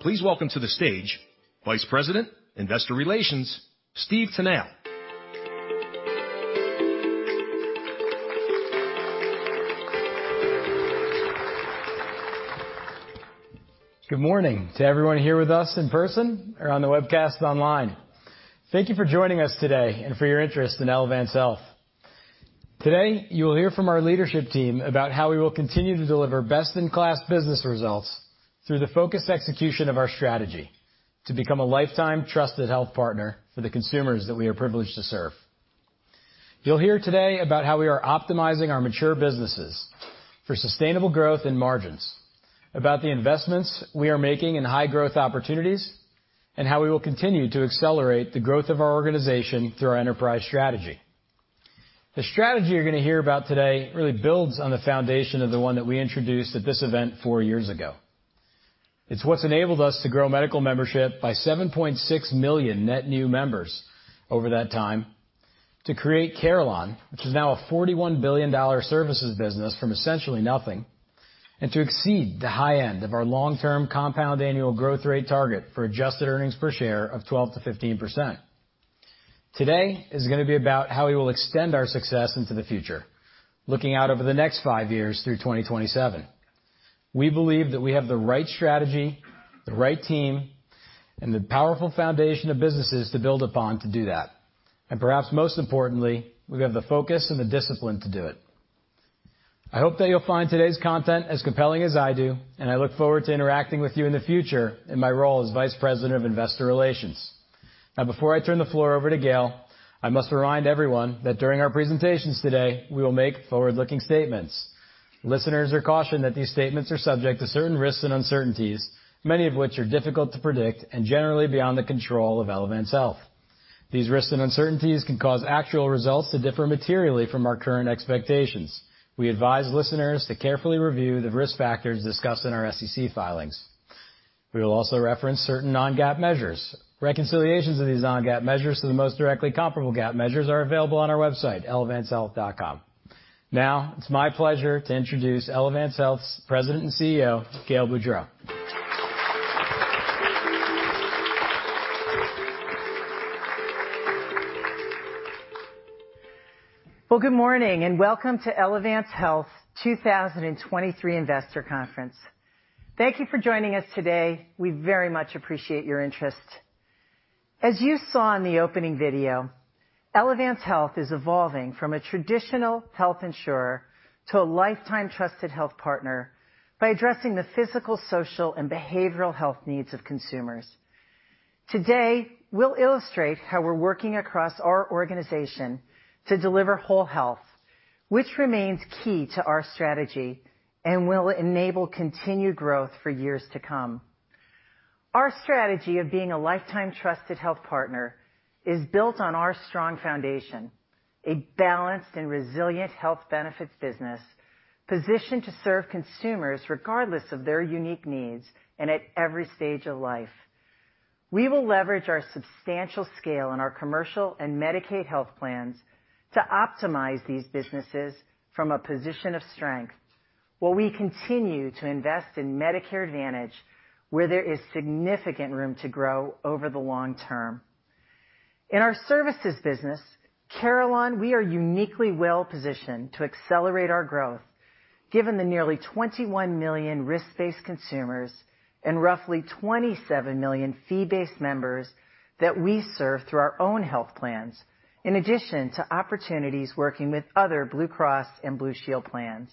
Please welcome to the stage Vice President, Investor Relations, Stephen Tanal. Good morning to everyone here with us in person or on the webcast online. Thank you for joining us today and for your interest in Elevance Health. Today, you will hear from our leadership team about how we will continue to deliver best-in-class business results through the focused execution of our strategy to become a lifetime trusted health partner for the consumers that we are privileged to serve. You'll hear today about how we are optimizing our mature businesses for sustainable growth and margins, about the investments we are making in high-growth opportunities, and how we will continue to accelerate the growth of our organization through our enterprise strategy. The strategy you're gonna hear about today really builds on the foundation of the one that we introduced at this event four years ago. It's what's enabled us to grow medical membership by 7.6 million net new members over that time to create Carelon, which is now a $41 billion services business from essentially nothing, and to exceed the high end of our long-term compound annual growth rate target for adjusted earnings per share of 12%-15%. Today is gonna be about how we will extend our success into the future, looking out over the next five years through 2027. We believe that we have the right strategy, the right team, and the powerful foundation of businesses to build upon to do that. Perhaps most importantly, we have the focus and the discipline to do it. I hope that you'll find today's content as compelling as I do, and I look forward to interacting with you in the future in my role as Vice President of Investor Relations. Before I turn the floor over to Gail, I must remind everyone that during our presentations today, we will make forward-looking statements. Listeners are cautioned that these statements are subject to certain risks and uncertainties, many of which are difficult to predict and generally beyond the control of Elevance Health. These risks and uncertainties can cause actual results to differ materially from our current expectations. We advise listeners to carefully review the risk factors discussed in our SEC filings. We will also reference certain non-GAAP measures. Reconciliations of these non-GAAP measures to the most directly comparable GAAP measures are available on our website, elevancehealth.com. It's my pleasure to introduce Elevance Health's President and CEO, Gail Boudreaux. Well, good morning, and welcome to Elevance Health 2023 Investor Conference. Thank you for joining us today. We very much appreciate your interest. As you saw in the opening video, Elevance Health is evolving from a traditional health insurer to a lifetime trusted health partner by addressing the physical, social, and behavioral health needs of consumers. Today, we'll illustrate how we're working across our organization to deliver whole health, which remains key to our strategy and will enable continued growth for years to come. Our strategy of being a lifetime trusted health partner is built on our strong foundation, a balanced and resilient health benefits business positioned to serve consumers regardless of their unique needs and at every stage of life. We will leverage our substantial scale in our commercial and Medicaid health plans to optimize these businesses from a position of strength, while we continue to invest in Medicare Advantage where there is significant room to grow over the long term. In our services business, Carelon, we are uniquely well-positioned to accelerate our growth given the nearly $21 million risk-based consumers and roughly $27 million fee-based members that we serve through our own health plans, in addition to opportunities working with other Blue Cross and Blue Shield plans.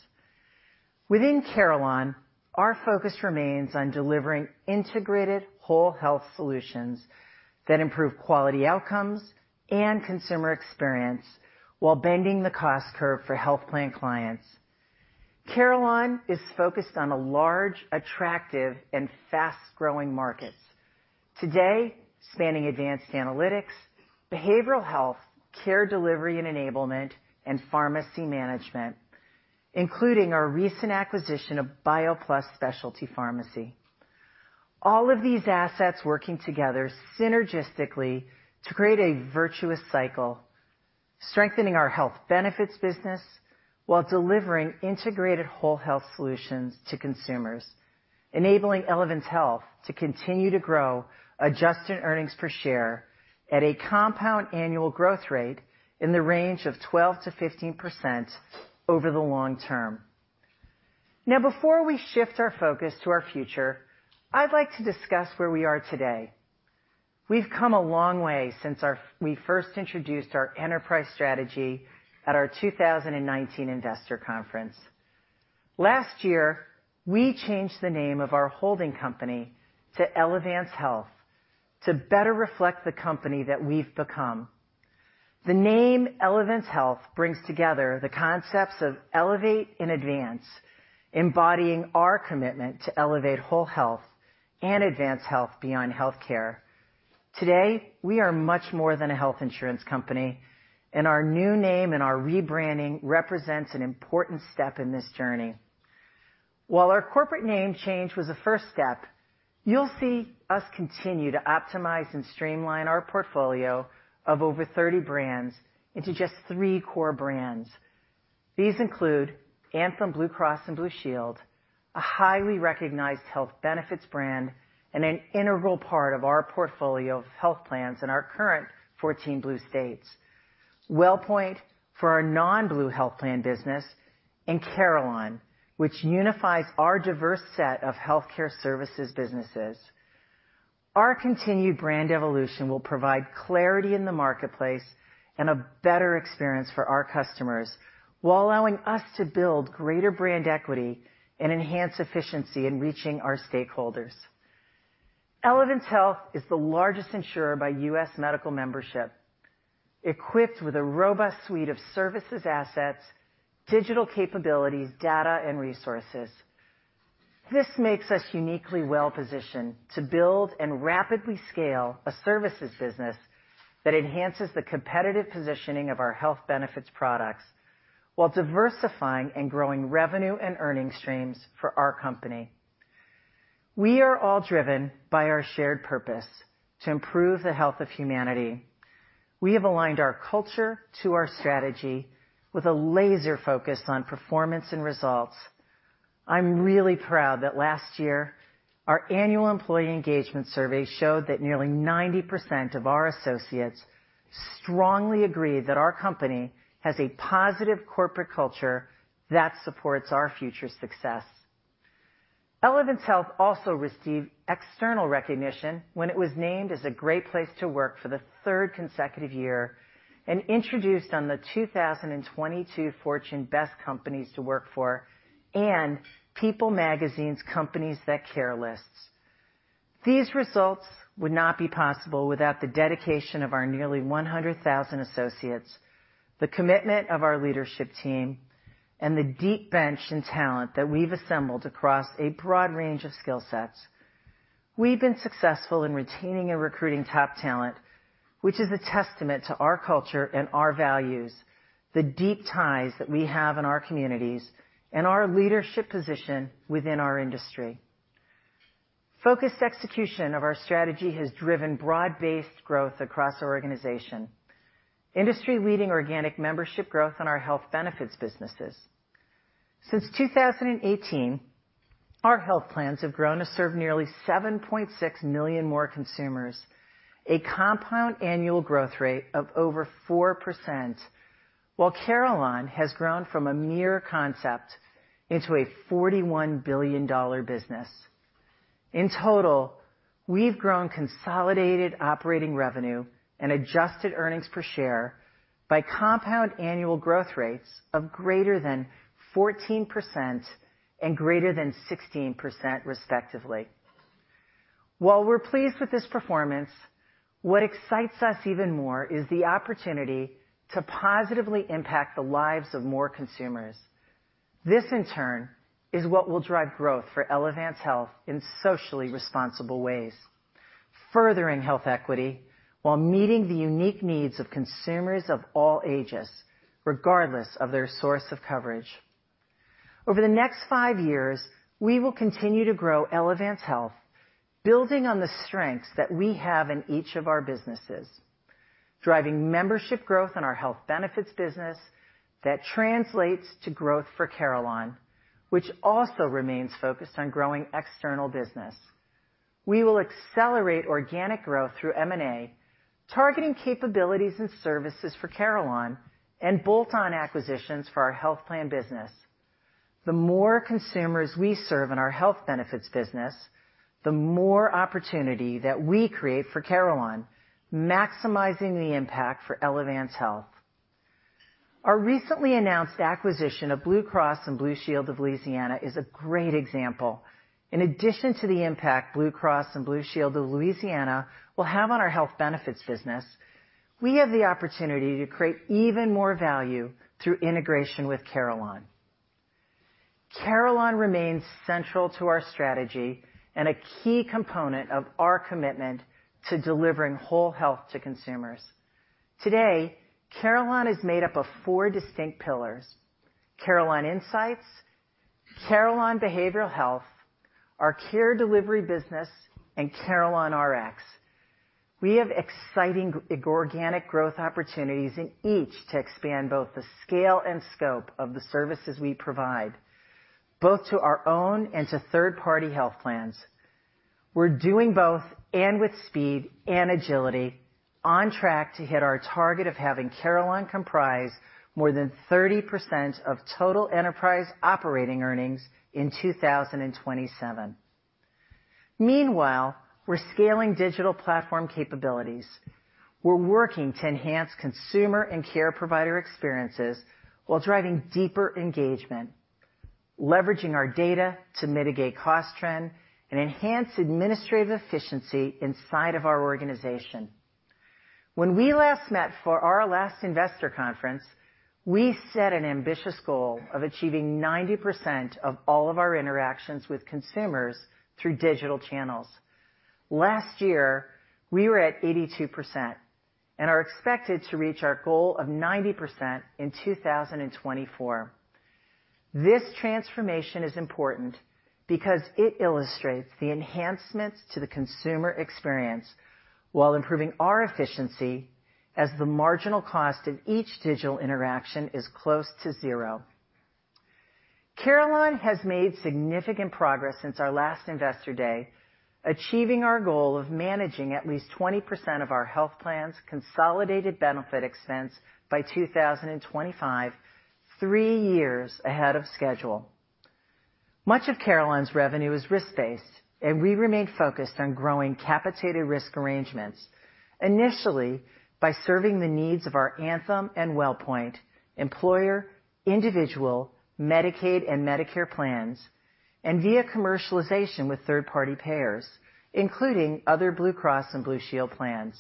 Within Carelon, our focus remains on delivering integrated whole health solutions that improve quality outcomes and consumer experience while bending the cost curve for health plan clients. Carelon is focused on a large, attractive, and fast-growing markets. Today, spanning advanced analytics, behavioral health, care delivery and enablement, and pharmacy management, including our recent acquisition of BioPlus Specialty Pharmacy. All of these assets working together synergistically to create a virtuous cycle, strengthening our health benefits business while delivering integrated whole health solutions to consumers, enabling Elevance Health to continue to grow adjusted earnings per share at a compound annual growth rate in the range of 12%-15% over the long term. Before we shift our focus to our future, I'd like to discuss where we are today. We've come a long way since we first introduced our enterprise strategy at our 2019 investor conference. Last year, we changed the name of our holding company to Elevance Health to better reflect the company that we've become. The name Elevance Health brings together the concepts of elevate and advance, embodying our commitment to elevate whole health and advance health beyond healthcare. Today, we are much more than a health insurance company. Our new name and our rebranding represents an important step in this journey. While our corporate name change was a first step, you'll see us continue to optimize and streamline our portfolio of over 30 brands into just 3 core brands. These include Anthem Blue Cross and Blue Shield, a highly recognized health benefits brand and an integral part of our portfolio of health plans in our current 14 blue states. Wellpoint for our non-blue health plan business, and Carelon, which unifies our diverse set of healthcare services businesses. Our continued brand evolution will provide clarity in the marketplace and a better experience for our customers while allowing us to build greater brand equity and enhance efficiency in reaching our stakeholders. Elevance Health is the largest insurer by U.S. medical membership, equipped with a robust suite of services assets, digital capabilities, data and resources. This makes us uniquely well-positioned to build and rapidly scale a services business that enhances the competitive positioning of our health benefits products while diversifying and growing revenue and earning streams for our company. We are all driven by our shared purpose to improve the health of humanity. We have aligned our culture to our strategy with a laser focus on performance and results. I'm really proud that last year, our annual employee engagement survey showed that nearly 90% of our associates strongly agree that our company has a positive corporate culture that supports our future success. Elevance Health also received external recognition when it was named as a great place to work for the third consecutive year and introduced on the 2022 Fortune Best Companies to Work For and People magazine's Companies That Care lists. These results would not be possible without the dedication of our nearly 100,000 associates, the commitment of our leadership team, and the deep bench and talent that we've assembled across a broad range of skill sets. We've been successful in retaining and recruiting top talent, which is a testament to our culture and our values, the deep ties that we have in our communities, and our leadership position within our industry. Focused execution of our strategy has driven broad-based growth across our organization. Industry-leading organic membership growth on our health benefits businesses. Since 2018, our health plans have grown to serve nearly 7.6 million more consumers, a compound annual growth rate of over 4%, while Carelon has grown from a mere concept into a $41 billion business. In total, we've grown consolidated operating revenue and adjusted earnings per share by compound annual growth rates of greater than 14% and greater than 16% respectively. While we're pleased with this performance, what excites us even more is the opportunity to positively impact the lives of more consumers. This, in turn, is what will drive growth for Elevance Health in socially responsible ways, furthering health equity while meeting the unique needs of consumers of all ages, regardless of their source of coverage. Over the next five years, we will continue to grow Elevance Health, building on the strengths that we have in each of our businesses, driving membership growth in our health benefits business that translates to growth for Carelon, which also remains focused on growing external business. We will accelerate organic growth through M&A, targeting capabilities and services for Carelon and bolt-on acquisitions for our health plan business. The more consumers we serve in our health benefits business, the more opportunity that we create for Carelon, maximizing the impact for Elevance Health. Our recently announced acquisition of Blue Cross and Blue Shield of Louisiana is a great example. In addition to the impact Blue Cross and Blue Shield of Louisiana will have on our health benefits business, we have the opportunity to create even more value through integration with Carelon. Carelon remains central to our strategy and a key component of our commitment to delivering whole health to consumers. Today, Carelon is made up of four distinct pillars. Carelon Insights, Carelon Behavioral Health, our care delivery business, and CarelonRx. We have exciting organic growth opportunities in each to expand both the scale and scope of the services we provide, both to our own and to third-party health plans. We're doing both, and with speed and agility, on track to hit our target of having Carelon comprise more than 30% of total enterprise operating earnings in 2027. Meanwhile, we're scaling digital platform capabilities. We're working to enhance consumer and care provider experiences while driving deeper engagement, leveraging our data to mitigate cost trend and enhance administrative efficiency inside of our organization. When we last met for our last investor conference, we set an ambitious goal of achieving 90% of all of our interactions with consumers through digital channels. Last year, we were at 82% and are expected to reach our goal of 90% in 2024. This transformation is important because it illustrates the enhancements to the consumer experience while improving our efficiency as the marginal cost of each digital interaction is close to zero. Carelon has made significant progress since our last investor day, achieving our goal of managing at least 20% of our health plans, consolidated benefit expense by 2025, three years ahead of schedule. Much of Carelon's revenue is risk-based. We remain focused on growing capitated risk arrangements, initially by serving the needs of our Anthem and Wellpoint employer, individual Medicaid and Medicare plans, and via commercialization with third-party payers, including other Blue Cross and Blue Shield plans.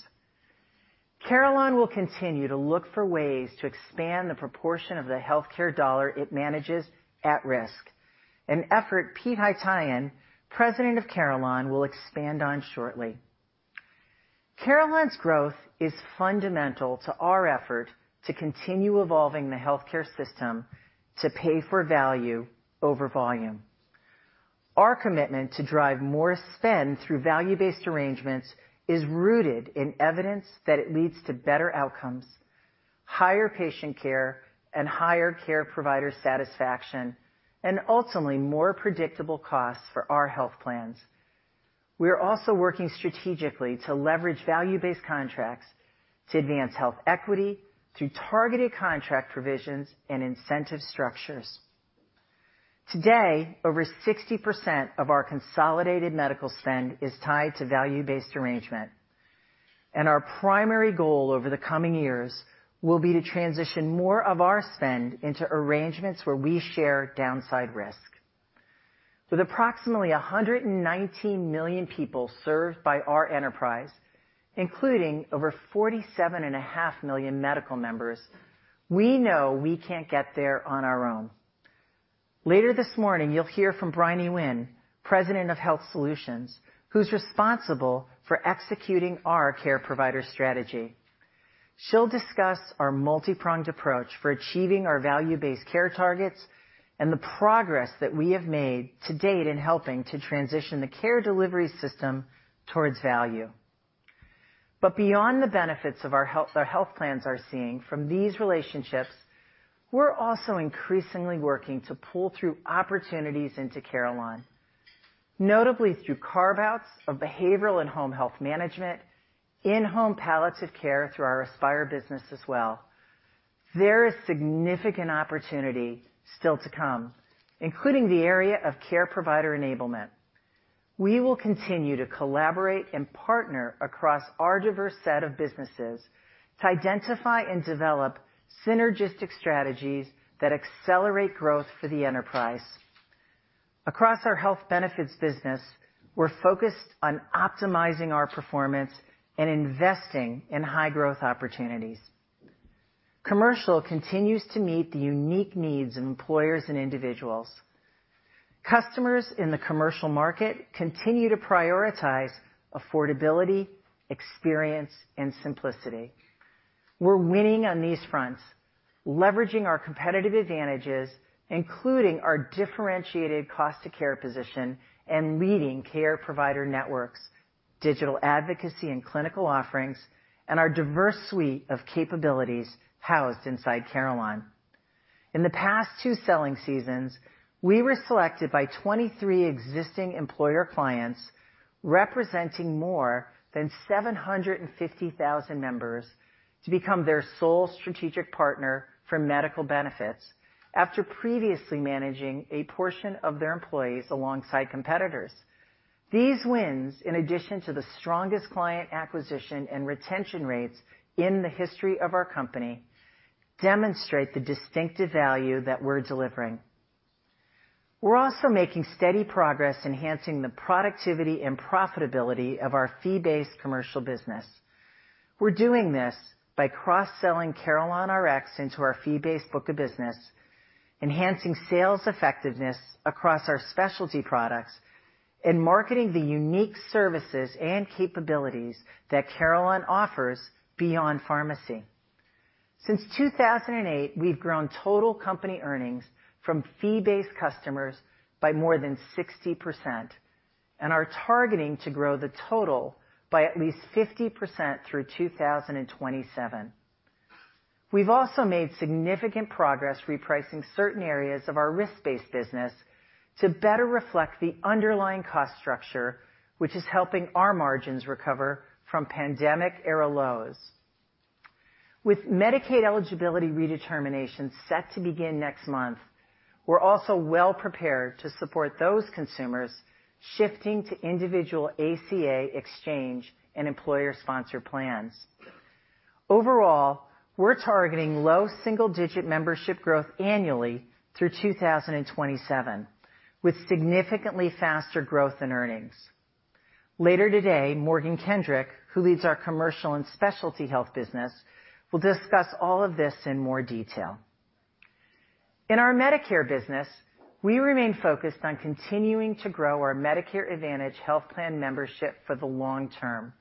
Carelon will continue to look for ways to expand the proportion of the healthcare dollar it manages at risk. An effort Peter Haytaian, President of Carelon, will expand on shortly. Carelon's growth is fundamental to our effort to continue evolving the healthcare system to pay for value over volume. Our commitment to drive more spend through value-based arrangements is rooted in evidence that it leads to better outcomes, higher patient care and higher care provider satisfaction, and ultimately more predictable costs for our health plans. We are also working strategically to leverage value-based contracts to advance health equity through targeted contract provisions and incentive structures. Today, over 60% of our consolidated medical spend is tied to value-based arrangement. Our primary goal over the coming years will be to transition more of our spend into arrangements where we share downside risk. With approximately 119 million people served by our enterprise, including over 47.5 million medical members, we know we can't get there on our own. Later this morning, you'll hear from Bryony Winn, President of Health Solutions, who's responsible for executing our care provider strategy. She'll discuss our multipronged approach for achieving our value-based care targets and the progress that we have made to date in helping to transition the care delivery system towards value. Beyond the benefits of our health, our health plans are seeing from these relationships, we're also increasingly working to pull through opportunities into Carelon, notably through carve-outs of behavioral and home health management, in-home palliative care through our Aspire business as well. There is significant opportunity still to come, including the area of care provider enablement. We will continue to collaborate and partner across our diverse set of businesses to identify and develop synergistic strategies that accelerate growth for the enterprise. Across our health benefits business, we're focused on optimizing our performance and investing in high growth opportunities. Commercial continues to meet the unique needs of employers and individuals. Customers in the commercial market continue to prioritize affordability, experience, and simplicity. We're winning on these fronts, leveraging our competitive advantages, including our differentiated cost to care position and leading care provider networks, digital advocacy and clinical offerings, and our diverse suite of capabilities housed inside Carelon. In the past 2 selling seasons, we were selected by 23 existing employer clients representing more than 750,000 members to become their sole strategic partner for medical benefits after previously managing a portion of their employees alongside competitors. These wins, in addition to the strongest client acquisition and retention rates in the history of our company, demonstrate the distinctive value that we're delivering. We're also making steady progress enhancing the productivity and profitability of our fee-based commercial business. We're doing this by cross-selling CarelonRx into our fee-based book of business, enhancing sales effectiveness across our specialty products, and marketing the unique services and capabilities that Carelon offers beyond pharmacy. Since 2008, we've grown total company earnings from fee-based customers by more than 60% and are targeting to grow the total by at least 50% through 2027. We've also made significant progress repricing certain areas of our risk-based business to better reflect the underlying cost structure, which is helping our margins recover from pandemic era lows. With Medicaid eligibility redetermination set to begin next month, we're also well prepared to support those consumers shifting to individual ACA exchange and employer-sponsored plans. Overall, we're targeting low single-digit membership growth annually through 2027, with significantly faster growth in earnings. Later today, Morgan Kendrick, who leads our Commercial and Specialty Health business, will discuss all of this in more detail. In our Medicare business. We remain focused on continuing to grow our Medicare Advantage health plan membership for the long term,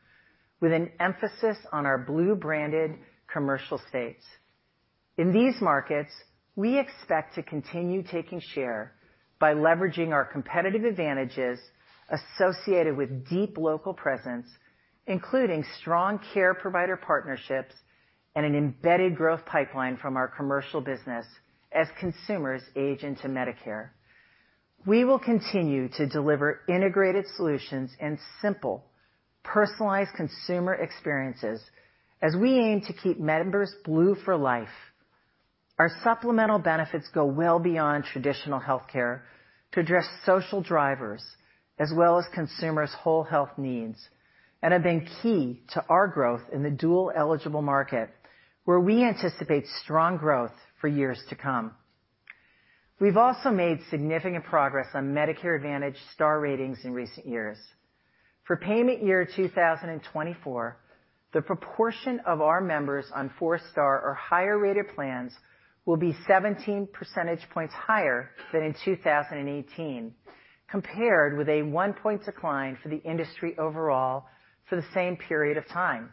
with an emphasis on our Blue-branded commercial states. In these markets, we expect to continue taking share by leveraging our competitive advantages associated with deep local presence, including strong care provider partnerships and an embedded growth pipeline from our commercial business as consumers age into Medicare. We will continue to deliver integrated solutions and simple, personalized consumer experiences as we aim to keep members Blue for life. Our supplemental benefits go well beyond traditional healthcare to address social drivers as well as consumers' whole health needs, and have been key to our growth in the dual-eligible market, where we anticipate strong growth for years to come. We've also made significant progress on Medicare Advantage Star Ratings in recent years. For payment year 2024, the proportion of our members on 4-star or higher-rated plans will be 17 percentage points higher than in 2018, compared with a 1-point decline for the industry overall for the same period of time.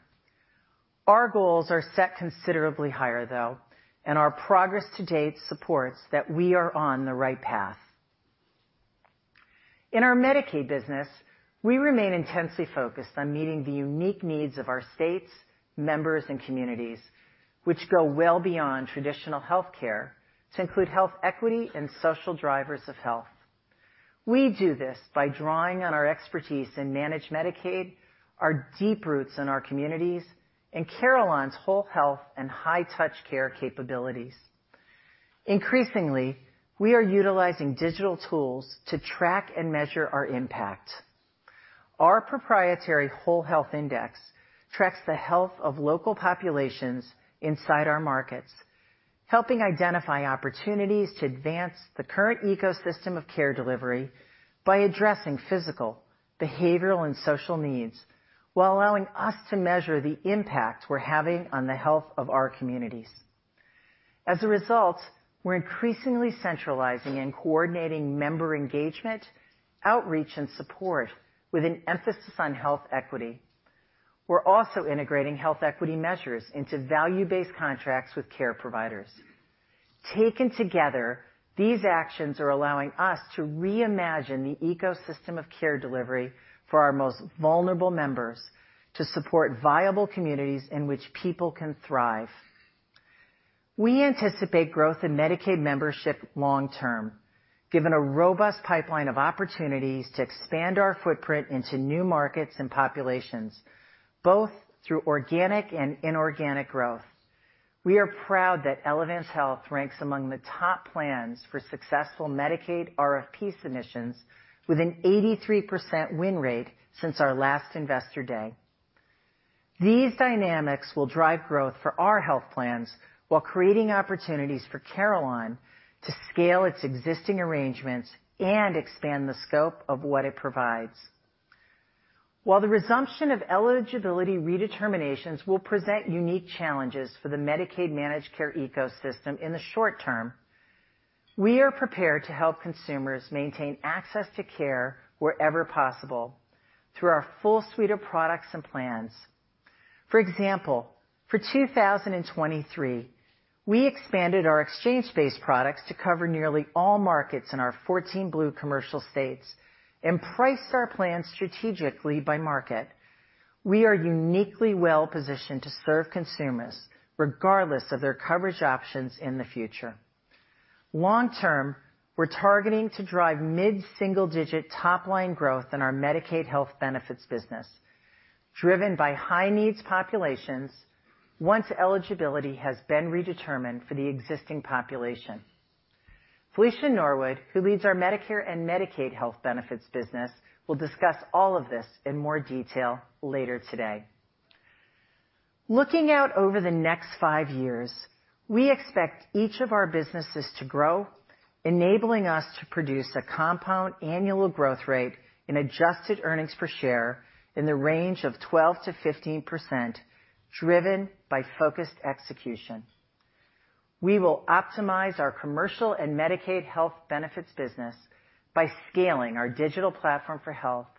Our goals are set considerably higher though, and our progress to date supports that we are on the right path. In our Medicaid business, we remain intensely focused on meeting the unique needs of our states, members, and communities, which go well beyond traditional healthcare to include health equity and social drivers of health. We do this by drawing on our expertise in managed Medicaid, our deep roots in our communities, and Carelon's whole health and high-touch care capabilities. Increasingly, we are utilizing digital tools to track and measure our impact. Our proprietary Whole Health Index tracks the health of local populations inside our markets, helping identify opportunities to advance the current ecosystem of care delivery by addressing physical, behavioral, and social needs while allowing us to measure the impact we're having on the health of our communities. As a result, we're increasingly centralizing and coordinating member engagement, outreach, and support with an emphasis on health equity. We're also integrating health equity measures into value-based contracts with care providers. Taken together, these actions are allowing us to reimagine the ecosystem of care delivery for our most vulnerable members to support viable communities in which people can thrive. We anticipate growth in Medicaid membership long term, given a robust pipeline of opportunities to expand our footprint into new markets and populations, both through organic and inorganic growth. We are proud that Elevance Health ranks among the top plans for successful Medicaid RFP submissions with an 83% win rate since our last Investor Day. These dynamics will drive growth for our health plans while creating opportunities for Carelon to scale its existing arrangements and expand the scope of what it provides. While the resumption of eligibility redeterminations will present unique challenges for the Medicaid managed care ecosystem in the short term, we are prepared to help consumers maintain access to care wherever possible through our full suite of products and plans. For example, for 2023, we expanded our exchange-based products to cover nearly all markets in our 14 Blue commercial states and priced our plans strategically by market. We are uniquely well-positioned to serve consumers regardless of their coverage options in the future. Long term, we're targeting to drive mid-single-digit top-line growth in our Medicaid health benefits business, driven by high-needs populations once eligibility has been redetermined for the existing population. Felicia Norwood, who leads our Medicare and Medicaid health benefits business, will discuss all of this in more detail later today. Looking out over the next five years, we expect each of our businesses to grow, enabling us to produce a compound annual growth rate in adjusted earnings per share in the range of 12%-15%, driven by focused execution. We will optimize our commercial and Medicaid health benefits business by scaling our digital platform for health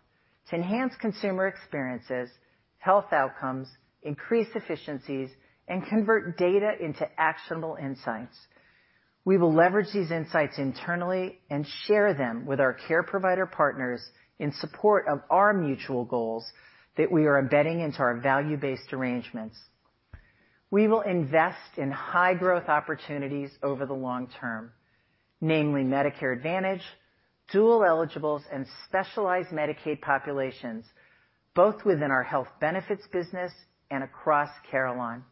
to enhance consumer experiences, health outcomes, increase efficiencies, and convert data into actionable insights. We will leverage these insights internally and share them with our care provider partners in support of our mutual goals that we are embedding into our value-based arrangements. We will invest in high-growth opportunities over the long term, namely Medicare Advantage, dual-eligibles, and specialized Medicaid populations, both within our health benefits business and across Carelon.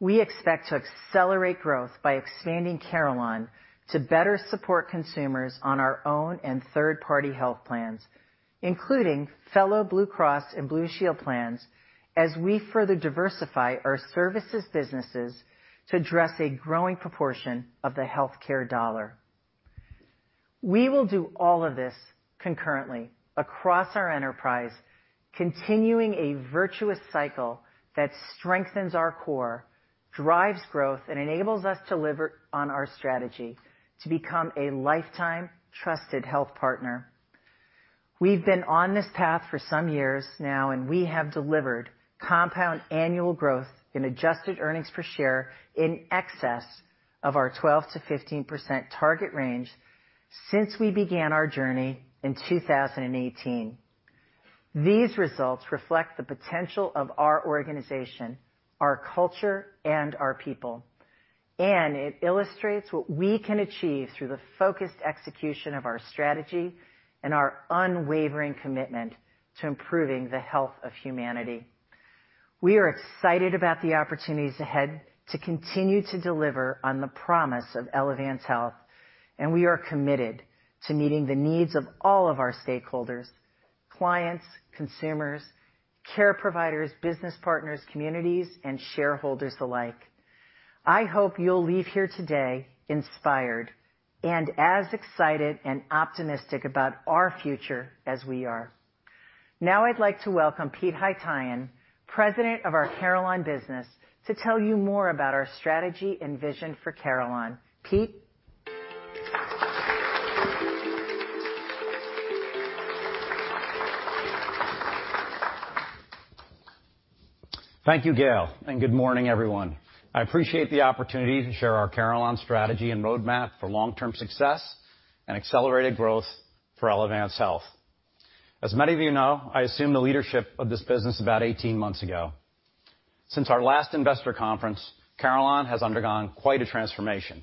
We expect to accelerate growth by expanding Carelon to better support consumers on our own and third-party health plans, including fellow Blue Cross and Blue Shield plans, as we further diversify our services businesses to address a growing proportion of the healthcare dollar. We will do all of this concurrently across our enterprise, continuing a virtuous cycle that strengthens our core, drives growth, and enables us to deliver on our strategy to become a lifetime trusted health partner. We've been on this path for some years now, and we have delivered compound annual growth in adjusted earnings per share in excess of our 12%-15% target range since we began our journey in 2018. These results reflect the potential of our organization, our culture, and our people. It illustrates what we can achieve through the focused execution of our strategy and our unwavering commitment to improving the health of humanity. We are excited about the opportunities ahead to continue to deliver on the promise of Elevance Health, and we are committed to meeting the needs of all of our stakeholders, clients, consumers, care providers, business partners, communities, and shareholders alike. I hope you'll leave here today inspired and as excited and optimistic about our future as we are. Now I'd like to welcome Pete Haytaian, President of our Carelon business, to tell you more about our strategy and vision for Carelon. Pete? Thank you, Gail. Good morning, everyone. I appreciate the opportunity to share our Carelon strategy and roadmap for long-term success and accelerated growth for Elevance Health. As many of you know, I assumed the leadership of this business about 18 months ago. Since our last investor conference, Carelon has undergone quite a transformation.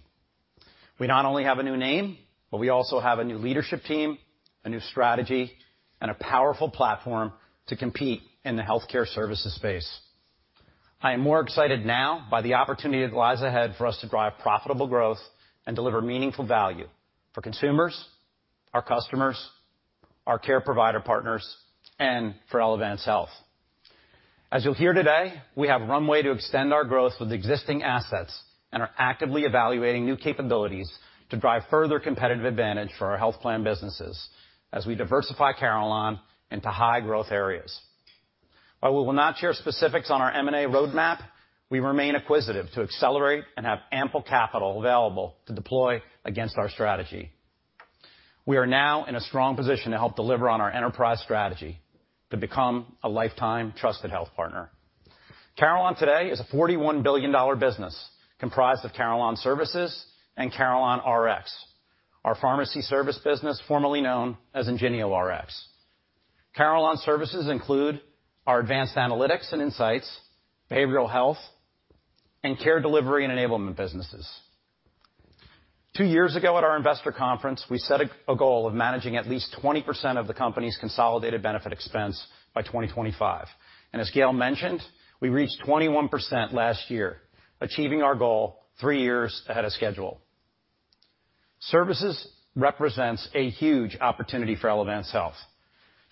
We not only have a new name, but we also have a new leadership team, a new strategy, and a powerful platform to compete in the healthcare services space. I am more excited now by the opportunity that lies ahead for us to drive profitable growth and deliver meaningful value for consumers, our customers, our care provider partners, and for Elevance Health. As you'll hear today, we have runway to extend our growth with existing assets and are actively evaluating new capabilities to drive further competitive advantage for our health plan businesses as we diversify Carelon into high-growth areas. While we will not share specifics on our M&A roadmap, we remain acquisitive to accelerate and have ample capital available to deploy against our strategy. We are now in a strong position to help deliver on our enterprise strategy to become a lifetime trusted health partner. Carelon today is a $41 billion business comprised of Carelon Services and CarelonRx, our pharmacy service business formerly known as IngenioRx. Carelon Services include our advanced analytics and insights, behavioral health, and care delivery and enablement businesses. Two years ago at our investor conference, we set a goal of managing at least 20% of the company's consolidated benefit expense by 2025. As Gail mentioned, we reached 21% last year, achieving our goal three years ahead of schedule. Services represents a huge opportunity for Elevance Health.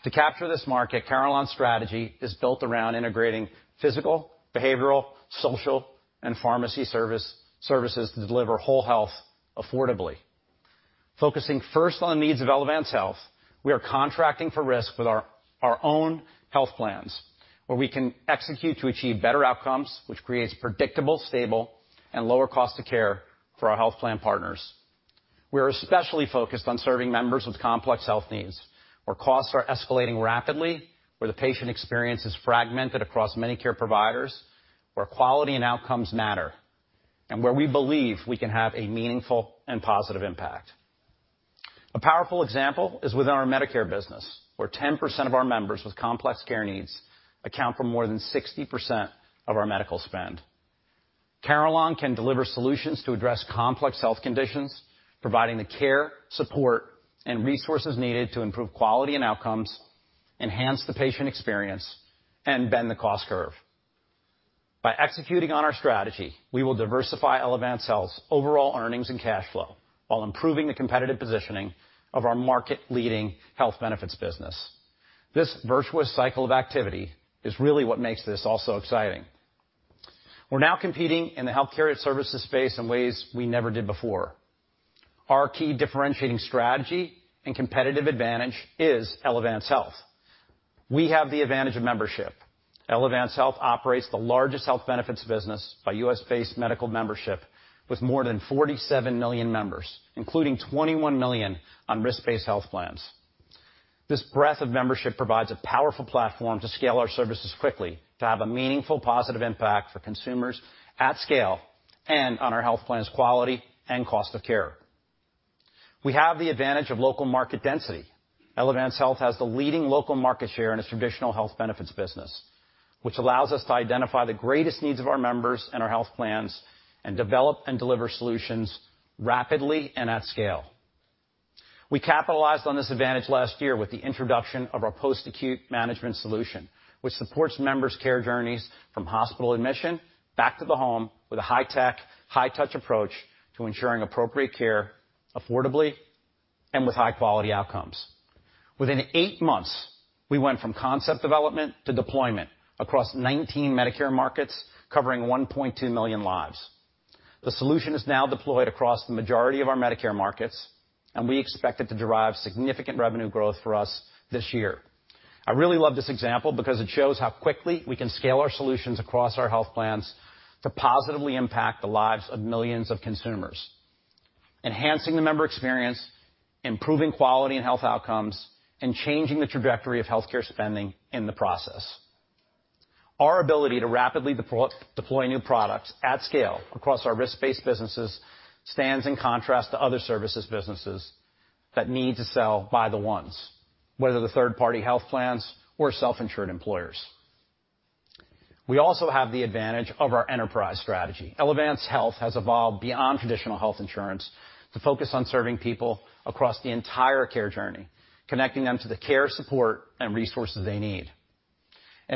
To capture this market, Carelon's strategy is built around integrating physical, behavioral, social, and pharmacy services to deliver whole health affordably. Focusing first on the needs of Elevance Health, we are contracting for risk with our own health plans, where we can execute to achieve better outcomes, which creates predictable, stable, and lower cost of care for our health plan partners. We are especially focused on serving members with complex health needs, where costs are escalating rapidly, where the patient experience is fragmented across many care providers, where quality and outcomes matter, and where we believe we can have a meaningful and positive impact. A powerful example is within our Medicare business, where 10% of our members with complex care needs account for more than 60% of our medical spend. Carelon can deliver solutions to address complex health conditions, providing the care, support, and resources needed to improve quality and outcomes, enhance the patient experience, and bend the cost curve. By executing on our strategy, we will diversify Elevance Health's overall earnings and cash flow while improving the competitive positioning of our market-leading health benefits business. This virtuous cycle of activity is really what makes this all so exciting. We're now competing in the healthcare services space in ways we never did before. Our key differentiating strategy and competitive advantage is Elevance Health. We have the advantage of membership. Elevance Health operates the largest health benefits business by U.S.-based medical membership with more than 47 million members, including 21 million on risk-based health plans. This breadth of membership provides a powerful platform to scale our services quickly, to have a meaningful, positive impact for consumers at scale, and on our health plan's quality and cost of care. We have the advantage of local market density. Elevance Health has the leading local market share in its traditional health benefits business, which allows us to identify the greatest needs of our members and our health plans and develop and deliver solutions rapidly and at scale. We capitalized on this advantage last year with the introduction of our post-acute management solution, which supports members' care journeys from hospital admission back to the home with a high-tech, high-touch approach to ensuring appropriate care affordably and with high-quality outcomes. Within eight months, we went from concept development to deployment across 19 Medicare markets covering 1.2 million lives. The solution is now deployed across the majority of our Medicare markets, and we expect it to derive significant revenue growth for us this year. I really love this example because it shows how quickly we can scale our solutions across our health plans to positively impact the lives of millions of consumers, enhancing the member experience, improving quality and health outcomes, and changing the trajectory of healthcare spending in the process. Our ability to rapidly deploy new products at scale across our risk-based businesses stands in contrast to other services businesses that need to sell by the ones, whether they're third-party health plans or self-insured employers. We also have the advantage of our enterprise strategy. Elevance Health has evolved beyond traditional health insurance to focus on serving people across the entire care journey, connecting them to the care, support, and resources they need.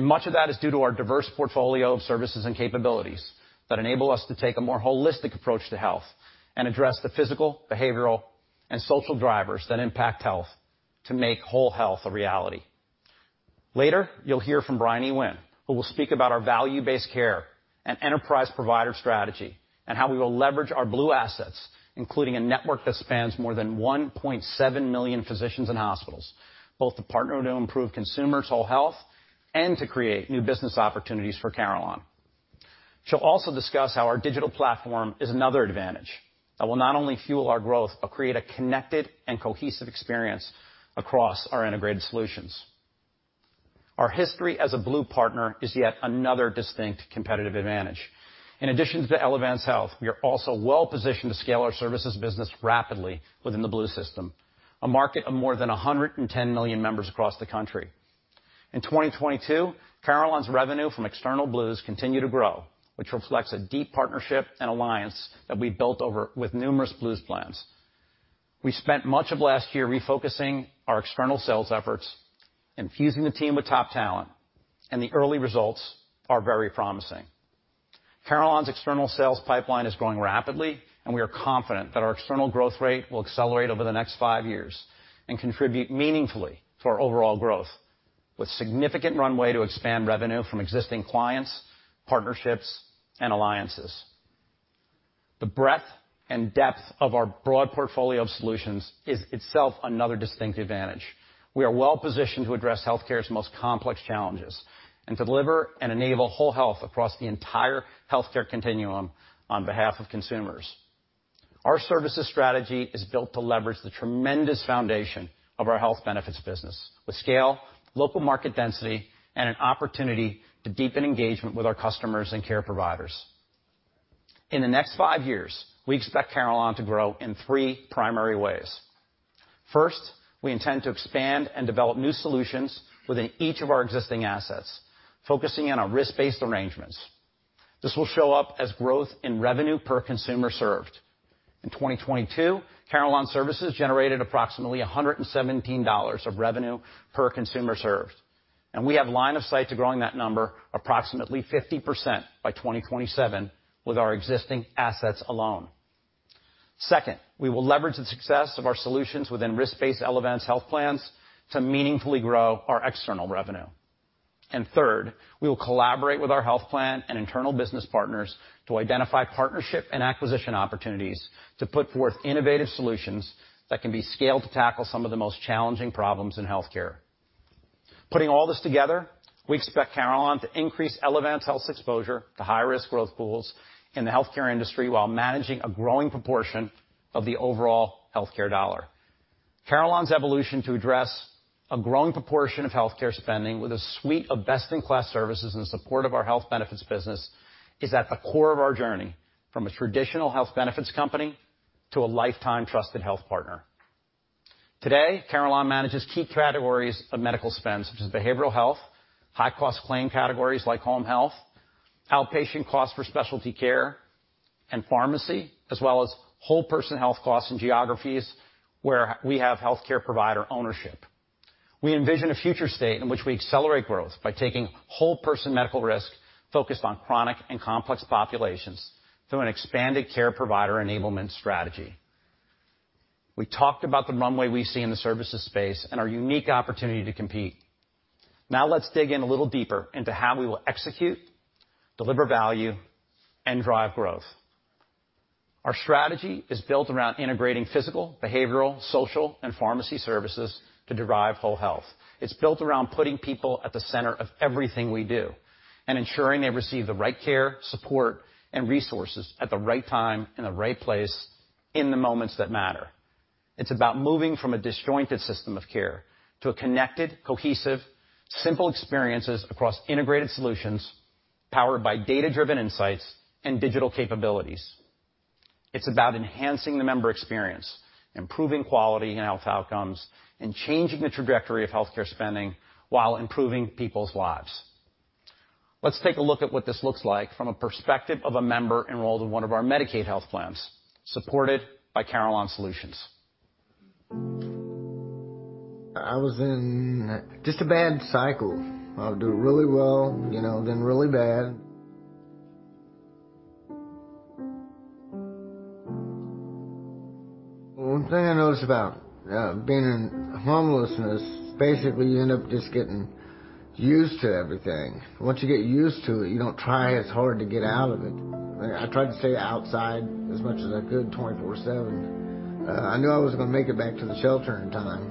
Much of that is due to our diverse portfolio of services and capabilities that enable us to take a more holistic approach to health and address the physical, behavioral, and social drivers that impact health to make whole health a reality. Later, you'll hear from Bryony Winn, who will speak about our value-based care and enterprise provider strategy and how we will leverage our Blue assets, including a network that spans more than 1.7 million physicians and hospitals, both to partner to improve consumers' whole health and to create new business opportunities for Carelon. She'll also discuss how our digital platform is another advantage that will not only fuel our growth, but create a connected and cohesive experience across our integrated solutions. Our history as a Blue partner is yet another distinct competitive advantage. In addition to Elevance Health, we are also well-positioned to scale our services business rapidly within the Blue system, a market of more than 110 million members across the country. In 2022, Carelon's revenue from external Blues continued to grow, which reflects a deep partnership and alliance that we built over with numerous Blues plans. We spent much of last year refocusing our external sales efforts, infusing the team with top talent, and the early results are very promising. Carelon's external sales pipeline is growing rapidly, and we are confident that our external growth rate will accelerate over the next 5 years and contribute meaningfully to our overall growth with significant runway to expand revenue from existing clients, partnerships, and alliances. The breadth and depth of our broad portfolio of solutions is itself another distinct advantage. We are well-positioned to address healthcare's most complex challenges and to deliver and enable whole health across the entire healthcare continuum on behalf of consumers. Our services strategy is built to leverage the tremendous foundation of our health benefits business with scale, local market density, and an opportunity to deepen engagement with our customers and care providers. In the next five years, we expect Carelon to grow in three primary ways. First, we intend to expand and develop new solutions within each of our existing assets, focusing on our risk-based arrangements. This will show up as growth in revenue per consumer served. In 2022, Carelon Services generated approximately $117 of revenue per consumer served, and we have line of sight to growing that number approximately 50% by 2027 with our existing assets alone. Second, we will leverage the success of our solutions within risk-based Elevance Health plans to meaningfully grow our external revenue. Third, we will collaborate with our health plan and internal business partners to identify partnership and acquisition opportunities to put forth innovative solutions that can be scaled to tackle some of the most challenging problems in healthcare. Putting all this together, we expect Carelon to increase Elevance Health's exposure to high-risk growth pools in the healthcare industry while managing a growing proportion of the overall healthcare dollar. Carelon's evolution to address a growing proportion of healthcare spending with a suite of best-in-class services in support of our health benefits business is at the core of our journey from a traditional health benefits company to a lifetime trusted health partner. Today, Carelon manages key categories of medical spend, such as behavioral health, high-cost claim categories like home health, outpatient costs for specialty care and pharmacy, as well as whole person health costs in geographies where we have healthcare provider ownership. We envision a future state in which we accelerate growth by taking whole person medical risk focused on chronic and complex populations through an expanded care provider enablement strategy. We talked about the runway we see in the services space and our unique opportunity to compete. Let's dig in a little deeper into how we will execute, deliver value, and drive growth. Our strategy is built around integrating physical, behavioral, social, and pharmacy services to derive whole health. It's built around putting people at the center of everything we do and ensuring they receive the right care, support, and resources at the right time, in the right place, in the moments that matter. It's about moving from a disjointed system of care to a connected, cohesive, simple experiences across integrated solutions powered by data-driven insights and digital capabilities. It's about enhancing the member experience, improving quality and health outcomes, and changing the trajectory of healthcare spending while improving people's lives. Let's take a look at what this looks like from a perspective of a member enrolled in one of our Medicaid health plans supported by Carelon solutions. I was in just a bad cycle. I would do really well, you know, then really bad. One thing I notice about being in homelessness, basically, you end up just getting used to everything. Once you get used to it, you don't try as hard to get out of it. I tried to stay outside as much as I could, 24/7. I knew I wasn't gonna make it back to the shelter in time,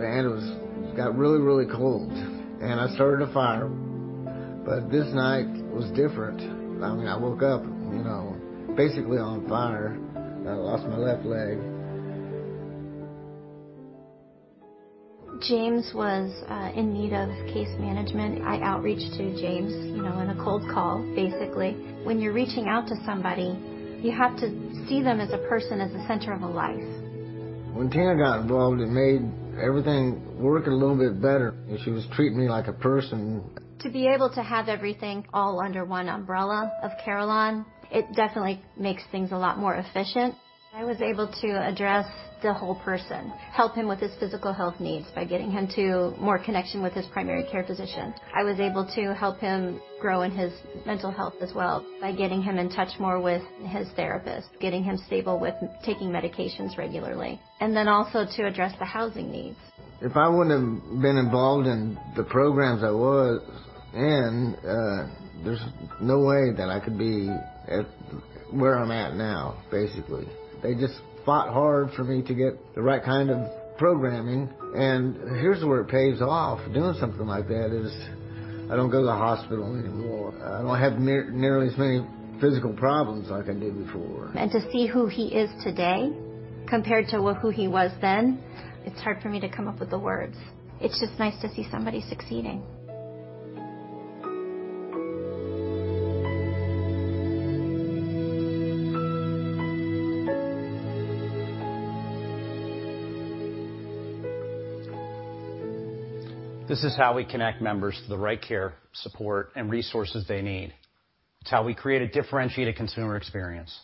and it got really, really cold, and I started a fire. This night was different. I mean, I woke up, you know, basically on fire. I lost my left leg. James was in need of case management. I outreached to James, you know, in a cold call, basically. When you're reaching out to somebody, you have to see them as a person, as the center of a life. When Tina got involved, it made everything work a little bit better. She was treating me like a person. To be able to have everything all under one umbrella of Carelon, it definitely makes things a lot more efficient. I was able to address the whole person, help him with his physical health needs by getting him to more connection with his primary care physician. I was able to help him grow in his mental health as well by getting him in touch more with his therapist, getting him stable with taking medications regularly, and then also to address the housing needs. If I wouldn't have been involved in the programs I was in, there's no way that I could be at where I'm at now, basically. They just fought hard for me to get the right kind of programming. Here's where it pays off doing something like that is I don't go to the hospital anymore. I don't have nearly as many physical problems like I did before. To see who he is today compared to who he was then, it's hard for me to come up with the words. It's just nice to see somebody succeeding. This is how we connect members to the right care, support, and resources they need. It's how we create a differentiated consumer experience,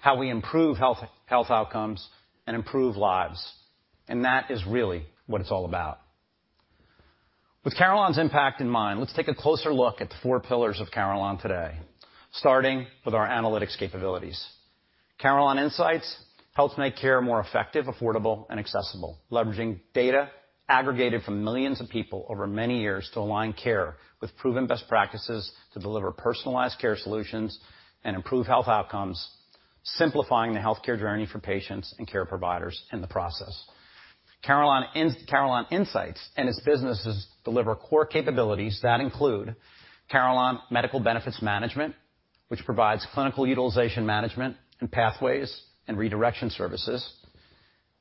how we improve health outcomes, and improve lives. That is really what it's all about. With Carelon's impact in mind, let's take a closer look at the four pillars of Carelon today, starting with our analytics capabilities. Carelon Insights helps make care more effective, affordable, and accessible, leveraging data aggregated from millions of people over many years to align care with proven best practices to deliver personalized care solutions and improve health outcomes, simplifying the healthcare journey for patients and care providers in the process. Carelon Insights and its businesses deliver core capabilities that include Carelon Medical Benefits Management, which provides clinical utilization management and pathways and redirection services.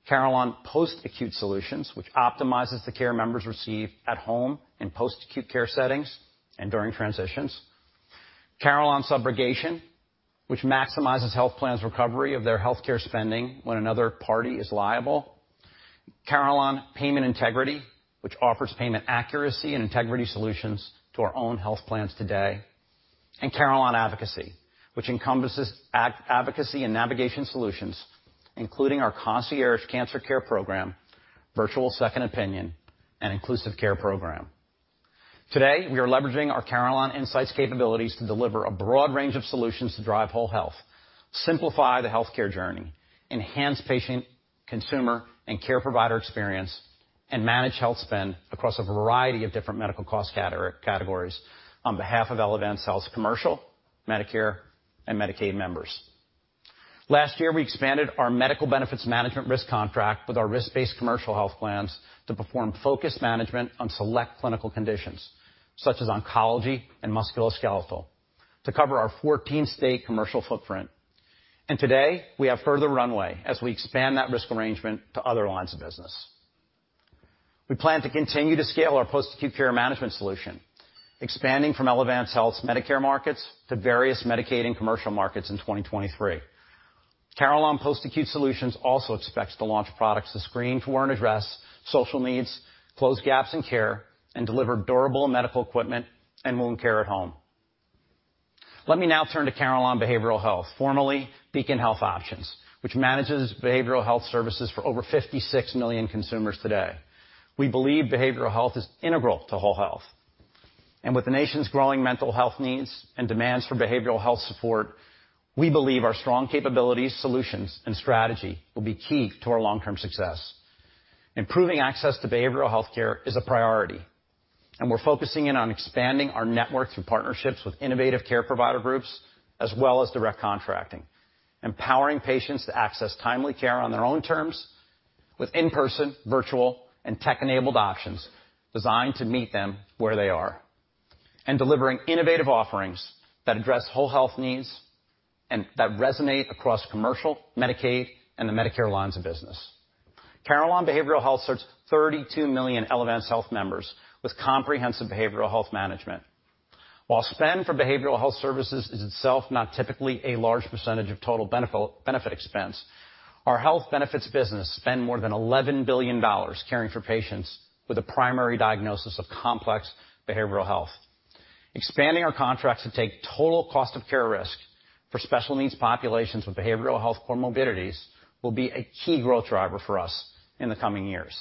Carelon Post Acute Solutions, which optimizes the care members receive at home in post-acute care settings and during transitions. Carelon Subrogation, which maximizes health plans' recovery of their healthcare spending when another party is liable. Carelon Payment Integrity, which offers payment accuracy and integrity solutions to our own health plans today. Carelon Advocacy, which encompasses advocacy and navigation solutions, including our concierge cancer care program, virtual second opinion, and inclusive care program. Today, we are leveraging our Carelon Insights capabilities to deliver a broad range of solutions to drive whole health, simplify the healthcare journey, enhance patient, consumer, and care provider experience, and manage health spend across a variety of different medical cost categories on behalf of Elevance Health's commercial, Medicare, and Medicaid members. Last year, we expanded our medical benefits management risk contract with our risk-based commercial health plans to perform focused management on select clinical conditions, such as oncology and musculoskeletal, to cover our 14-state commercial footprint. Today, we have further runway as we expand that risk arrangement to other lines of business. We plan to continue to scale our post-acute care management solution, expanding from Elevance Health's Medicare markets to various Medicaid and commercial markets in 2023. Carelon Post Acute Solutions also expects to launch products to screen for and address social needs, close gaps in care, and deliver Durable Medical Equipment and wound care at home. Let me now turn to Carelon Behavioral Health, formerly Beacon Health Options, which manages behavioral health services for over 56 million consumers today. We believe behavioral health is integral to whole health. With the nation's growing mental health needs and demands for behavioral health support, we believe our strong capabilities, solutions, and strategy will be key to our long-term success. Improving access to behavioral health care is a priority, we're focusing in on expanding our network through partnerships with innovative care provider groups as well as direct contracting. Empowering patients to access timely care on their own terms with in-person, virtual, and tech-enabled options designed to meet them where they are. Delivering innovative offerings that address whole health needs and that resonate across commercial, Medicaid, and the Medicare lines of business. Carelon Behavioral Health serves 32 million Elevance Health members with comprehensive behavioral health management. While spend for behavioral health services is itself not typically a large percentage of total benefit expense, our health benefits business spend more than $11 billion caring for patients with a primary diagnosis of complex behavioral health. Expanding our contracts to take total cost of care risk for special needs populations with behavioral health comorbidities will be a key growth driver for us in the coming years.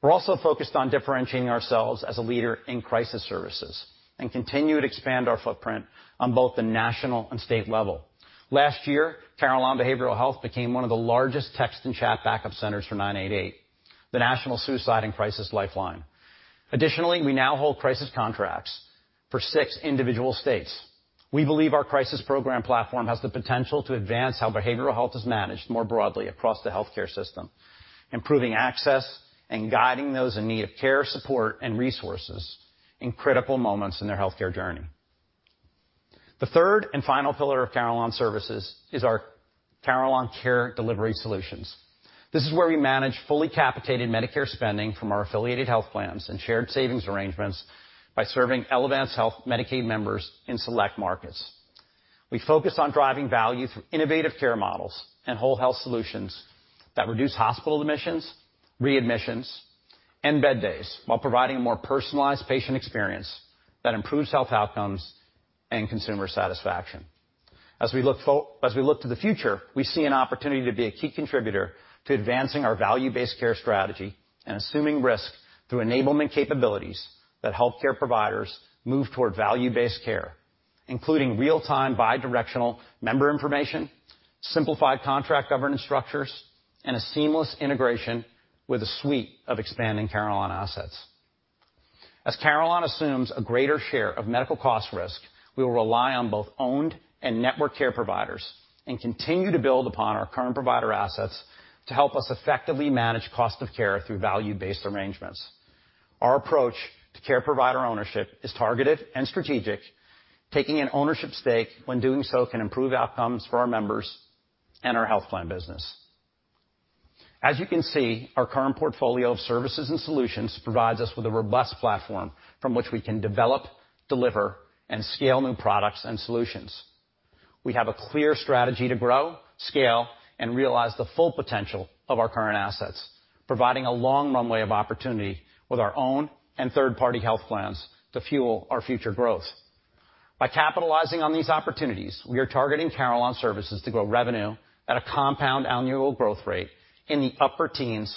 We're also focused on differentiating ourselves as a leader in crisis services and continue to expand our footprint on both the national and state level. Last year, Carelon Behavioral Health became one of the largest text and chat backup centers for 988, the National Suicide and Crisis Lifeline. Additionally, we now hold crisis contracts for six individual states. We believe our crisis program platform has the potential to advance how behavioral health is managed more broadly across the healthcare system, improving access and guiding those in need of care, support, and resources in critical moments in their healthcare journey. The third and final pillar of Carelon Services is our Carelon care delivery solutions. This is where we manage fully capitated Medicare spending from our affiliated health plans and shared savings arrangements by serving Elevance Health Medicaid members in select markets. We focus on driving value through innovative care models and whole health solutions that reduce hospital admissions, readmissions, and bed days, while providing a more personalized patient experience that improves health outcomes and consumer satisfaction. As we look to the future, we see an opportunity to be a key contributor to advancing our value-based care strategy and assuming risk through enablement capabilities that help care providers move toward value-based care, including real-time bi-directional member information, simplified contract governance structures, and a seamless integration with a suite of expanding Carelon assets. As Carelon assumes a greater share of medical cost risk, we will rely on both owned and network care providers and continue to build upon our current provider assets to help us effectively manage cost of care through value-based arrangements. Our approach to care provider ownership is targeted and strategic, taking an ownership stake when doing so can improve outcomes for our members and our health plan business. As you can see, our current portfolio of services and solutions provides us with a robust platform from which we can develop, deliver, and scale new products and solutions. We have a clear strategy to grow, scale, and realize the full potential of our current assets, providing a long runway of opportunity with our own and third-party health plans to fuel our future growth. By capitalizing on these opportunities, we are targeting Carelon Services to grow revenue at a compound annual growth rate in the upper teens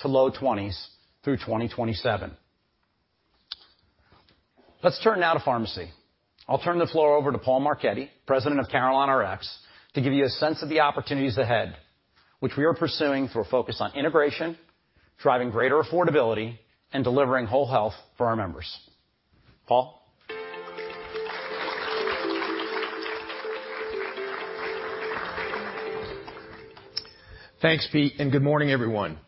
to low 20s through 2027. Let's turn now to pharmacy. I'll turn the floor over to Paul Marchetti, President of CarelonRx, to give you a sense of the opportunities ahead, which we are pursuing through a focus on integration, driving greater affordability, and delivering whole health for our members. Paul? Thanks, Pete, and good morning, everyone.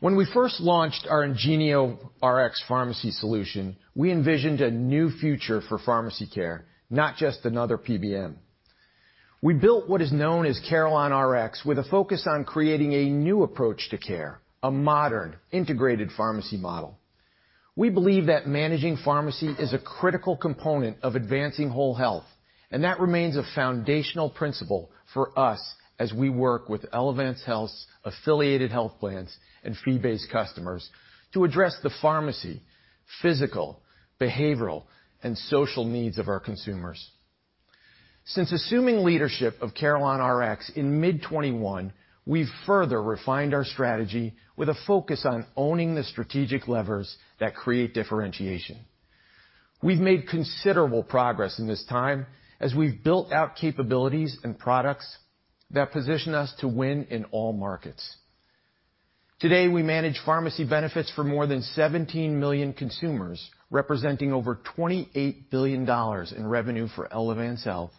When we first launched our IngenioRx pharmacy solution, we envisioned a new future for pharmacy care, not just another PBM. We built what is known as CarelonRx with a focus on creating a new approach to care, a modern, integrated pharmacy model. We believe that managing pharmacy is a critical component of advancing whole health, and that remains a foundational principle for us as we work with Elevance Health's affiliated health plans and fee-based customers to address the pharmacy, physical, behavioral, and social needs of our consumers. Since assuming leadership of CarelonRx in mid 2021, we've further refined our strategy with a focus on owning the strategic levers that create differentiation. We've made considerable progress in this time as we've built out capabilities and products that position us to win in all markets. Today, we manage pharmacy benefits for more than 17 million consumers, representing over $28 billion in revenue for Elevance Health,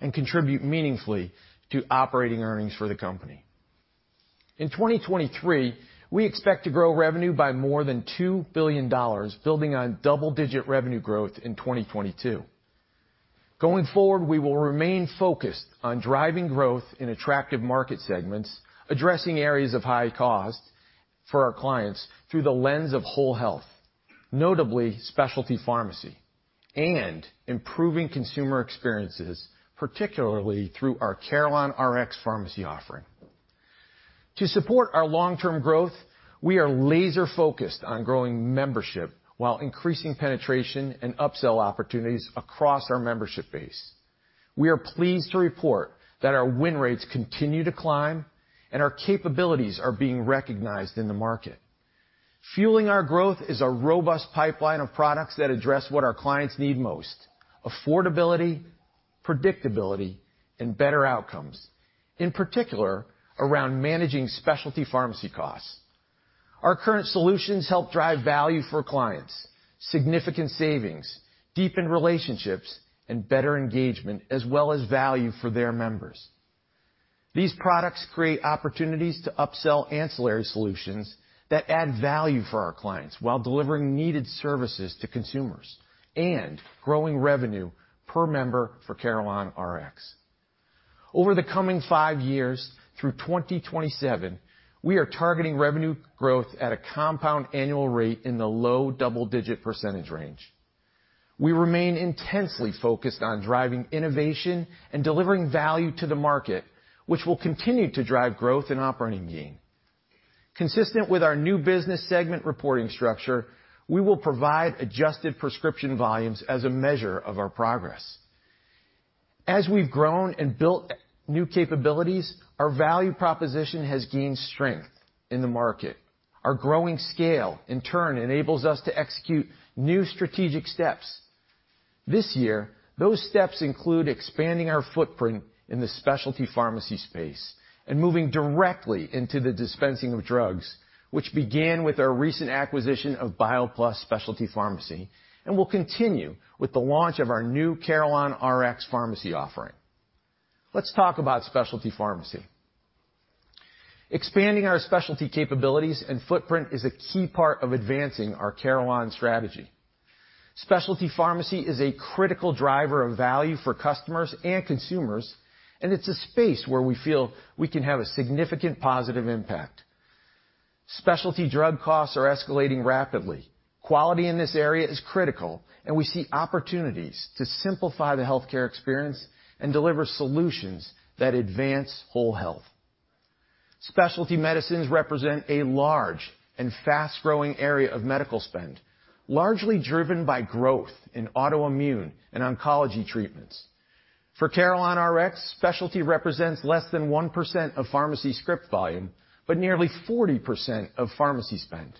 and contribute meaningfully to operating earnings for the company. In 2023, we expect to grow revenue by more than $2 billion, building on double-digit revenue growth in 2022. Going forward, we will remain focused on driving growth in attractive market segments, addressing areas of high cost for our clients through the lens of whole health, notably specialty pharmacy, and improving consumer experiences, particularly through our CarelonRx pharmacy offering. To support our long-term growth, we are laser-focused on growing membership while increasing penetration and upsell opportunities across our membership base. We are pleased to report that our win rates continue to climb, and our capabilities are being recognized in the market. Fueling our growth is a robust pipeline of products that address what our clients need most, affordability, predictability, and better outcomes, in particular, around managing specialty pharmacy costs. Our current solutions help drive value for clients, significant savings, deepened relationships, and better engagement, as well as value for their members. These products create opportunities to upsell ancillary solutions that add value for our clients while delivering needed services to consumers and growing revenue per member for CarelonRx. Over the coming five years through 2027, we are targeting revenue growth at a compound annual rate in the low double-digit % range. We remain intensely focused on driving innovation and delivering value to the market, which will continue to drive growth and operating gain. Consistent with our new business segment reporting structure, we will provide adjusted prescription volumes as a measure of our progress. As we've grown and built new capabilities, our value proposition has gained strength in the market. Our growing scale, in turn, enables us to execute new strategic steps. This year, those steps include expanding our footprint in the specialty pharmacy space and moving directly into the dispensing of drugs, which began with our recent acquisition of BioPlus Specialty Pharmacy and will continue with the launch of our new CarelonRx pharmacy offering. Let's talk about specialty pharmacy. Expanding our specialty capabilities and footprint is a key part of advancing our Carelon strategy. Specialty pharmacy is a critical driver of value for customers and consumers, and it's a space where we feel we can have a significant positive impact. Specialty drug costs are escalating rapidly. Quality in this area is critical, and we see opportunities to simplify the healthcare experience and deliver solutions that advance whole health. Specialty medicines represent a large and fast-growing area of medical spend, largely driven by growth in autoimmune and oncology treatments. For CarelonRx, specialty represents less than 1% of pharmacy script volume, but nearly 40% of pharmacy spend.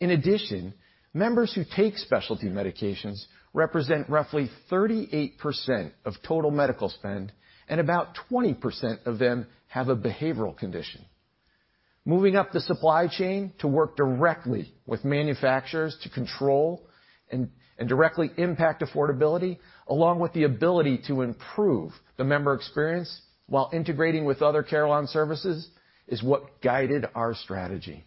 In addition, members who take specialty medications represent roughly 38% of total medical spend, and about 20% of them have a behavioral condition. Moving up the supply chain to work directly with manufacturers to control and directly impact affordability, along with the ability to improve the member experience while integrating with other Carelon Services, is what guided our strategy.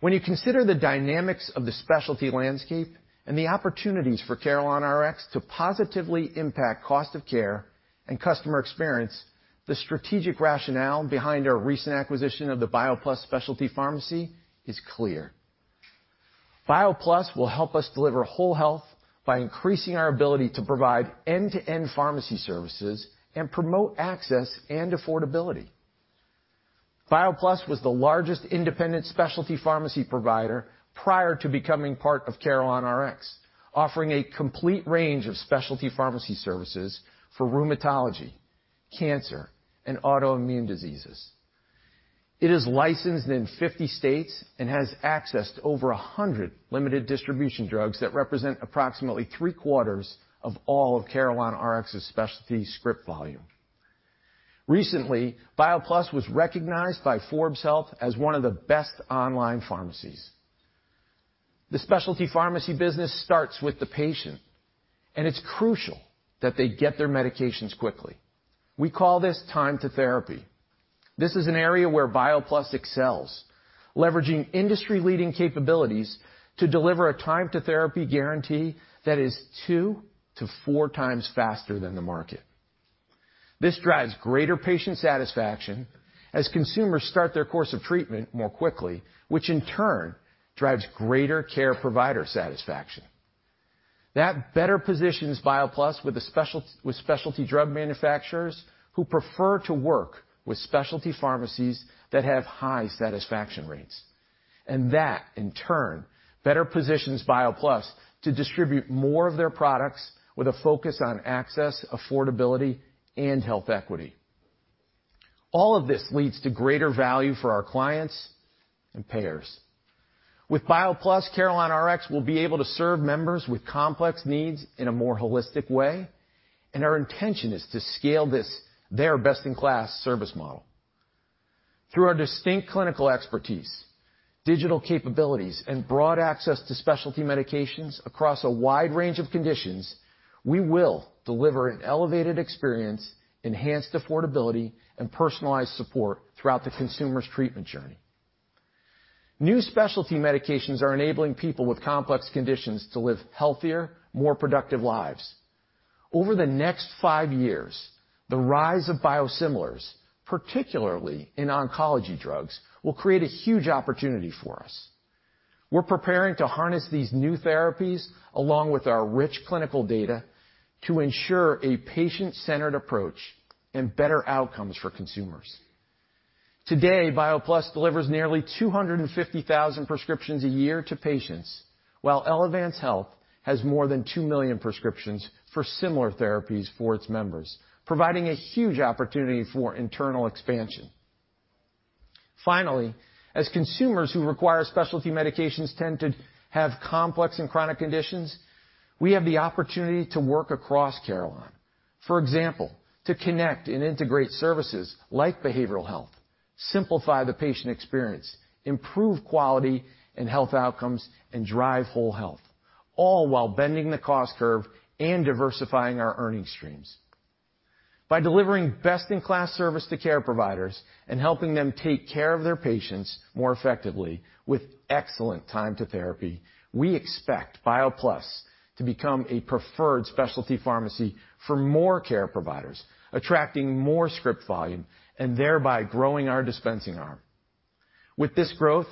When you consider the dynamics of the specialty landscape and the opportunities for CarelonRx to positively impact cost of care and customer experience, the strategic rationale behind our recent acquisition of the BioPlus Specialty Pharmacy is clear. BioPlus will help us deliver whole health by increasing our ability to provide end-to-end pharmacy services and promote access and affordability. BioPlus was the largest independent specialty pharmacy provider prior to becoming part of CarelonRx, offering a complete range of specialty pharmacy services for rheumatology, cancer, and autoimmune diseases. It is licensed in 50 states and has access to over 100 limited distribution drugs that represent approximately 3/4 of all of CarelonRx's specialty script volume. Recently, BioPlus was recognized by Forbes Health as one of the best online pharmacies. The specialty pharmacy business starts with the patient, and it's crucial that they get their medications quickly. We call this time to therapy. This is an area where BioPlus excels, leveraging industry leading capabilities to deliver a time to therapy guarantee that is two to four times faster than the market. This drives greater patient satisfaction as consumers start their course of treatment more quickly, which in turn drives greater care provider satisfaction. That better positions BioPlus with specialty drug manufacturers who prefer to work with specialty pharmacies that have high satisfaction rates. That, in turn, better positions BioPlus to distribute more of their products with a focus on access, affordability, and health equity. All of this leads to greater value for our clients and payers. With BioPlus, CarelonRx will be able to serve members with complex needs in a more holistic way, and our intention is to scale this, their best-in-class service model. Through our distinct clinical expertise, digital capabilities, and broad access to specialty medications across a wide range of conditions, we will deliver an elevated experience, enhanced affordability, and personalized support throughout the consumer's treatment journey. New specialty medications are enabling people with complex conditions to live healthier, more productive lives. Over the next five years, the rise of biosimilars, particularly in oncology drugs, will create a huge opportunity for us. We're preparing to harness these new therapies along with our rich clinical data to ensure a patient-centered approach and better outcomes for consumers. Today, BioPlus delivers nearly 250,000 prescriptions a year to patients, while Elevance Health has more than 2 million prescriptions for similar therapies for its members, providing a huge opportunity for internal expansion. Finally, as consumers who require specialty medications tend to have complex and chronic conditions, we have the opportunity to work across Carelon. For example, to connect and integrate services like behavioral health, simplify the patient experience, improve quality and health outcomes, and drive whole health, all while bending the cost curve and diversifying our earning streams. By delivering best-in-class service to care providers and helping them take care of their patients more effectively with excellent time to therapy, we expect BioPlus to become a preferred specialty pharmacy for more care providers, attracting more script volume and thereby growing our dispensing arm. With this growth,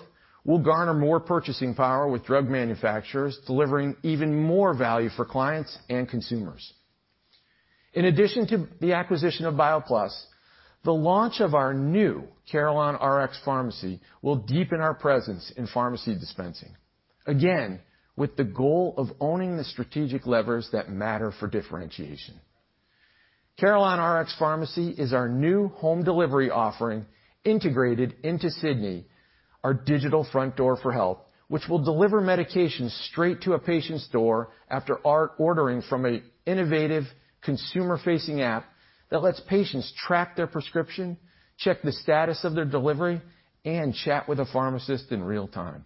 we'll garner more purchasing power with drug manufacturers, delivering even more value for clients and consumers. In addition to the acquisition of BioPlus, the launch of our new CarelonRx Pharmacy will deepen our presence in pharmacy dispensing. Again, with the goal of owning the strategic levers that matter for differentiation. CarelonRx Pharmacy is our new home delivery offering integrated into Sydney, our digital front door for health, which will deliver medications straight to a patient's door after ordering from an innovative consumer-facing app that lets patients track their prescription, check the status of their delivery, and chat with a pharmacist in real time.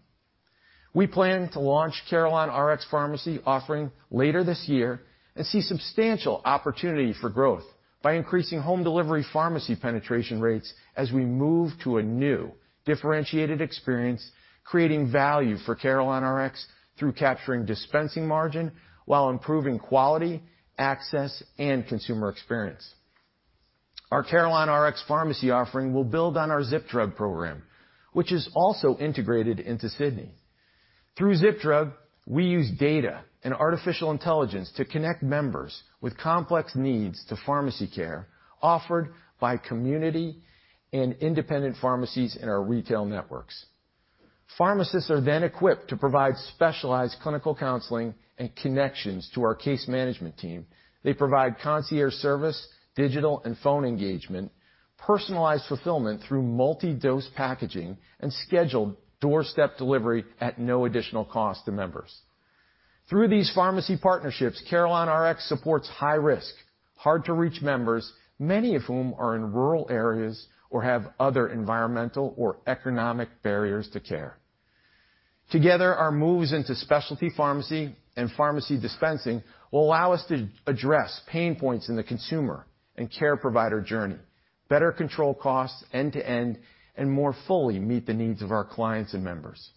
We plan to launch CarelonRx Pharmacy offering later this year and see substantial opportunity for growth by increasing home delivery pharmacy penetration rates as we move to a new differentiated experience, creating value for CarelonRx through capturing dispensing margin while improving quality, access, and consumer experience. Our CarelonRx Pharmacy offering will build on our ZipDrug program, which is also integrated into Sydney. Through ZipDrug, we use data and artificial intelligence to connect members with complex needs to pharmacy care offered by community and independent pharmacies in our retail networks. Pharmacists are equipped to provide specialized clinical counseling and connections to our case management team. They provide concierge service, digital and phone engagement, personalized fulfillment through multi-dose packaging, and scheduled doorstep delivery at no additional cost to members. Through these pharmacy partnerships, CarelonRx supports high-risk, hard-to-reach members, many of whom are in rural areas or have other environmental or economic barriers to care. Together, our moves into specialty pharmacy and pharmacy dispensing will allow us to address pain points in the consumer and care provider journey, better control costs end to end, and more fully meet the needs of our clients and members.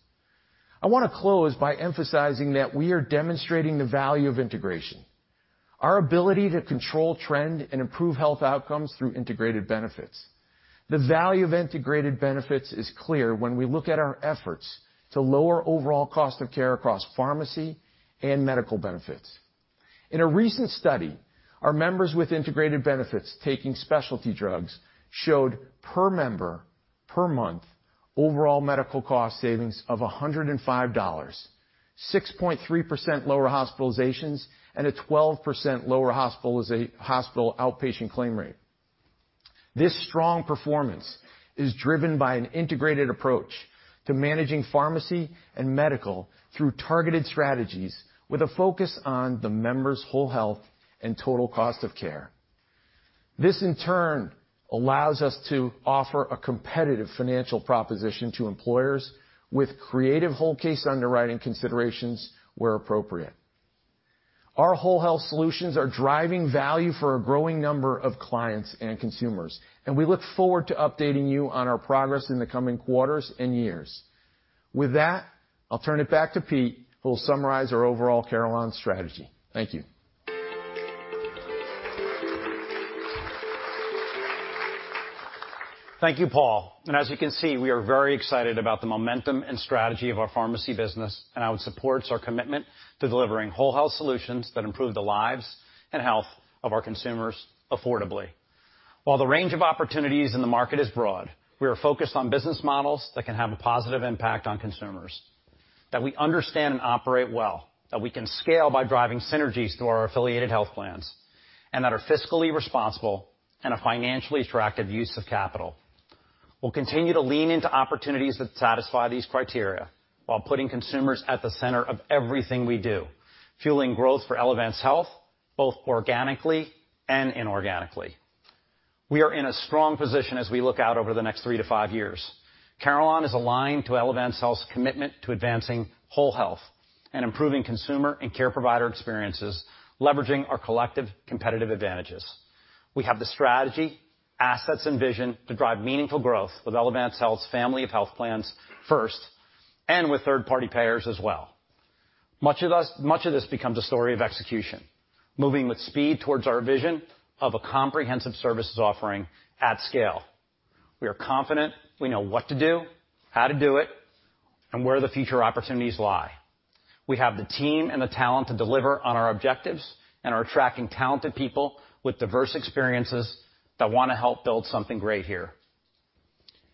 I wanna close by emphasizing that we are demonstrating the value of integration. Our ability to control trend and improve health outcomes through integrated benefits. The value of integrated benefits is clear when we look at our efforts to lower overall cost of care across pharmacy and medical benefits. In a recent study, our members with integrated benefits taking specialty drugs showed per member, per month, overall medical cost savings of $105, 6.3% lower hospitalizations, and a 12% lower hospital outpatient claim rate. This strong performance is driven by an integrated approach to managing pharmacy and medical through targeted strategies with a focus on the member's whole health and total cost of care. This, in turn, allows us to offer a competitive financial proposition to employers with creative whole case underwriting considerations where appropriate. Our whole health solutions are driving value for a growing number of clients and consumers. We look forward to updating you on our progress in the coming quarters and years. With that, I'll turn it back to Pete, who will summarize our overall Carelon strategy. Thank you. Thank you, Paul. As you can see, we are very excited about the momentum and strategy of our pharmacy business, and how it supports our commitment to delivering whole health solutions that improve the lives and health of our consumers affordably. While the range of opportunities in the market is broad, we are focused on business models that can have a positive impact on consumers, that we understand and operate well, that we can scale by driving synergies through our affiliated health plans, and that are fiscally responsible and a financially attractive use of capital. We'll continue to lean into opportunities that satisfy these criteria while putting consumers at the center of everything we do, fueling growth for Elevance Health, both organically and inorganically. We are in a strong position as we look out over the next three to five years. Carelon is aligned to Elevance Health's commitment to advancing whole health and improving consumer and care provider experiences, leveraging our collective competitive advantages. We have the strategy, assets, and vision to drive meaningful growth with Elevance Health's family of health plans first, and with third-party payers as well. Much of this becomes a story of execution, moving with speed towards our vision of a comprehensive services offering at scale. We are confident we know what to do, how to do it, and where the future opportunities lie. We have the team and the talent to deliver on our objectives and are attracting talented people with diverse experiences that wanna help build something great here.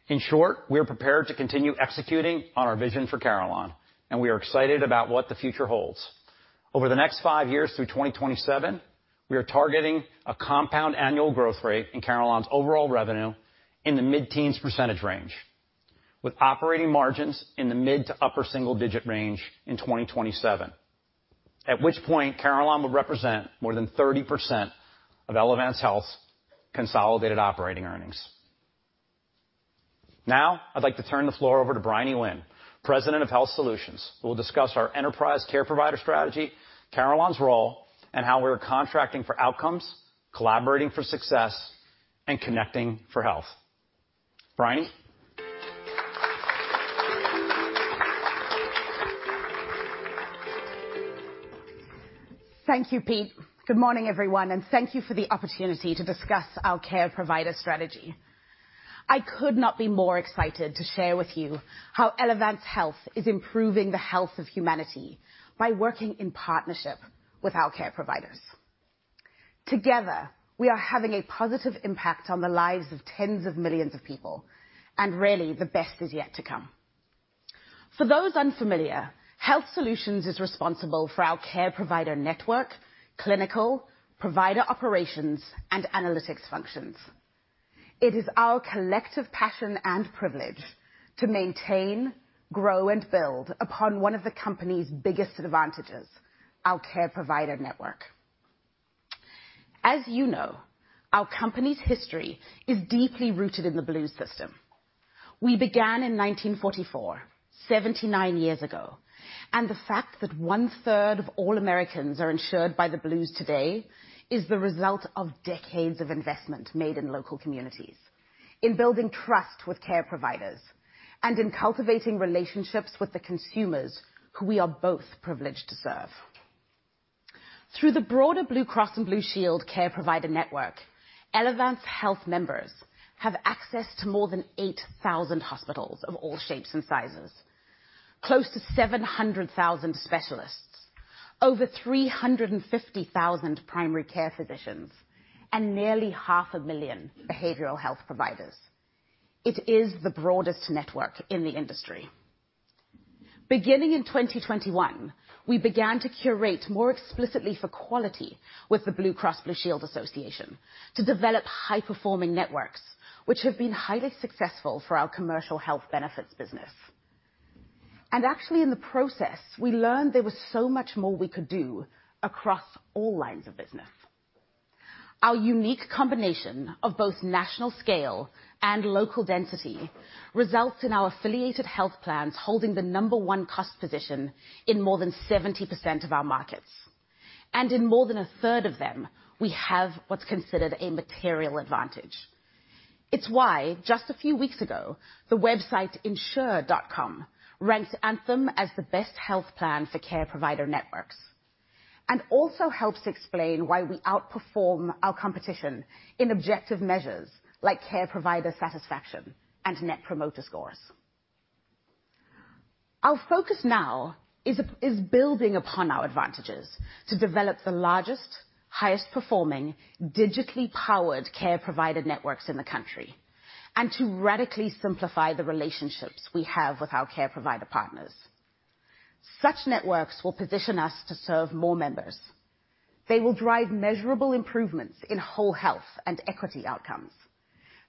In short, we are prepared to continue executing on our vision for Carelon, and we are excited about what the future holds. Over the next 5 years through 2027, we are targeting a compound annual growth rate in Carelon's overall revenue in the mid-teens % range, with operating margins in the mid to upper single-digit range in 2027. At which point, Carelon will represent more than 30% of Elevance Health's consolidated operating earnings. Now I'd like to turn the floor over to Bryony Winn, President of Health Solutions, who will discuss our enterprise care provider strategy, Carelon's role, and how we're contracting for outcomes, collaborating for success, and connecting for health. Bryony? Thank you, Pete. Good morning, everyone, and thank you for the opportunity to discuss our care provider strategy. I could not be more excited to share with you how Elevance Health is improving the health of humanity by working in partnership with our care providers. Together, we are having a positive impact on the lives of tens of millions of people, and really, the best is yet to come. For those unfamiliar, Health Solutions is responsible for our care provider network, clinical, provider operations, and analytics functions. It is our collective passion and privilege to maintain, grow, and build upon one of the company's biggest advantages, our care provider network. As you know, our company's history is deeply rooted in the Blues system. We began in 1944, 79 years ago, and the fact that one-third of all Americans are insured by the Blues today is the result of decades of investment made in local communities, in building trust with care providers, and in cultivating relationships with the consumers who we are both privileged to serve. Through the broader Blue Cross and Blue Shield care provider network, Elevance Health members have access to more than 8,000 hospitals of all shapes and sizes, close to 700,000 specialists, over 350,000 primary care physicians, and nearly half a million behavioral health providers. It is the broadest network in the industry. Beginning in 2021, we began to curate more explicitly for quality with the Blue Cross Blue Shield Association to develop high-performing networks, which have been highly successful for our commercial health benefits business. Actually, in the process, we learned there was so much more we could do across all lines of business. Our unique combination of both national scale and local density results in our affiliated health plans holding the number one cost position in more than 70% of our markets. In more than a third of them, we have what's considered a material advantage. It's why, just a few weeks ago, the website insure.com ranked Anthem as the best health plan for care provider networks, and also helps explain why we outperform our competition in objective measures like care provider satisfaction and Net Promoter Scores. Our focus now is building upon our advantages to develop the largest, highest performing, digitally powered care provider networks in the country, and to radically simplify the relationships we have with our care provider partners. Such networks will position us to serve more members. They will drive measurable improvements in whole health and equity outcomes.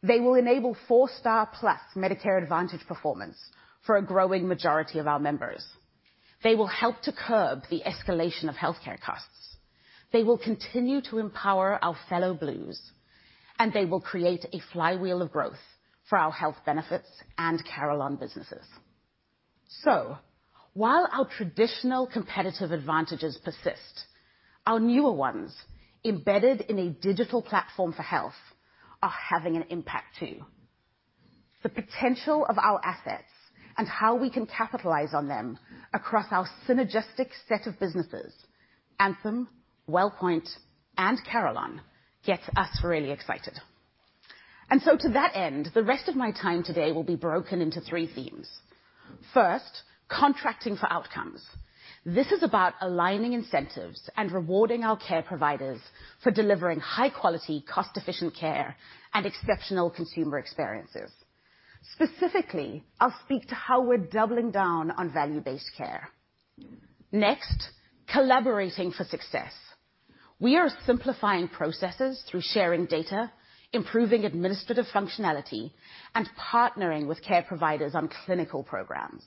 They will enable 4-star plus Medicare Advantage performance for a growing majority of our members. They will help to curb the escalation of healthcare costs. They will continue to empower our fellow Blues, and they will create a flywheel of growth for our health benefits and Carelon businesses. While our traditional competitive advantages persist, our newer ones, embedded in a digital platform for health, are having an impact too. The potential of our assets and how we can capitalize on them across our synergistic set of businesses, Anthem, Wellpoint, and Carelon, gets us really excited. To that end, the rest of my time today will be broken into three themes. First, contracting for outcomes. This is about aligning incentives and rewarding our care providers for delivering high quality, cost-efficient care and exceptional consumer experiences. Specifically, I'll speak to how we're doubling down on value-based care. Collaborating for success. We are simplifying processes through sharing data, improving administrative functionality, and partnering with care providers on clinical programs.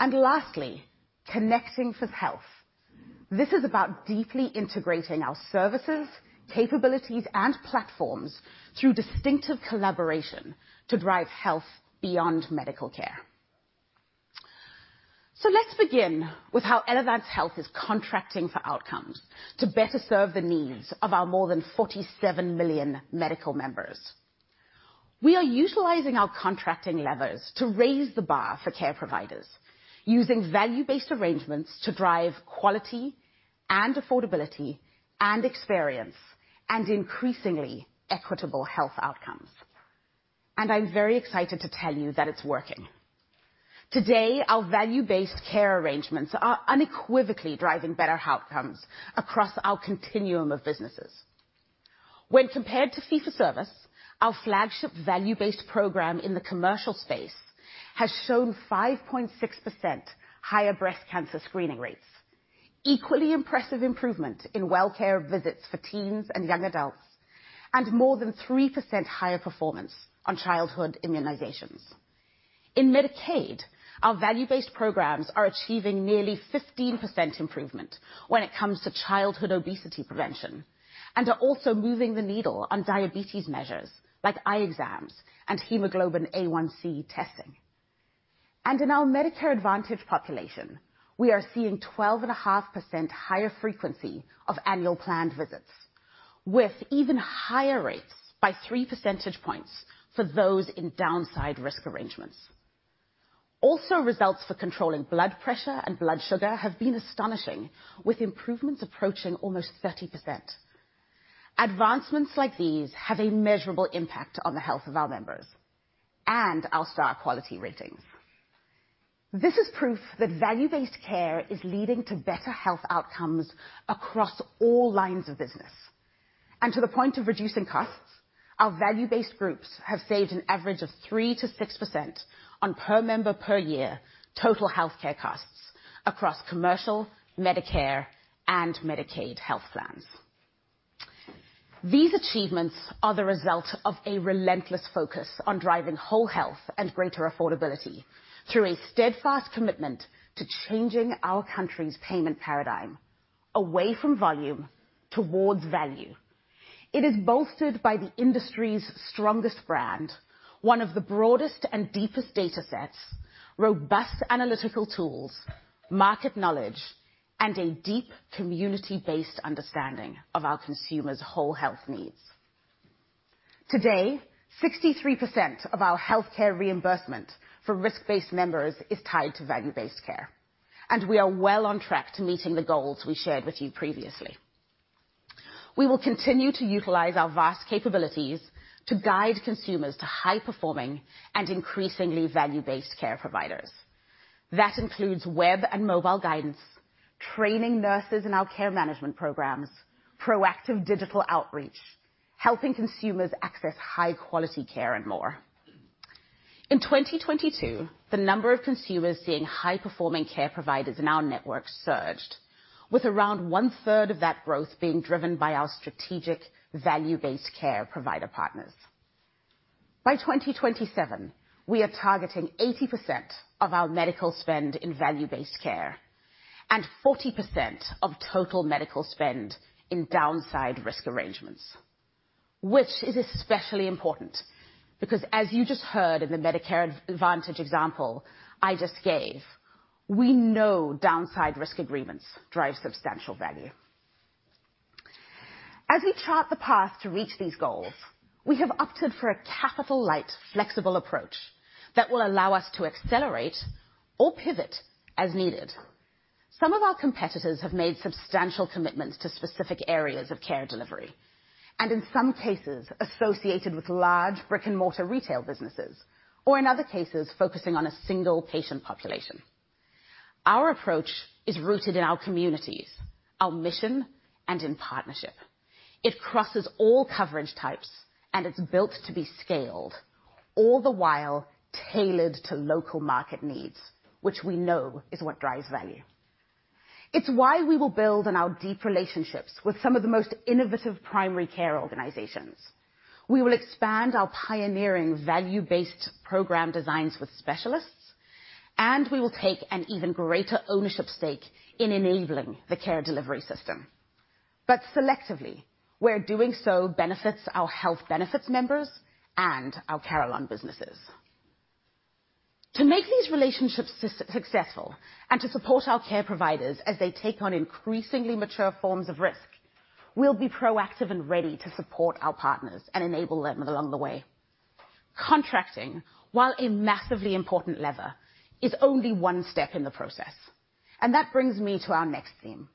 Lastly, connecting for health. This is about deeply integrating our services, capabilities, and platforms through distinctive collaboration to drive health beyond medical care. Let's begin with how Elevance Health is contracting for outcomes to better serve the needs of our more than 47 million medical members. We are utilizing our contracting levers to raise the bar for care providers, using value-based arrangements to drive quality and affordability and experience and, increasingly, equitable health outcomes. I'm very excited to tell you that it's working. Today, our value-based care arrangements are unequivocally driving better outcomes across our continuum of businesses. When compared to fee for service, our flagship value-based program in the commercial space has shown 5.6% higher breast cancer screening rates, equally impressive improvement in well care visits for teens and young adults, and more than 3% higher performance on childhood immunizations. In Medicaid, our value-based programs are achieving nearly 15% improvement when it comes to childhood obesity prevention, and are also moving the needle on diabetes measures like eye exams and hemoglobin A1C testing. In our Medicare Advantage population, we are seeing 12.5% higher frequency of annual planned visits, with even higher rates by 3 percentage points for those in downside risk arrangements. Also, results for controlling blood pressure and blood sugar have been astonishing, with improvements approaching almost 30%. Advancements like these have a measurable impact on the health of our members and our Star Ratings. This is proof that value-based care is leading to better health outcomes across all lines of business. To the point of reducing costs, our value-based groups have saved an average of 3%-6% on per member per year total healthcare costs across commercial, Medicare, and Medicaid health plans. These achievements are the result of a relentless focus on driving whole health and greater affordability through a steadfast commitment to changing our country's payment paradigm away from volume towards value. It is bolstered by the industry's strongest brand, one of the broadest and deepest datasets, robust analytical tools, market knowledge, and a deep community-based understanding of our consumers' whole health needs. Today, 63% of our healthcare reimbursement for risk-based members is tied to value-based care, and we are well on track to meeting the goals we shared with you previously. We will continue to utilize our vast capabilities to guide consumers to high-performing and increasingly value-based care providers. That includes web and mobile guidance, training nurses in our care management programs, proactive digital outreach, helping consumers access high-quality care, and more. In 2022, the number of consumers seeing high-performing care providers in our network surged, with around 1/3 of that growth being driven by our strategic value-based care provider partners. By 2027, we are targeting 80% of our medical spend in value-based care and 40% of total medical spend in downside risk arrangements, which is especially important because as you just heard in the Medicare Advantage example I just gave, we know downside risk agreements drive substantial value. As we chart the path to reach these goals, we have opted for a capital-light, flexible approach that will allow us to accelerate or pivot as needed. Some of our competitors have made substantial commitments to specific areas of care delivery, and in some cases, associated with large brick-and-mortar retail businesses, or in other cases, focusing on a single patient population. Our approach is rooted in our communities, our mission, and in partnership. It crosses all coverage types, and it's built to be scaled, all the while tailored to local market needs, which we know is what drives value. It's why we will build on our deep relationships with some of the most innovative primary care organizations. We will expand our pioneering value-based program designs with specialists, and we will take an even greater ownership stake in enabling the care delivery system. Selectively, where doing so benefits our health benefits members and our Carelon businesses. To make these relationships successful, and to support our care providers as they take on increasingly mature forms of risk, we'll be proactive and ready to support our partners and enable them along the way. Contracting, while a massively important lever, is only one step in the process, and that brings me to our next theme.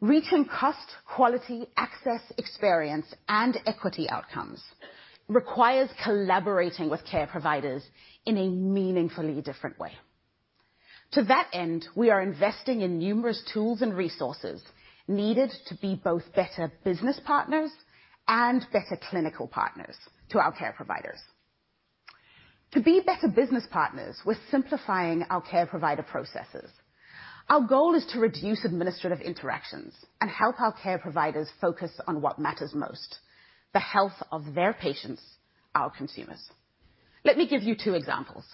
Reaching cost, quality, access, experience, and equity outcomes requires collaborating with care providers in a meaningfully different way. To that end, we are investing in numerous tools and resources needed to be both better business partners and better clinical partners to our care providers. To be better business partners, we're simplifying our care provider processes. Our goal is to reduce administrative interactions and help our care providers focus on what matters most, the health of their patients, our consumers. Let me give you 2 examples.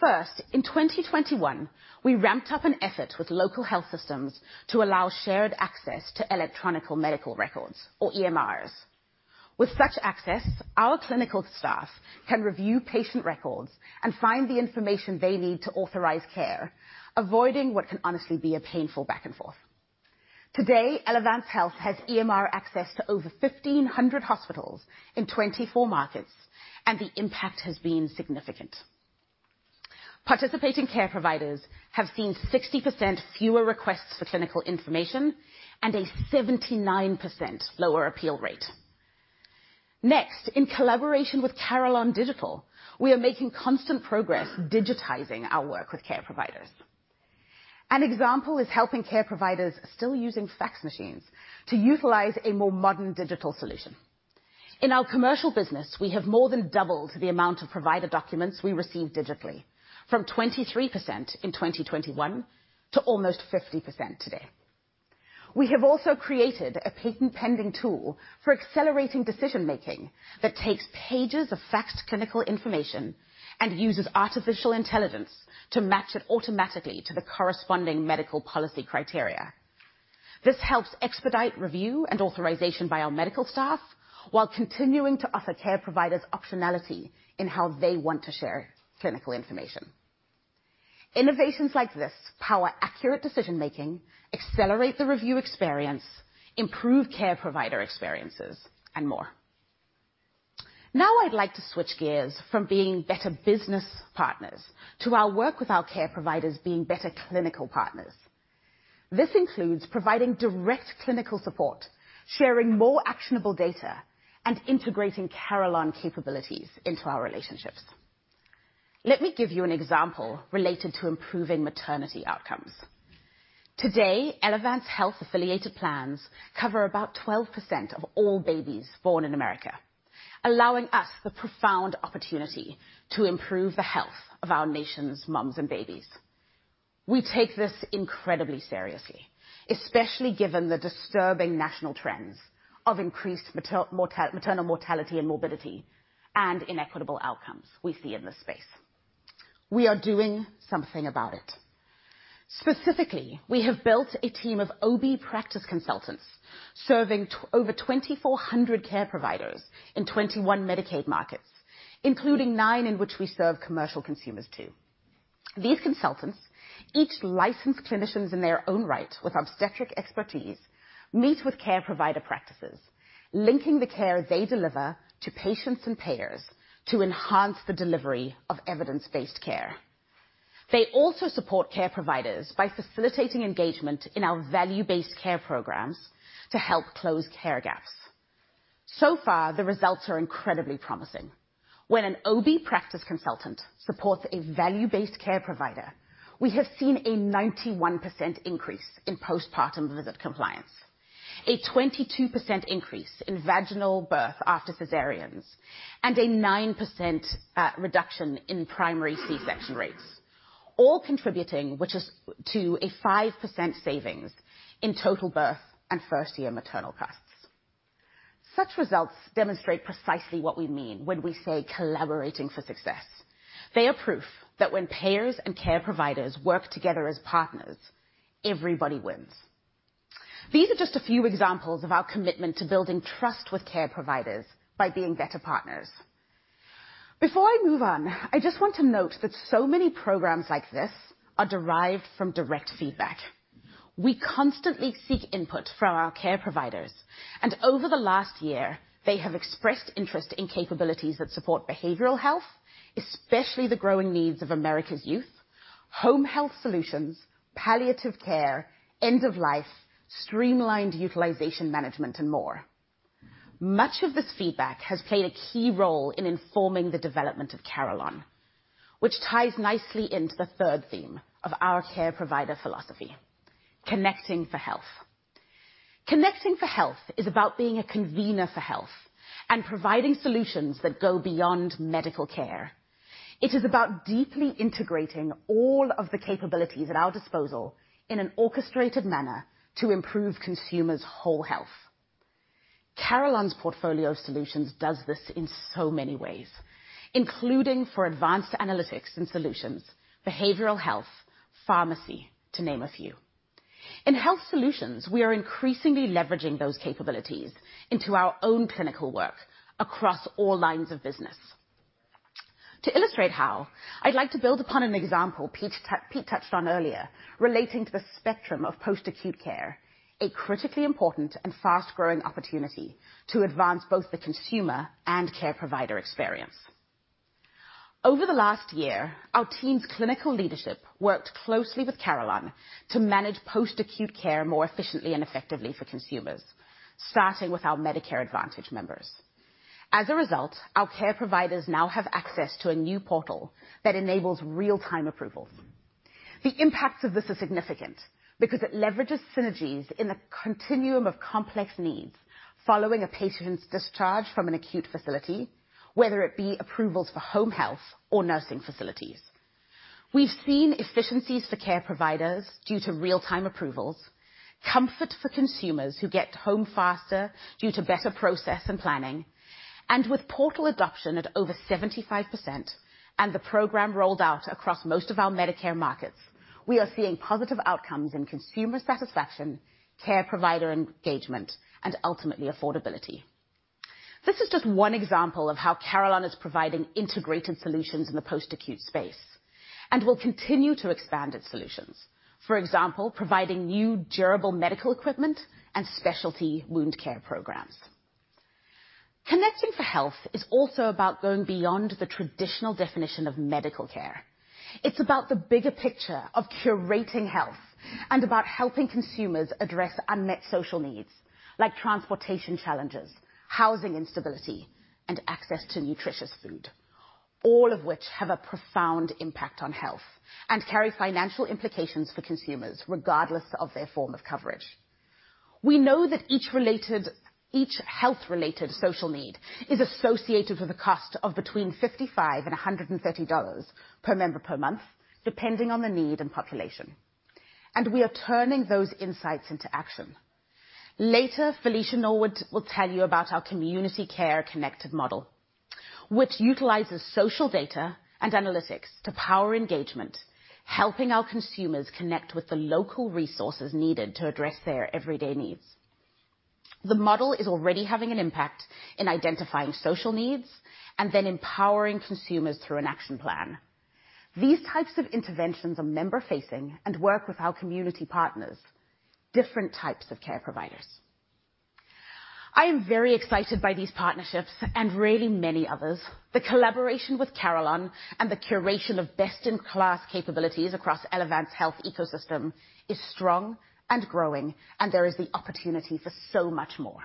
First, in 2021, we ramped up an effort with local health systems to allow shared access to electronic medical records or EMRs. With such access, our clinical staff can review patient records and find the information they need to authorize care, avoiding what can honestly be a painful back and forth. Today, Elevance Health has EMR access to over 1,500 hospitals in 24 markets, and the impact has been significant. Participating care providers have seen 60% fewer requests for clinical information and a 79% lower appeal rate. In collaboration with Carelon Digital, we are making constant progress digitizing our work with care providers. An example is helping care providers still using fax machines to utilize a more modern digital solution. In our commercial business, we have more than doubled the amount of provider documents we receive digitally from 23% in 2021 to almost 50% today. We have also created a patent-pending tool for accelerating decision-making that takes pages of faxed clinical information and uses artificial intelligence to match it automatically to the corresponding medical policy criteria. This helps expedite review and authorization by our medical staff while continuing to offer care providers optionality in how they want to share clinical information. Innovations like this power accurate decision-making, accelerate the review experience, improve care provider experiences, and more. I'd like to switch gears from being better business partners to our work with our care providers being better clinical partners. This includes providing direct clinical support, sharing more actionable data, and integrating Carelon capabilities into our relationships. Let me give you an example related to improving maternity outcomes. Today, Elevance Health-affiliated plans cover about 12% of all babies born in America, allowing us the profound opportunity to improve the health of our nation's moms and babies. We take this incredibly seriously, especially given the disturbing national trends of increased maternal mortality and morbidity and inequitable outcomes we see in this space. We are doing something about it. Specifically, we have built a team of OB practice consultants serving over 2,400 care providers in 21 Medicaid markets, including 9 in which we serve commercial consumers too. These consultants, each licensed clinicians in their own right with obstetric expertise, meet with care provider practices, linking the care they deliver to patients and payers to enhance the delivery of evidence-based care. They also support care providers by facilitating engagement in our value-based care programs to help close care gaps. So far, the results are incredibly promising. When an OB practice consultant supports a value-based care provider, we have seen a 91% increase in postpartum visit compliance, a 22% increase in vaginal birth after cesareans, and a 9% reduction in primary C-section rates, all contributing, which is to a 5% savings in total birth and first-year maternal costs. Such results demonstrate precisely what we mean when we say collaborating for success. They are proof that when payers and care providers work together as partners, everybody wins. These are just a few examples of our commitment to building trust with care providers by being better partners. Before I move on, I just want to note that so many programs like this are derived from direct feedback. We constantly seek input from our care providers, and over the last year, they have expressed interest in capabilities that support behavioral health, especially the growing needs of America's youth, home health solutions, palliative care, end of life, streamlined utilization management, and more. Much of this feedback has played a key role in informing the development of Carelon, which ties nicely into the third theme of our care provider philosophy, connecting for health. Connecting for health is about being a convener for health and providing solutions that go beyond medical care. It is about deeply integrating all of the capabilities at our disposal in an orchestrated manner to improve consumers' whole health. Carelon's portfolio of solutions does this in so many ways, including for advanced analytics and solutions, behavioral health, pharmacy, to name a few. In Health Solutions, we are increasingly leveraging those capabilities into our own clinical work across all lines of business. To illustrate how, I'd like to build upon an example Pete touched on earlier relating to the spectrum of post-acute care, a critically important and fast-growing opportunity to advance both the consumer and care provider experience. Over the last year, our team's clinical leadership worked closely with Carelon to manage post-acute care more efficiently and effectively for consumers, starting with our Medicare Advantage members. Our care providers now have access to a new portal that enables real-time approvals. The impacts of this are significant because it leverages synergies in a continuum of complex needs following a patient's discharge from an acute facility, whether it be approvals for home health or nursing facilities. We've seen efficiencies for care providers due to real-time approvals, comfort for consumers who get home faster due to better process and planning, and with portal adoption at over 75% and the program rolled out across most of our Medicare markets, we are seeing positive outcomes in consumer satisfaction, care provider engagement, and ultimately affordability. This is just one example of how Carelon is providing integrated solutions in the post-acute space and will continue to expand its solutions. Providing new Durable Medical Equipment and specialty wound care programs. Connecting for health is also about going beyond the traditional definition of medical care. It's about the bigger picture of curating health and about helping consumers address unmet social needs like transportation challenges, housing instability, and access to nutritious food, all of which have a profound impact on health and carry financial implications for consumers regardless of their form of coverage. We know that each health-related social need is associated with a cost of between $55 and $130 per member per month, depending on the need and population, and we are turning those insights into action. Later, Felicia Norwood will tell you about our Community Connected Care model, which utilizes social data and analytics to power engagement, helping our consumers connect with the local resources needed to address their everyday needs. The model is already having an impact in identifying social needs and then empowering consumers through an action plan. These types of interventions are member-facing and work with our community partners, different types of care providers. I am very excited by these partnerships and really many others. The collaboration with Carelon and the curation of best-in-class capabilities across Elevance Health ecosystem is strong and growing. There is the opportunity for so much more.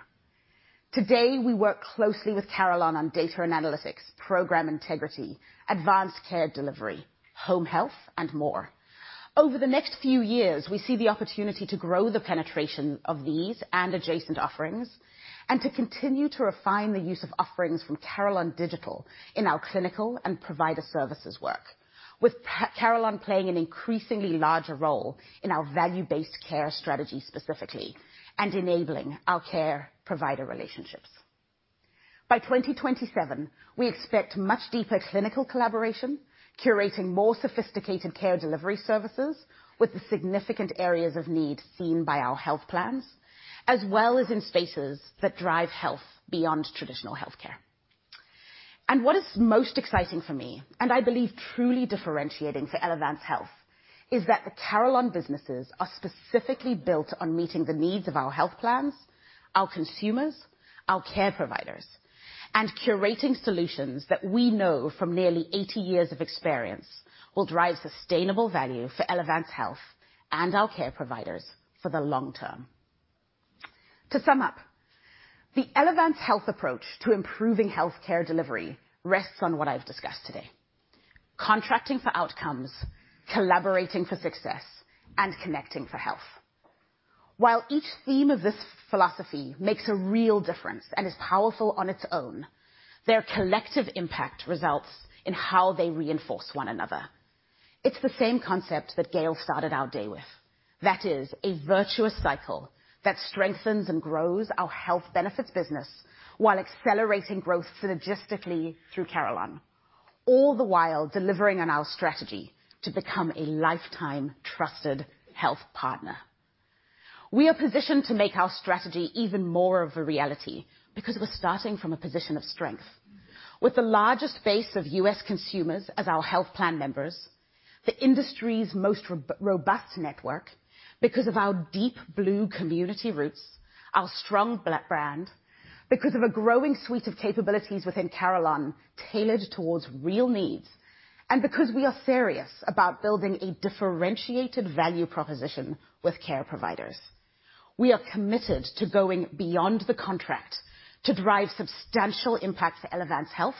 Today, we work closely with Carelon on data and analytics, program integrity, advanced care delivery, home health, and more. Over the next few years, we see the opportunity to grow the penetration of these and adjacent offerings and to continue to refine the use of offerings from Carelon Digital in our clinical and provider services work, with Carelon playing an increasingly larger role in our value-based care strategy specifically and enabling our care provider relationships. By 2027, we expect much deeper clinical collaboration, curating more sophisticated care delivery services with the significant areas of need seen by our health plans, as well as in spaces that drive health beyond traditional healthcare. What is most exciting for me, and I believe truly differentiating for Elevance Health, is that the Carelon businesses are specifically built on meeting the needs of our health plans, our consumers, our care providers, and curating solutions that we know from nearly 80 years of experience will drive sustainable value for Elevance Health and our care providers for the long term. To sum up, the Elevance Health approach to improving healthcare delivery rests on what I've discussed today. Contracting for outcomes, collaborating for success, and connecting for health. While each theme of this philosophy makes a real difference and is powerful on its own, their collective impact results in how they reinforce one another. It's the same concept that Gail started our day with. That is, a virtuous cycle that strengthens and grows our health benefits business while accelerating growth synergistically through Carelon, all the while delivering on our strategy to become a lifetime trusted health partner. We are positioned to make our strategy even more of a reality because we're starting from a position of strength. With the largest base of U.S. consumers as our health plan members, the industry's most robust network because of our deep Blue community roots, our strong brand, because of a growing suite of capabilities within Carelon tailored towards real needs, and because we are serious about building a differentiated value proposition with care providers. We are committed to going beyond the contract to drive substantial impact for Elevance Health,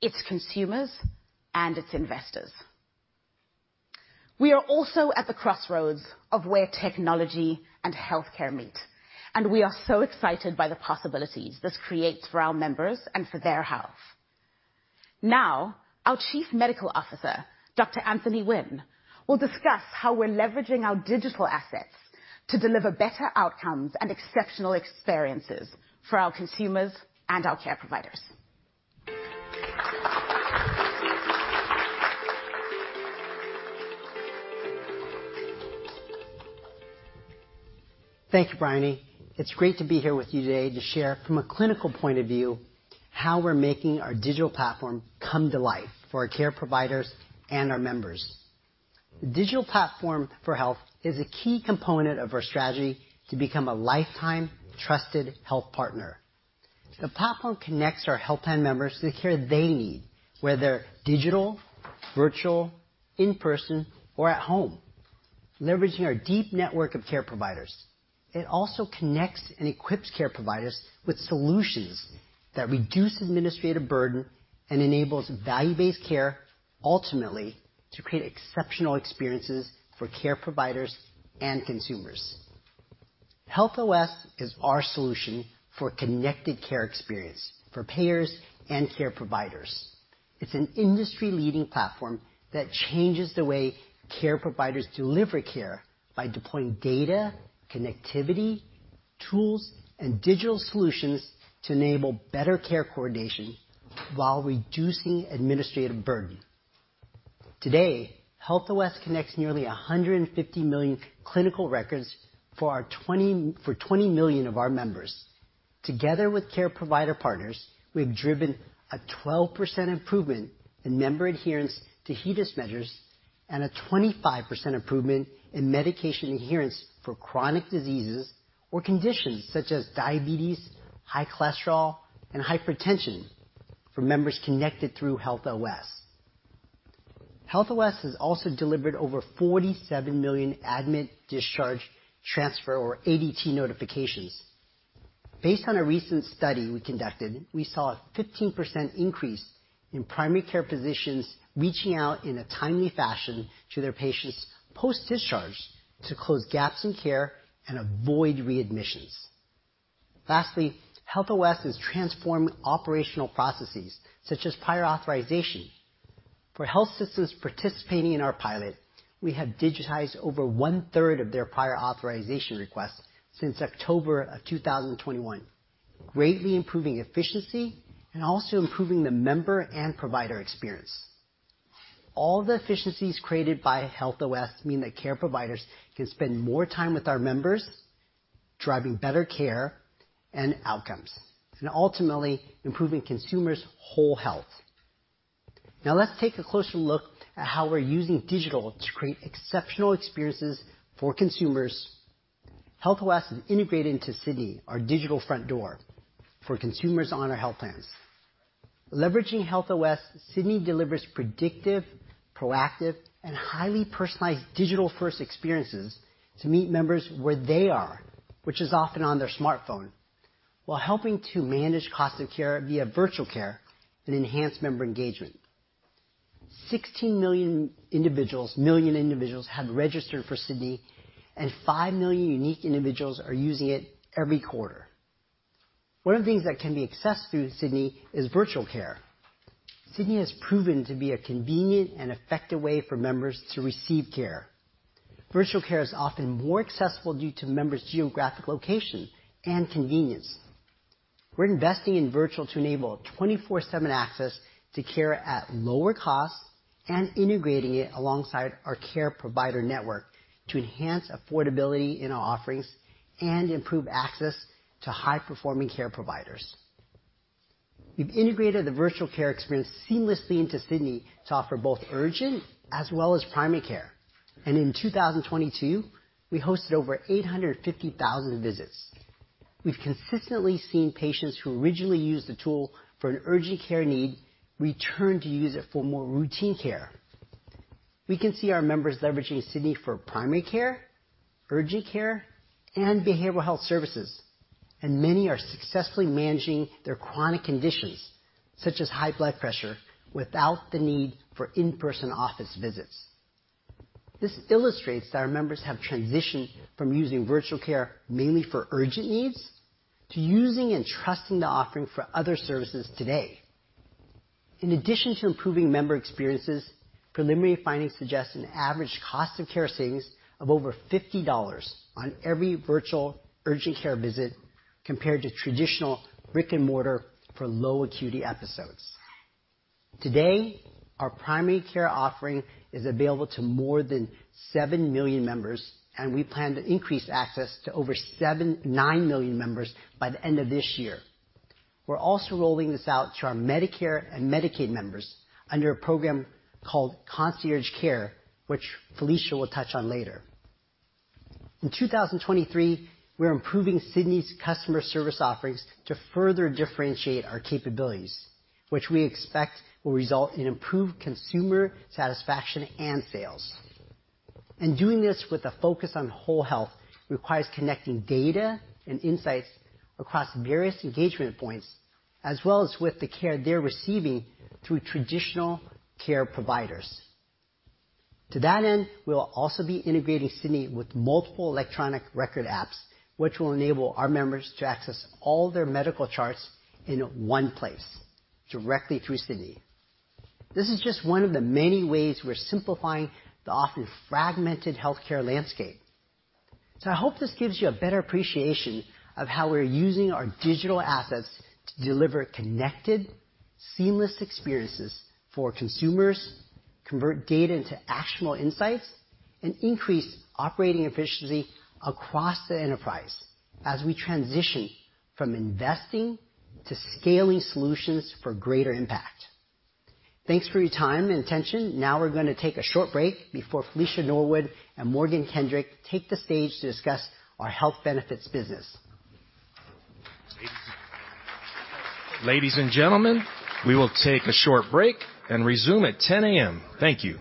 its consumers, and its investors. We are also at the crossroads of where technology and healthcare meet. We are so excited by the possibilities this creates for our members and for their health. Now, our Chief Medical Officer, Dr. Anthony Winn, will discuss how we're leveraging our digital assets to deliver better outcomes and exceptional experiences for our consumers and our care providers. Thank you, Bryony. It's great to be here with you today to share from a clinical point of view how we're making our digital platform come to life for our care providers and our members. The digital platform for health is a key component of our strategy to become a lifetime trusted health partner. The platform connects our health plan members to the care they need, whether digital, virtual, in person, or at home, leveraging our deep network of care providers. It also connects and equips care providers with solutions that reduce administrative burden and enables value-based care ultimately to create exceptional experiences for care providers and consumers. Health OS is our solution for connected care experience for payers and care providers. It's an industry-leading platform that changes the way care providers deliver care by deploying data, connectivity, tools, and digital solutions to enable better care coordination while reducing administrative burden. Today, Health OS connects nearly 150 million clinical records for 20 million of our members. Together with care provider partners, we've driven a 12% improvement in member adherence to HEDIS measures and a 25% improvement in medication adherence for chronic diseases or conditions such as diabetes, high cholesterol, and hypertension for members connected through Health OS. Health OS has also delivered over 47 million admit, discharge, transfer, or ADT notifications. Based on a recent study we conducted, we saw a 15% increase in primary care physicians reaching out in a timely fashion to their patients post-discharge to close gaps in care and avoid readmissions. Lastly, Health OS has transformed operational processes such as prior authorization. For health systems participating in our pilot, we have digitized over one-third of their prior authorization requests since October 2021, greatly improving efficiency and also improving the member and provider experience. All the efficiencies created by Health OS mean that care providers can spend more time with our members, driving better care and outcomes, and ultimately improving consumers' whole health. Let's take a closer look at how we're using digital to create exceptional experiences for consumers. Health OS is integrated into Sydney, our digital front door for consumers on our health plans. Leveraging Health OS, Sydney delivers predictive, proactive, and highly personalized digital-first experiences to meet members where they are, which is often on their smartphone, while helping to manage cost of care via virtual care and enhanced member engagement. 16 million individuals have registered for Sydney, and 5 million unique individuals are using it every quarter. One of the things that can be accessed through Sydney is virtual care. Sydney has proven to be a convenient and effective way for members to receive care. Virtual care is often more accessible due to members' geographic location and convenience. We're investing in virtual to enable 24/7 access to care at lower costs and integrating it alongside our care provider network to enhance affordability in our offerings and improve access to high-performing care providers. We've integrated the virtual care experience seamlessly into Sydney to offer both urgent as well as primary care. In 2022, we hosted over 850,000 visits. We've consistently seen patients who originally used the tool for an urgent care need return to use it for more routine care. We can see our members leveraging Sydney Health for primary care, urgent care, and behavioral health services. Many are successfully managing their chronic conditions, such as high blood pressure, without the need for in-person office visits. This illustrates that our members have transitioned from using virtual care mainly for urgent needs to using and trusting the offering for other services today. In addition to improving member experiences, preliminary findings suggest an average cost of care savings of over $50 on every virtual urgent care visit compared to traditional brick-and-mortar for low acuity episodes. Today, our primary care offering is available to more than 7 million members. We plan to increase access to over 9 million members by the end of this year. We're also rolling this out to our Medicare and Medicaid members under a program called concierge care, which Felicia Norwood will touch on later. In 2023, we're improving Sydney's customer service offerings to further differentiate our capabilities, which we expect will result in improved consumer satisfaction and sales. Doing this with a focus on whole health requires connecting data and insights across various engagement points, as well as with the care they're receiving through traditional care providers. To that end, we will also be integrating Sydney with multiple electronic record apps, which will enable our members to access all their medical charts in one place directly through Sydney. This is just one of the many ways we're simplifying the often fragmented healthcare landscape. I hope this gives you a better appreciation of how we're using our digital assets to deliver connected, seamless experiences for consumers, convert data into actionable insights, and increase operating efficiency across the enterprise as we transition from investing to scaling solutions for greater impact. Thanks for your time and attention. Now we're gonna take a short break before Felicia Norwood and Morgan Kendrick take the stage to discuss our health benefits business. Ladies and gentlemen, we will take a short break and resume at 10:00 A.M. Thank you.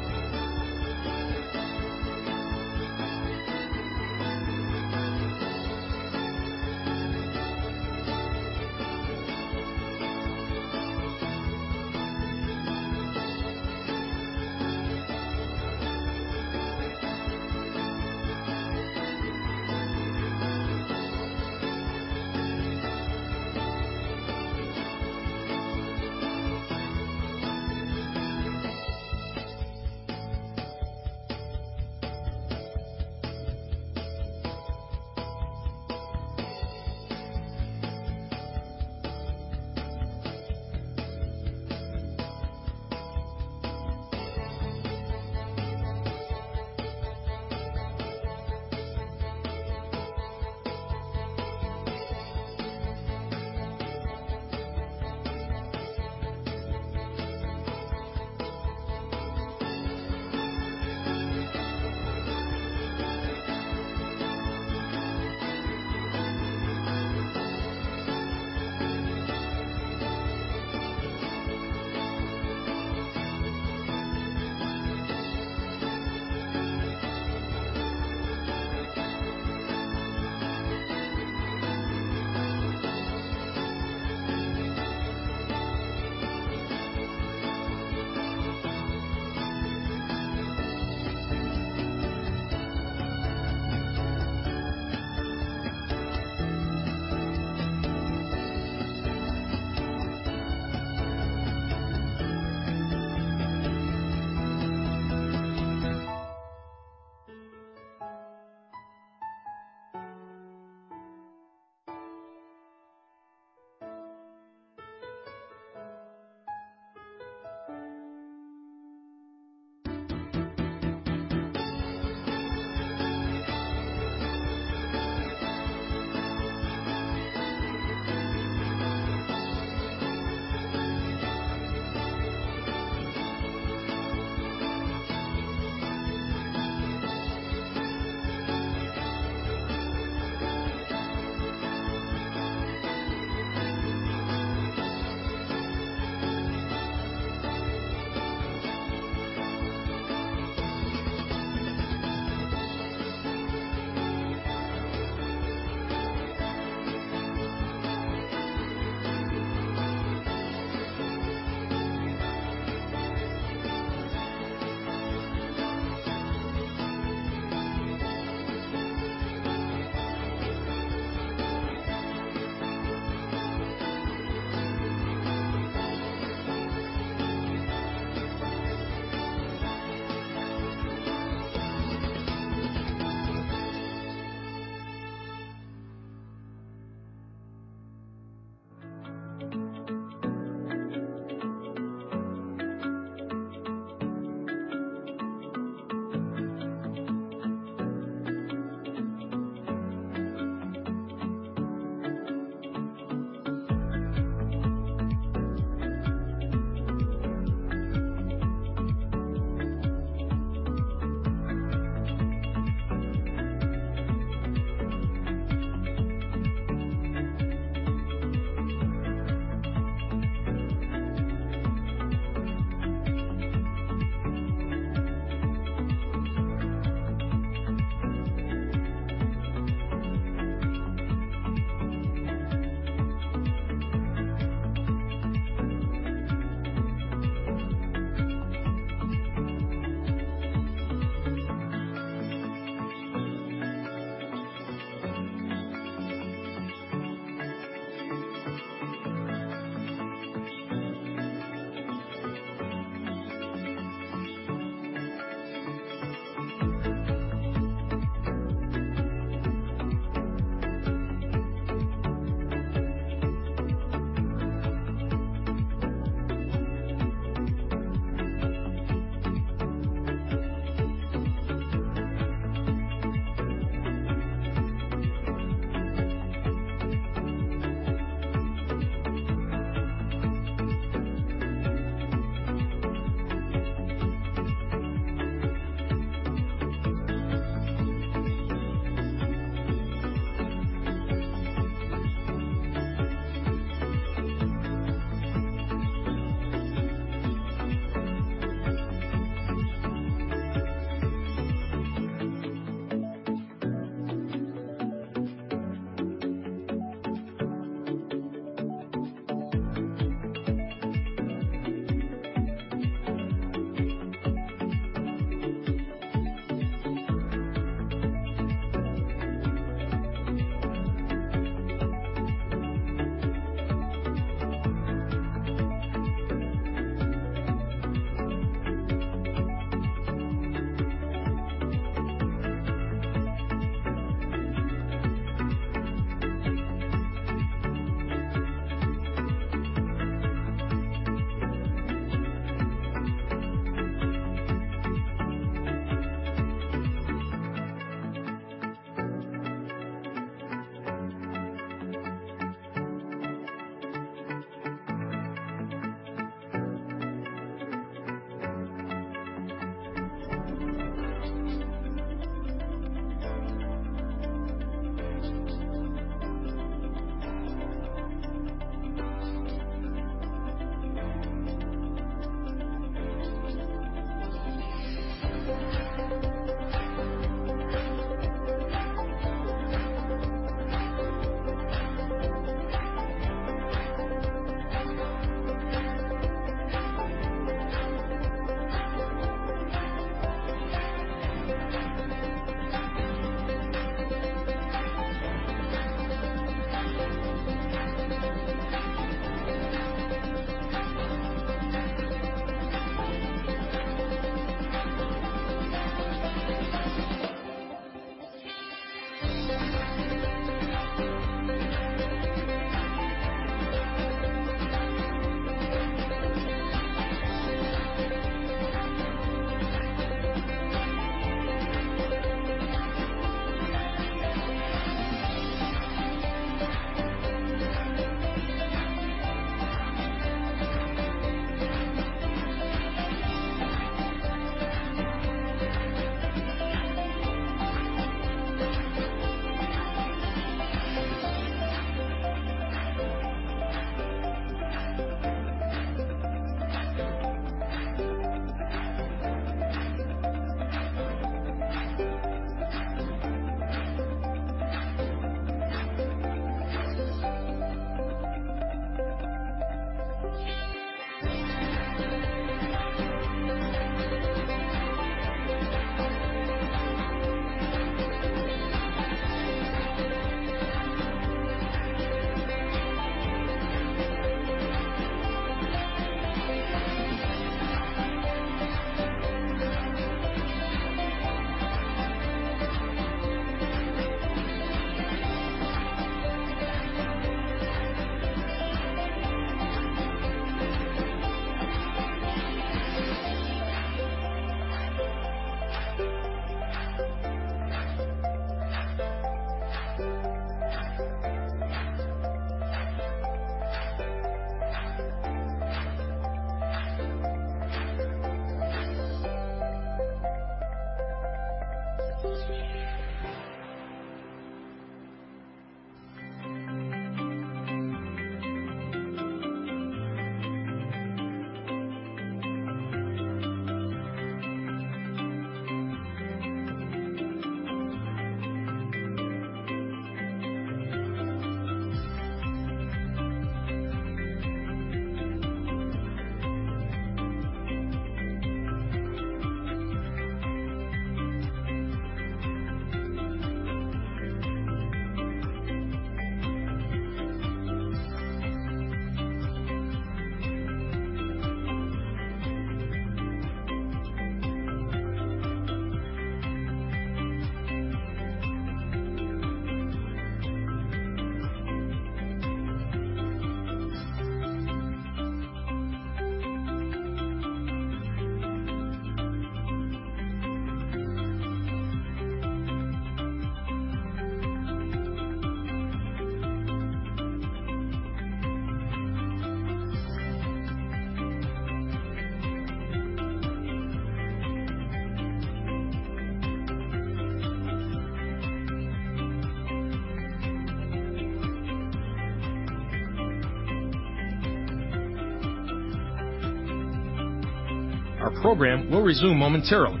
Our program will resume momentarily.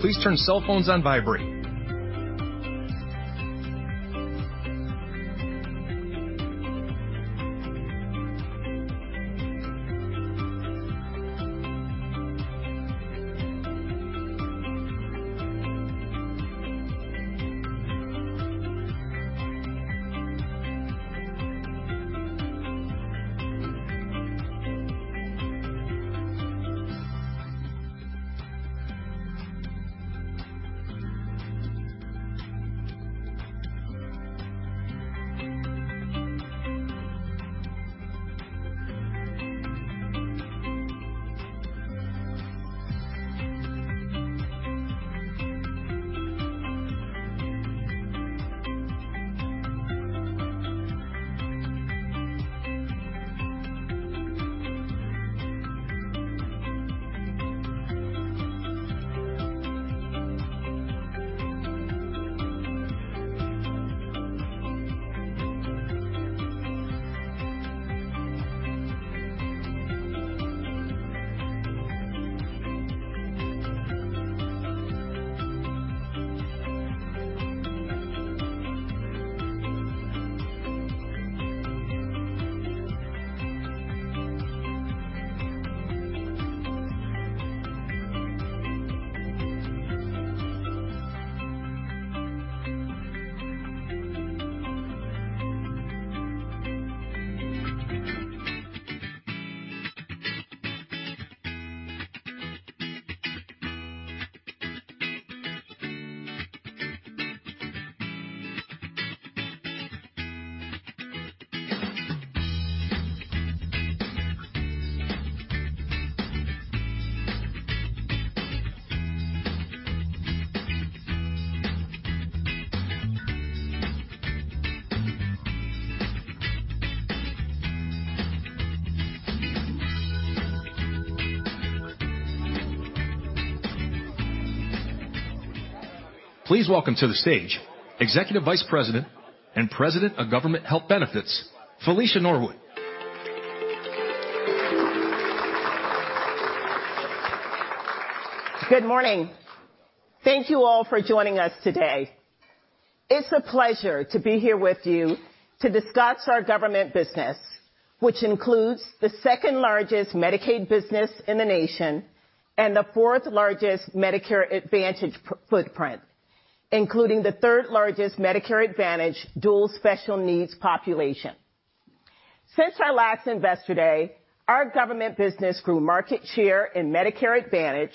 Please turn cell phones on vibrate. Please welcome to the stage Executive Vice President and President of Government Health Benefits, Felicia Norwood. Good morning. Thank you all for joining us today. It's a pleasure to be here with you to discuss our government business, which includes the second-largest Medicaid business in the nation and the fourth-largest Medicare Advantage footprint, including the third-largest Medicare Advantage dual special needs population. Since our last Investor Day, our government business grew market share in Medicare Advantage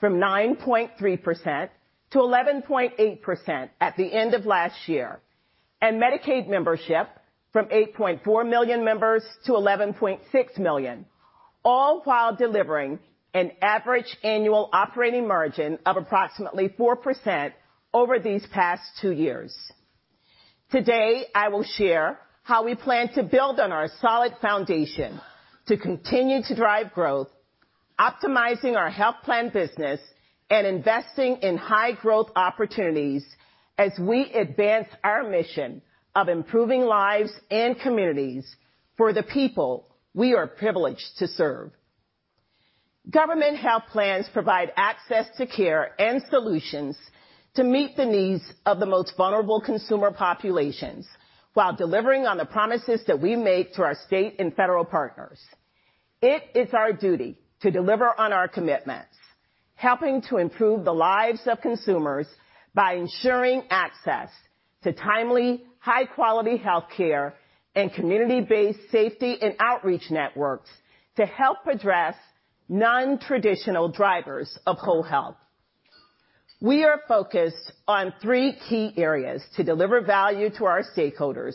from 9.3%-11.8% at the end of last year, and Medicaid membership from 8.4 million members to 11.6 million, all while delivering an average annual operating margin of approximately 4% over these past two years. Today, I will share how we plan to build on our solid foundation to continue to drive growth, optimizing our health plan business, and investing in high-growth opportunities as we advance our mission of improving lives and communities for the people we are privileged to serve. Government health plans provide access to care and solutions to meet the needs of the most vulnerable consumer populations while delivering on the promises that we make to our state and federal partners. It is our duty to deliver on our commitments, helping to improve the lives of consumers by ensuring access to timely, high-quality healthcare and community-based safety and outreach networks to help address nontraditional drivers of whole health. We are focused on three key areas to deliver value to our stakeholders,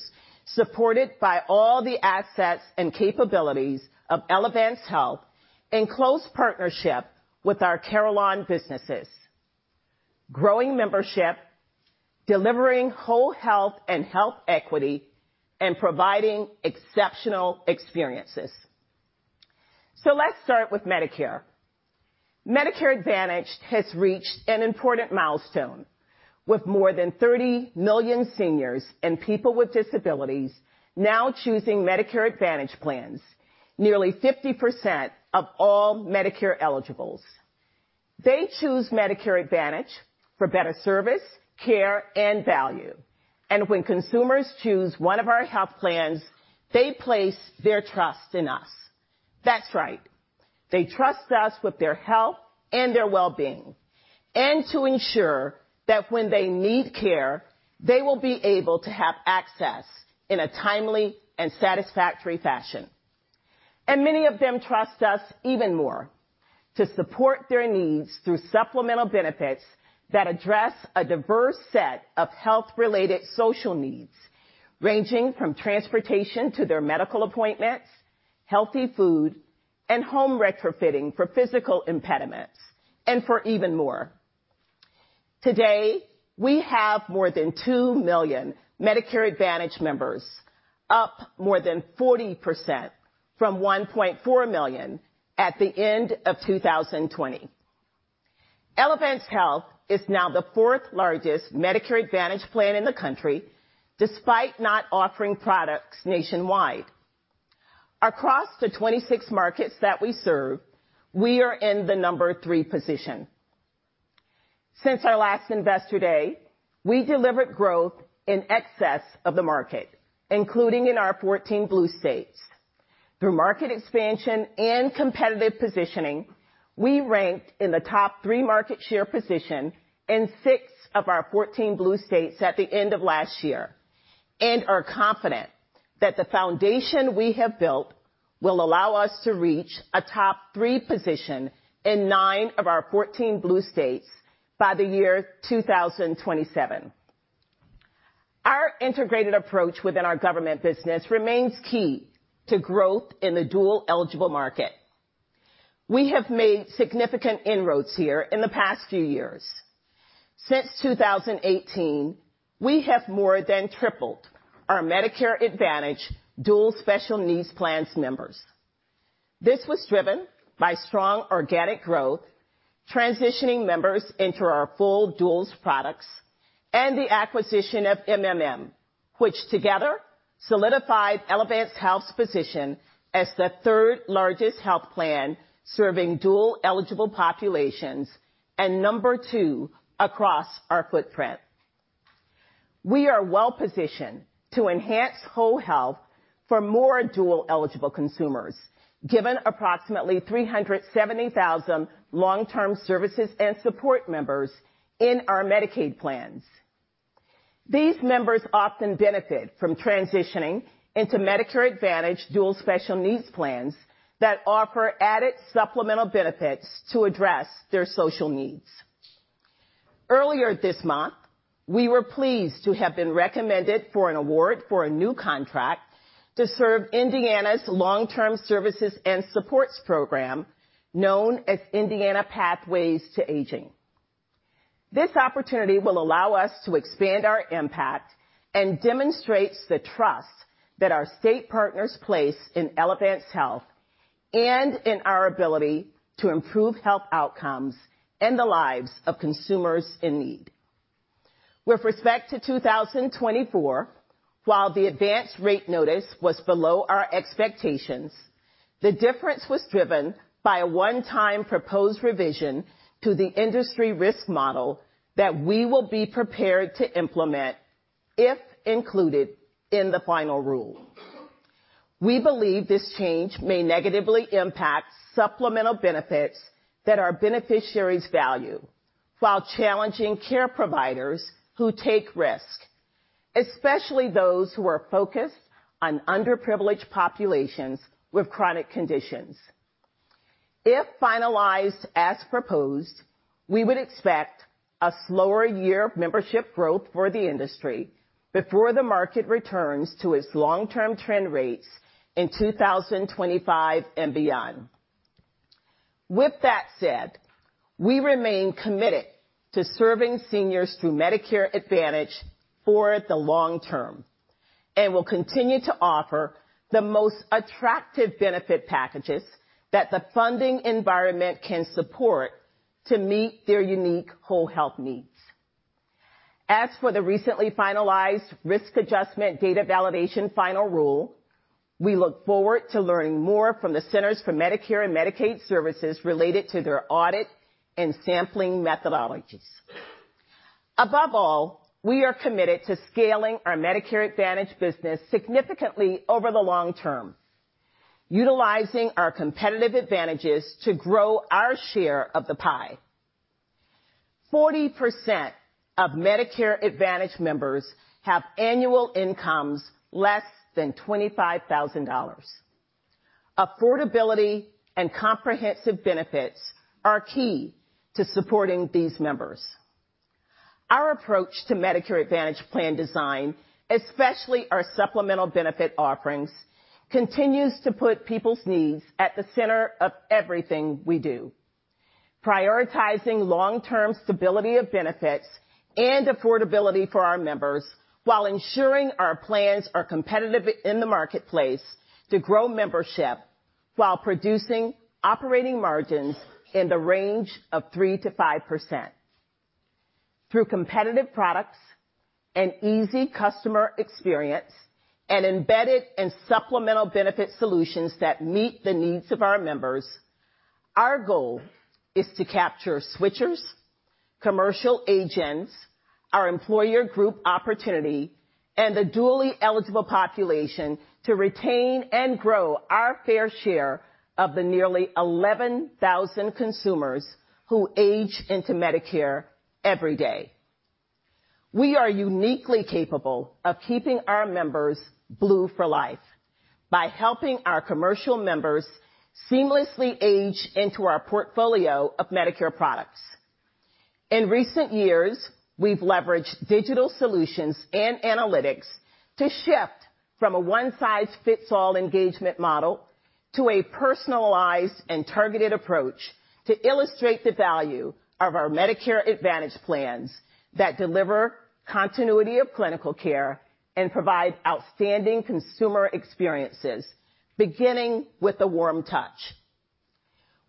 supported by all the assets and capabilities of Elevance Health in close partnership with our Carelon businesses: growing membership, delivering whole health and health equity, and providing exceptional experiences. Let's start with Medicare. Medicare Advantage has reached an important milestone, with more than 30 million seniors and people with disabilities now choosing Medicare Advantage plans, nearly 50% of all Medicare eligibles. They choose Medicare Advantage for better service, care, and value. When consumers choose one of our health plans, they place their trust in us. That's right. They trust us with their health and their well-being, and to ensure that when they need care, they will be able to have access in a timely and satisfactory fashion. Many of them trust us even more to support their needs through supplemental benefits that address a diverse set of health-related social needs, ranging from transportation to their medical appointments, healthy food, and home retrofitting for physical impediments, and for even more. Today, we have more than $2 million Medicare Advantage members, up more than 40% from $1.4 million at the end of 2020. Elevance Health is now the 4th-largest Medicare Advantage plan in the country, despite not offering products nationwide. Across the 26 markets that we serve, we are in the number 3 position. Since our last Investor Day, we delivered growth in excess of the market, including in our 14 Blue states. Through market expansion and competitive positioning, we ranked in the top 3 market share position in 6 of our 14 Blue states at the end of last year and are confident that the foundation we have built will allow us to reach a top 3 position in 9 of our 14 Blue states by the year 2027. Our integrated approach within our government business remains key to growth in the dual-eligible market. We have made significant inroads here in the past few years. Since 2018, we have more than tripled our Medicare Advantage dual special needs plans members. This was driven by strong organic growth, transitioning members into our full duals products, and the acquisition of MMM, which together solidified Elevance Health's position as the 3rd-largest health plan serving dual-eligible populations and number 2 across our footprint. We are well-positioned to enhance whole health for more dual-eligible consumers, given approximately 370,000 Long-Term Services and Supports members in our Medicaid plans. These members often benefit from transitioning into Medicare Advantage dual special needs plans that offer added supplemental benefits to address their social needs. Earlier this month, we were pleased to have been recommended for an award for a new contract to serve Indiana's Long-Term Services and Supports program, known as Indiana PathWays for Aging. This opportunity will allow us to expand our impact and demonstrates the trust that our state partners place in Elevance Health and in our ability to improve health outcomes and the lives of consumers in need. With respect to 2024, while the Advance Notice was below our expectations, the difference was driven by a one-time proposed revision to the industry risk model that we will be prepared to implement if included in the final rule. We believe this change may negatively impact supplemental benefits that our beneficiaries value while challenging care providers who take risk, especially those who are focused on underprivileged populations with chronic conditions. If finalized as proposed, we would expect a slower year of membership growth for the industry before the market returns to its long-term trend rates in 2025 and beyond. With that said, we remain committed to serving seniors through Medicare Advantage for the long term and will continue to offer the most attractive benefit packages that the funding environment can support to meet their unique whole health needs. As for the recently finalized Risk Adjustment Data Validation Final Rule, we look forward to learning more from the Centers for Medicare and Medicaid Services related to their audit and sampling methodologies. Above all, we are committed to scaling our Medicare Advantage business significantly over the long term, utilizing our competitive advantages to grow our share of the pie. 40% of Medicare Advantage members have annual incomes less than $25,000. Affordability and comprehensive benefits are key to supporting these members. Our approach to Medicare Advantage plan design, especially our supplemental benefit offerings, continues to put people's needs at the center of everything we do, prioritizing long-term stability of benefits and affordability for our members while ensuring our plans are competitive in the marketplace to grow membership while producing operating margins in the range of 3%-5%. Through competitive products and easy customer experience and embedded and supplemental benefit solutions that meet the needs of our members, our goal is to capture switchers, commercial agents, our employer group opportunity, and the dually eligible population to retain and grow our fair share of the nearly 11,000 consumers who age into Medicare every day. We are uniquely capable of keeping our members Blue for life by helping our commercial members seamlessly age into our portfolio of Medicare products. In recent years, we've leveraged digital solutions and analytics to shift from a one-size-fits-all engagement model to a personalized and targeted approach to illustrate the value of our Medicare Advantage plans that deliver continuity of clinical care and provide outstanding consumer experiences, beginning with the warm touch.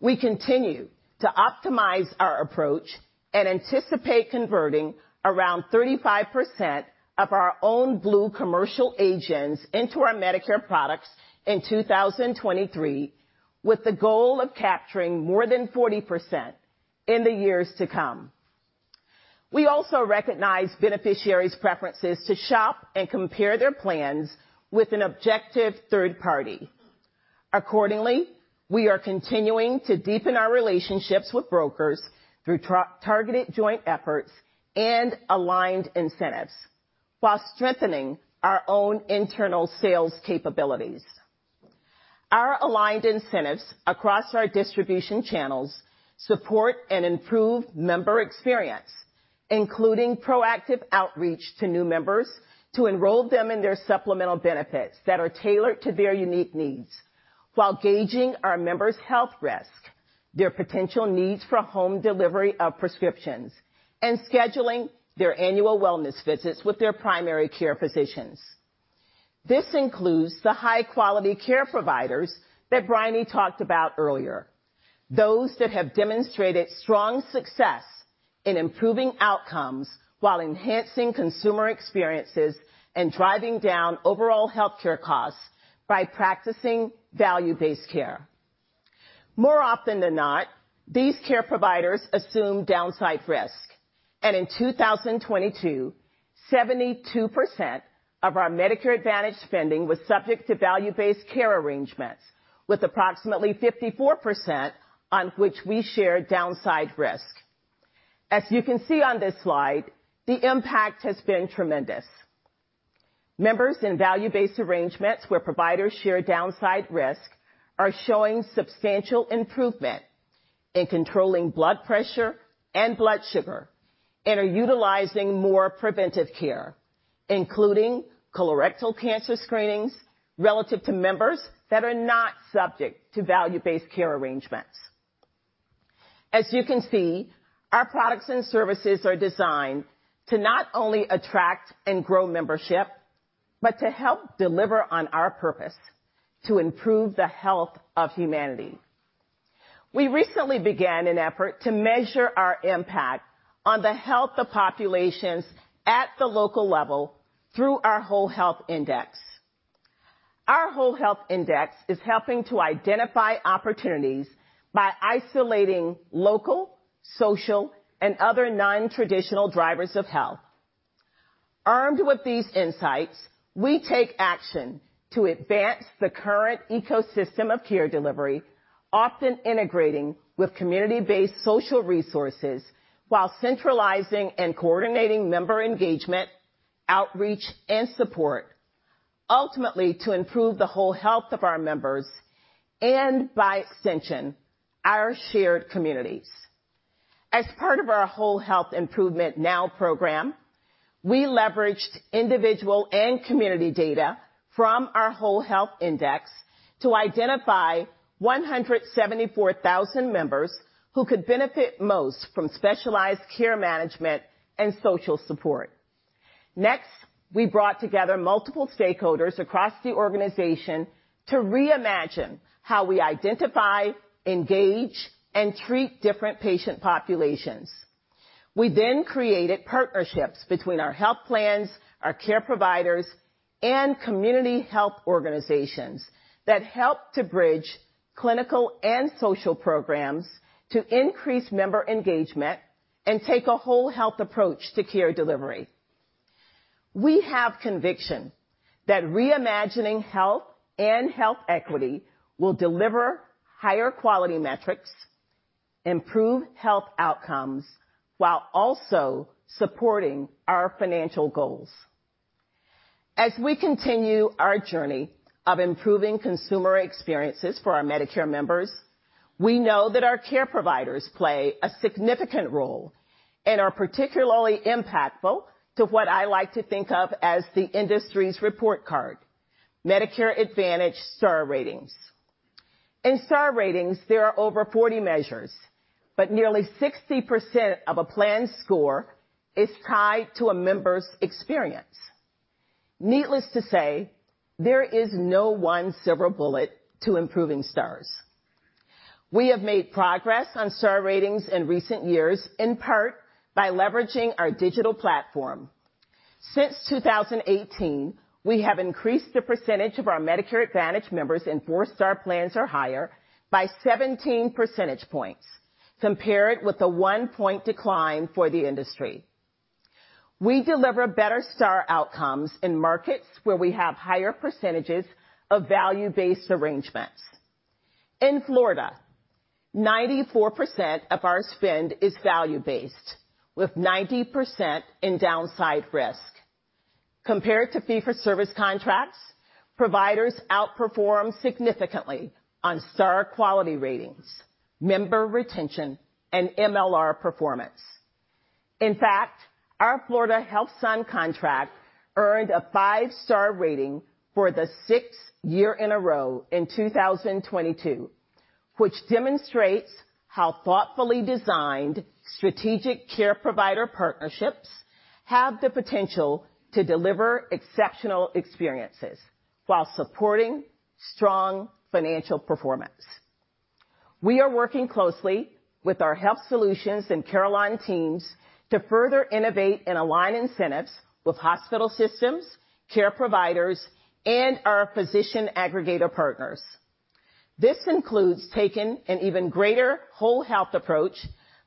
We continue to optimize our approach and anticipate converting around 35% of our own Blue commercial agents into our Medicare products in 2023, with the goal of capturing more than 40% in the years to come. We also recognize beneficiaries' preferences to shop and compare their plans with an objective third party. Accordingly, we are continuing to deepen our relationships with brokers through targeted joint efforts and aligned incentives while strengthening our own internal sales capabilities. Our aligned incentives across our distribution channels support and improve member experience, including proactive outreach to new members to enroll them in their supplemental benefits that are tailored to their unique needs, while gauging our members' health risk, their potential needs for home delivery of prescriptions, and scheduling their annual wellness visits with their primary care physicians. This includes the high-quality care providers that Bryony talked about earlier, those that have demonstrated strong success in improving outcomes while enhancing consumer experiences and driving down overall healthcare costs by practicing value-based care. More often than not, these care providers assume downside risk, and in 2022, 72% of our Medicare Advantage spending was subject to value-based care arrangements, with approximately 54% on which we share downside risk. As you can see on this slide, the impact has been tremendous. Members in value-based arrangements where providers share downside risk are showing substantial improvement in controlling blood pressure and blood sugar and are utilizing more preventive care, including colorectal cancer screenings relative to members that are not subject to value-based care arrangements. As you can see, our products and services are designed to not only attract and grow membership, but to help deliver on our purpose to improve the health of humanity. We recently began an effort to measure our impact on the health of populations at the local level through our Whole Health Index. Our Whole Health Index is helping to identify opportunities by isolating local, social, and other non-traditional drivers of health. Armed with these insights, we take action to advance the current ecosystem of care delivery, often integrating with community-based social resources while centralizing and coordinating member engagement, outreach, and support, ultimately to improve the whole health of our members and, by extension, our shared communities. As part of our Whole Health Improvement Now program, we leveraged individual and community data from our Whole Health Index to identify 174,000 members who could benefit most from specialized care management and social support. We brought together multiple stakeholders across the organization to reimagine how we identify, engage, and treat different patient populations. We created partnerships between our health plans, our care providers, and community health organizations that help to bridge clinical and social programs to increase member engagement and take a whole health approach to care delivery. We have conviction that reimagining health and health equity will deliver higher quality metrics, improve health outcomes, while also supporting our financial goals. As we continue our journey of improving consumer experiences for our Medicare members, we know that our care providers play a significant role and are particularly impactful to what I like to think of as the industry's report card, Medicare Advantage Star Ratings. In Star Ratings, there are over 40 measures, but nearly 60% of a planned score is tied to a member's experience. Needless to say, there is no one silver bullet to improving STARS. We have made progress on Star Ratings in recent years, in part by leveraging our digital platform. Since 2018, we have increased the percentage of our Medicare Advantage members in 4-star plans or higher by 17 percentage points, compared with the 1-point decline for the industry. We deliver better STAR outcomes in markets where we have higher % of value-based arrangements. In Florida, 94% of our spend is value-based, with 90% in downside risk. Compared to fee for service contracts, providers outperform significantly on Star Ratings, member retention, and MLR performance. In fact, our Florida HealthSun contract earned a 5-star rating for the 6th year in a row in 2022, which demonstrates how thoughtfully designed strategic care provider partnerships have the potential to deliver exceptional experiences while supporting strong financial performance. We are working closely with our Health Solutions and Carelon teams to further innovate and align incentives with hospital systems, care providers, and our physician aggregator partners. This includes taking an even greater whole health approach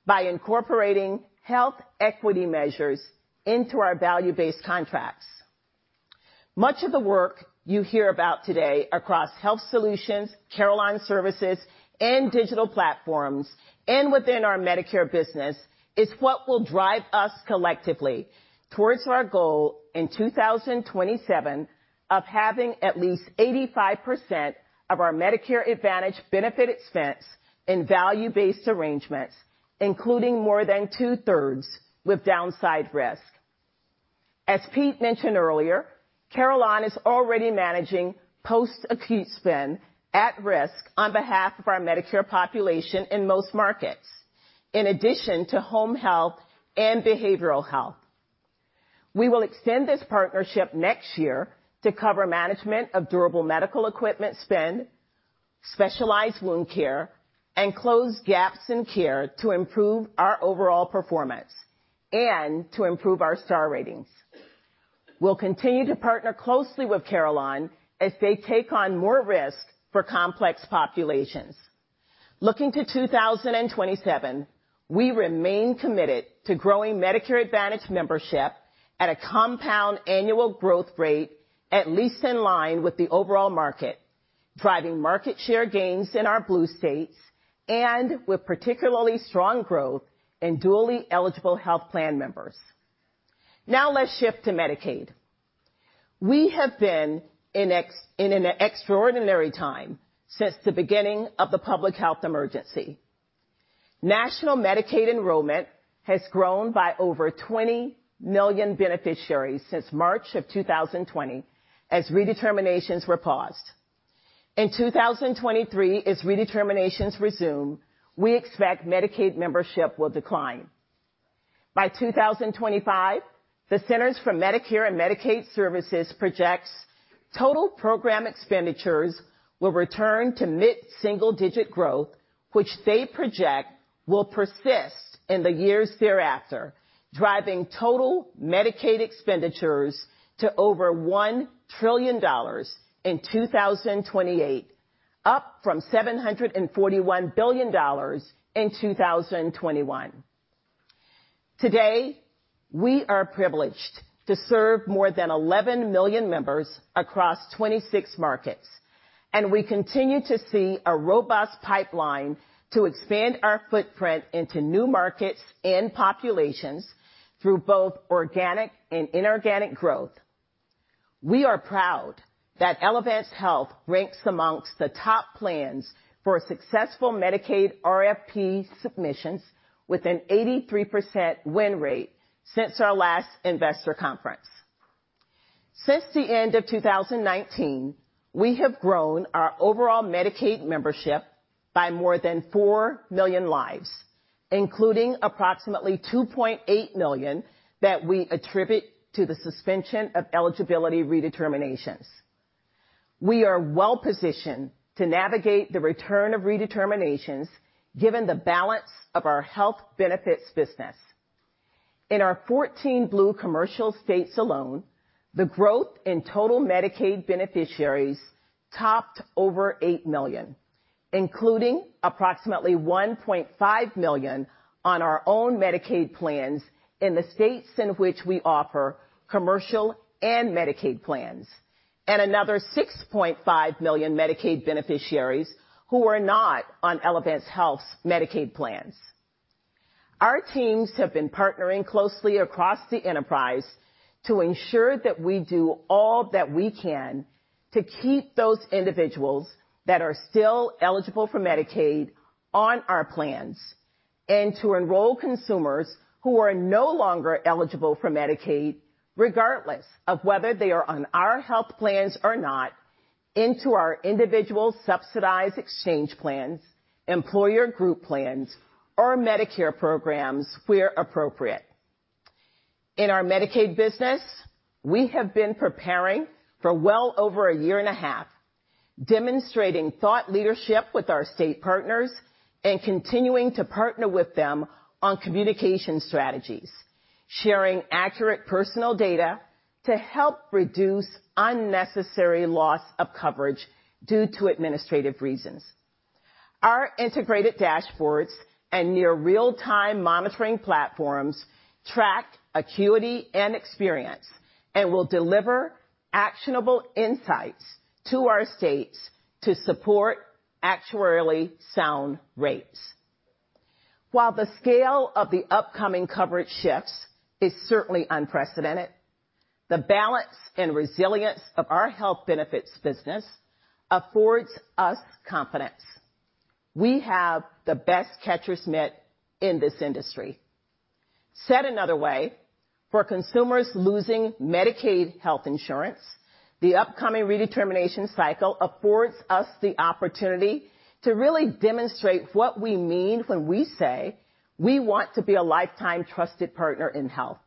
by incorporating health equity measures into our value-based contracts. Much of the work you hear about today across Health Solutions, Carelon Services, and digital platforms, and within our Medicare business, is what will drive us collectively towards our goal in 2027 of having at least 85% of our Medicare Advantage benefit expense in value-based arrangements, including more than two-thirds with downside risk. As Pete mentioned earlier, Carelon is already managing post-acute spend at risk on behalf of our Medicare population in most markets, in addition to home health and behavioral health. We will extend this partnership next year to cover management of Durable Medical Equipment spend, specialized wound care, and close gaps in care to improve our overall performance and to improve our Star Ratings. We'll continue to partner closely with Carelon as they take on more risk for complex populations. Looking to 2027, we remain committed to growing Medicare Advantage membership at a compound annual growth rate, at least in line with the overall market, driving market share gains in our Blue states and with particularly strong growth in dually eligible health plan members. Let's shift to Medicaid. We have been in an extraordinary time since the beginning of the public health emergency. National Medicaid enrollment has grown by over 20 million beneficiaries since March of 2020 as redeterminations were paused. In 2023, as redeterminations resume, we expect Medicaid membership will decline. By 2025, the Centers for Medicare & Medicaid Services projects total program expenditures will return to mid-single digit growth, which they project will persist in the years thereafter, driving total Medicaid expenditures to over $1 trillion in 2028, up from $741 billion in 2021. Today, we are privileged to serve more than 11 million members across 26 markets, and we continue to see a robust pipeline to expand our footprint into new markets and populations through both organic and inorganic growth. We are proud that Elevance Health ranks amongst the top plans for successful Medicaid RFP submissions with an 83% win rate since our last investor conference. Since the end of 2019, we have grown our overall Medicaid membership by more than 4 million lives, including approximately 2.8 million that we attribute to the suspension of eligibility redeterminations. We are well-positioned to navigate the return of redeterminations given the balance of our health benefits business. In our 14 Blue commercial states alone, the growth in total Medicaid beneficiaries topped over 8 million, including approximately 1.5 million on our own Medicaid plans in the states in which we offer commercial and Medicaid plans, and another 6.5 million Medicaid beneficiaries who are not on Elevance Health's Medicaid plans. Our teams have been partnering closely across the enterprise to ensure that we do all that we can to keep those individuals that are still eligible for Medicaid on our plans and to enroll consumers who are no longer eligible for Medicaid, regardless of whether they are on our health plans or not, into our individual subsidized exchange plans, employer group plans, or Medicare programs where appropriate. In our Medicaid business, we have been preparing for well over a year and a half, demonstrating thought leadership with our state partners and continuing to partner with them on communication strategies, sharing accurate personal data to help reduce unnecessary loss of coverage due to administrative reasons. Our integrated dashboards and near real-time monitoring platforms track acuity and experience and will deliver actionable insights to our states to support actuarially sound rates. While the scale of the upcoming coverage shifts is certainly unprecedented, the balance and resilience of our health benefits business affords us confidence. We have the best catcher's mitt in this industry. Said another way, for consumers losing Medicaid health insurance, the upcoming redetermination cycle affords us the opportunity to really demonstrate what we mean when we say we want to be a lifetime trusted partner in health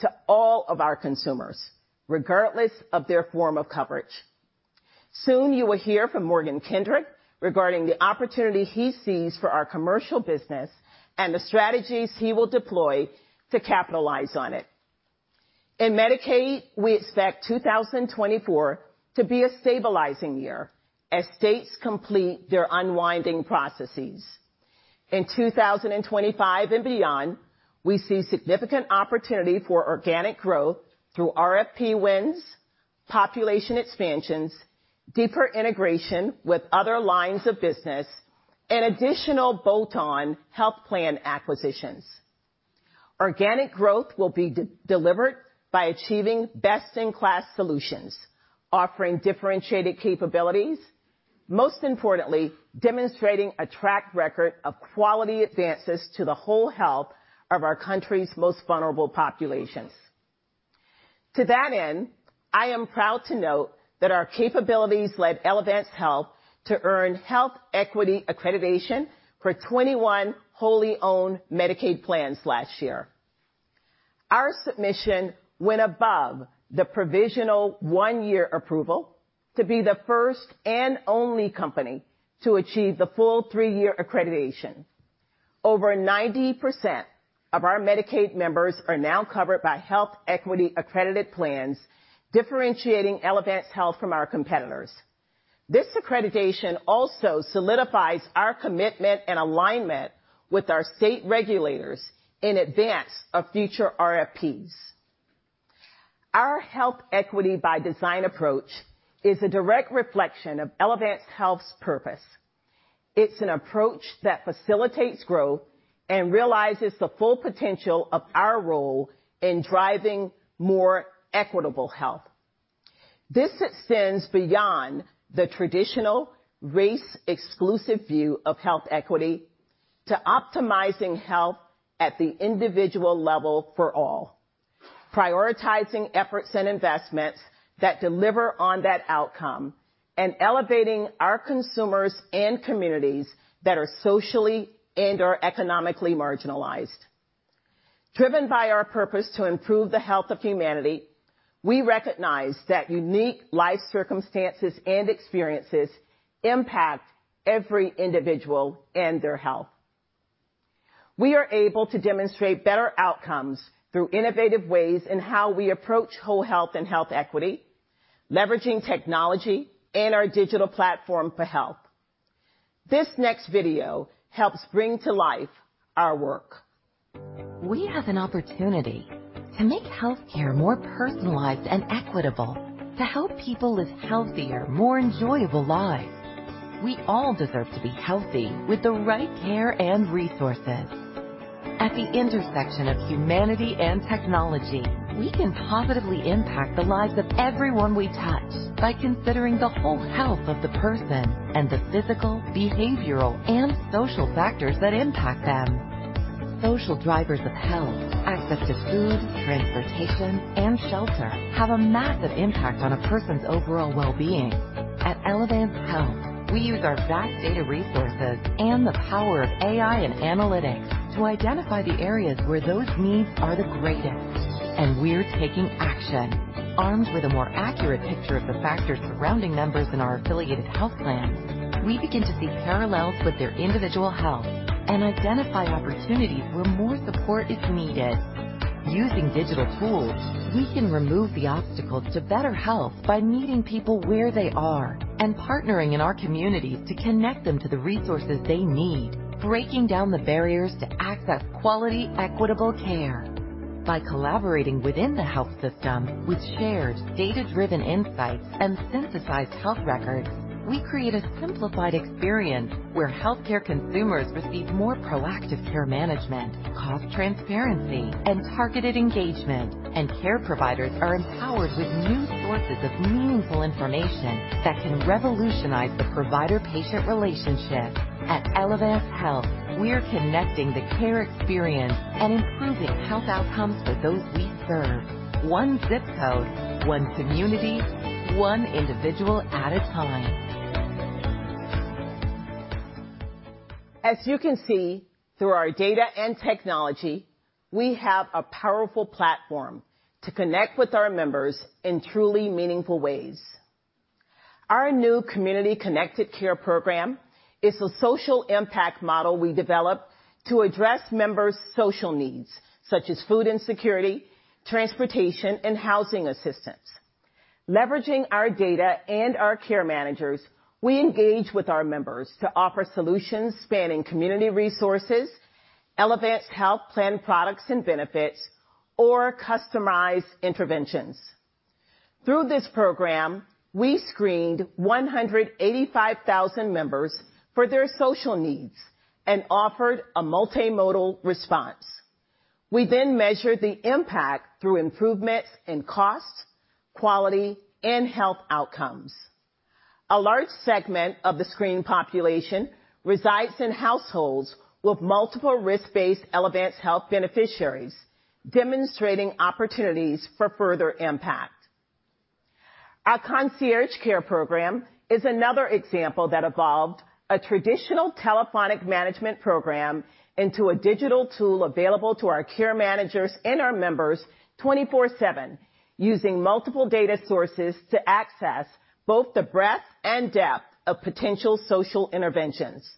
to all of our consumers, regardless of their form of coverage. Soon, you will hear from Morgan Kendrick regarding the opportunity he sees for our commercial business and the strategies he will deploy to capitalize on it. In Medicaid, we expect 2024 to be a stabilizing year as states complete their unwinding processes. In 2025 and beyond, we see significant opportunity for organic growth through RFP wins, population expansions, deeper integration with other lines of business, and additional bolt-on health plan acquisitions. Organic growth will be de-delivered by achieving best-in-class solutions, offering differentiated capabilities, most importantly, demonstrating a track record of quality advances to the whole health of our country's most vulnerable populations. To that end, I am proud to note that our capabilities led Elevance Health to earn Health Equity Accreditation for 21 wholly owned Medicaid plans last year. Our submission went above the provisional 1-year approval to be the first and only company to achieve the full 3-year accreditation. Over 90% of our Medicaid members are now covered by Health Equity Accredited plans, differentiating Elevance Health from our competitors. This accreditation also solidifies our commitment and alignment with our state regulators in advance of future RFPs. Our health equity by design approach is a direct reflection of Elevance Health's purpose. It's an approach that facilitates growth and realizes the full potential of our role in driving more equitable health. This extends beyond the traditional race-exclusive view of health equity to optimizing health at the individual level for all, prioritizing efforts and investments that deliver on that outcome, and elevating our consumers and communities that are socially and/or economically marginalized. Driven by our purpose to improve the health of humanity, we recognize that unique life circumstances and experiences impact every individual and their health. We are able to demonstrate better outcomes through innovative ways in how we approach whole health and health equity, leveraging technology and our digital platform for help. This next video helps bring to life our work. We have an opportunity to make healthcare more personalized and equitable, to help people live healthier, more enjoyable lives. We all deserve to be healthy with the right care and resources. At the intersection of humanity and technology, we can positively impact the lives of everyone we touch by considering the whole health of the person and the physical, behavioral, and social factors that impact them. Social drivers of health, access to food, transportation, and shelter, have a massive impact on a person's overall well-being. At Elevance Health, we use our vast data resources and the power of AI and analytics to identify the areas where those needs are the greatest, and we're taking action. Armed with a more accurate picture of the factors surrounding members in our affiliated health plans, we begin to see parallels with their individual health and identify opportunities where more support is needed. Using digital tools, we can remove the obstacles to better health by meeting people where they are and partnering in our communities to connect them to the resources they need, breaking down the barriers to access quality, equitable care. By collaborating within the health system with shared data-driven insights and synthesized health records, we create a simplified experience where healthcare consumers receive more proactive care management, cost transparency, and targeted engagement. Care providers are empowered with new sources of meaningful information that can revolutionize the provider-patient relationship. At Elevance Health, we're connecting the care experience and improving health outcomes for those we serve one zip code, one community, one individual at a time. As you can see, through our data and technology, we have a powerful platform to connect with our members in truly meaningful ways. Our new Community Connected Care program is a social impact model we developed to address members' social needs, such as food insecurity, transportation, and housing assistance. Leveraging our data and our care managers, we engage with our members to offer solutions spanning community resources, Elevance Health plan products and benefits or customized interventions. Through this program, we screened 185,000 members for their social needs and offered a multimodal response. We measured the impact through improvement in cost, quality, and health outcomes. A large segment of the screened population resides in households with multiple risk-based Elevance Health beneficiaries, demonstrating opportunities for further impact. Our Concierge Care program is another example that evolved a traditional telephonic management program into a digital tool available to our care managers and our members 24/7, using multiple data sources to access both the breadth and depth of potential social interventions.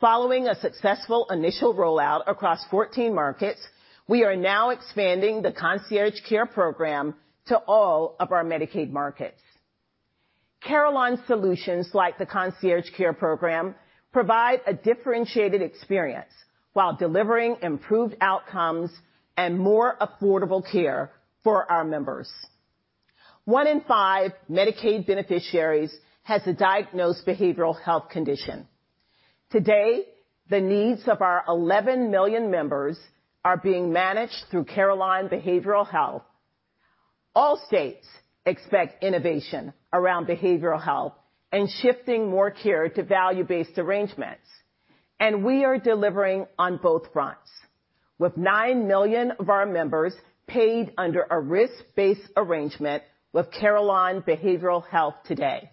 Following a successful initial rollout across 14 markets, we are now expanding the Concierge Care program to all of our Medicaid markets. Carelon solutions like the Concierge Care program provide a differentiated experience while delivering improved outcomes and more affordable care for our members. 1 in 5 Medicaid beneficiaries has a diagnosed behavioral health condition. Today, the needs of our 11 million members are being managed through Carelon Behavioral Health. All states expect innovation around behavioral health and shifting more care to value-based arrangements, and we are delivering on both fronts, with 9 million of our members paid under a risk-based arrangement with Carelon Behavioral Health today.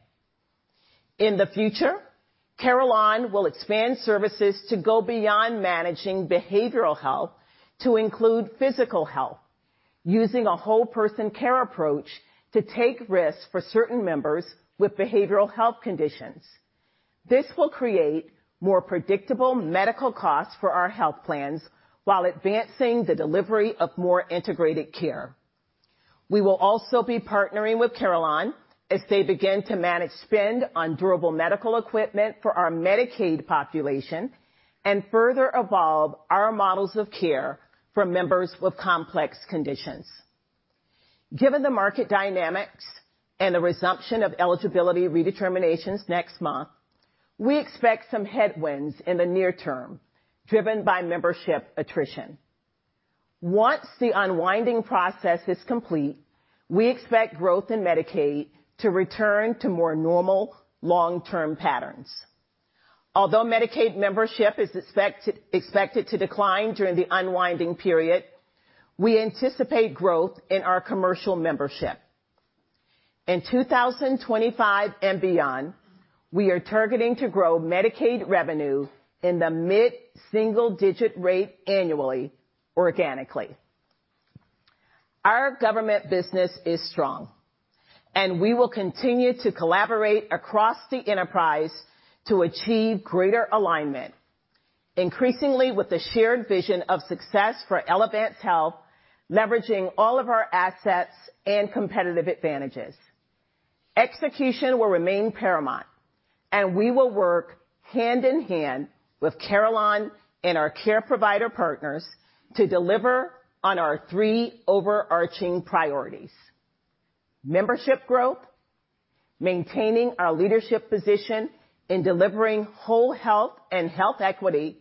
In the future, Carelon will expand services to go beyond managing behavioral health to include physical health, using a whole person care approach to take risks for certain members with behavioral health conditions. This will create more predictable medical costs for our health plans while advancing the delivery of more integrated care. We will also be partnering with Carelon as they begin to manage spend on Durable Medical Equipment for our Medicaid population and further evolve our models of care for members with complex conditions. Given the market dynamics and the resumption of eligibility redeterminations next month, we expect some headwinds in the near term, driven by membership attrition. Once the unwinding process is complete, we expect growth in Medicaid to return to more normal long-term patterns. Although Medicaid membership expected to decline during the unwinding period, we anticipate growth in our commercial membership. In 2025 and beyond, we are targeting to grow Medicaid revenue in the mid-single-digit rate annually, organically. Our government business is strong. We will continue to collaborate across the enterprise to achieve greater alignment, increasingly with the shared vision of success for Elevance Health, leveraging all of our assets and competitive advantages. Execution will remain paramount. We will work hand in hand with Carelon and our care provider partners to deliver on our three overarching priorities: membership growth, maintaining our leadership position in delivering whole health and health equity,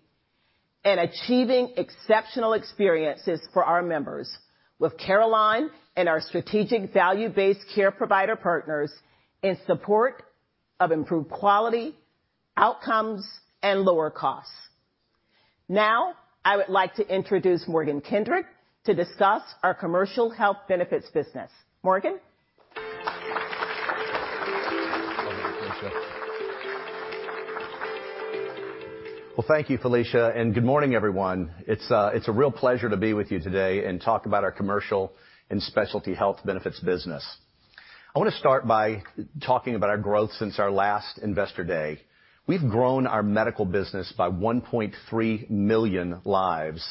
and achieving exceptional experiences for our members with Carelon and our strategic value-based care provider partners in support of improved quality, outcomes, and lower costs. I would like to introduce Morgan Kendrick to discuss our commercial health benefits business. Morgan? Welcome, Felicia. Well, thank you, Felicia. Good morning, everyone. It's a real pleasure to be with you today and talk about our commercial and specialty health benefits business. I wanna start by talking about our growth since our last investor day. We've grown our medical business by 1.3 million lives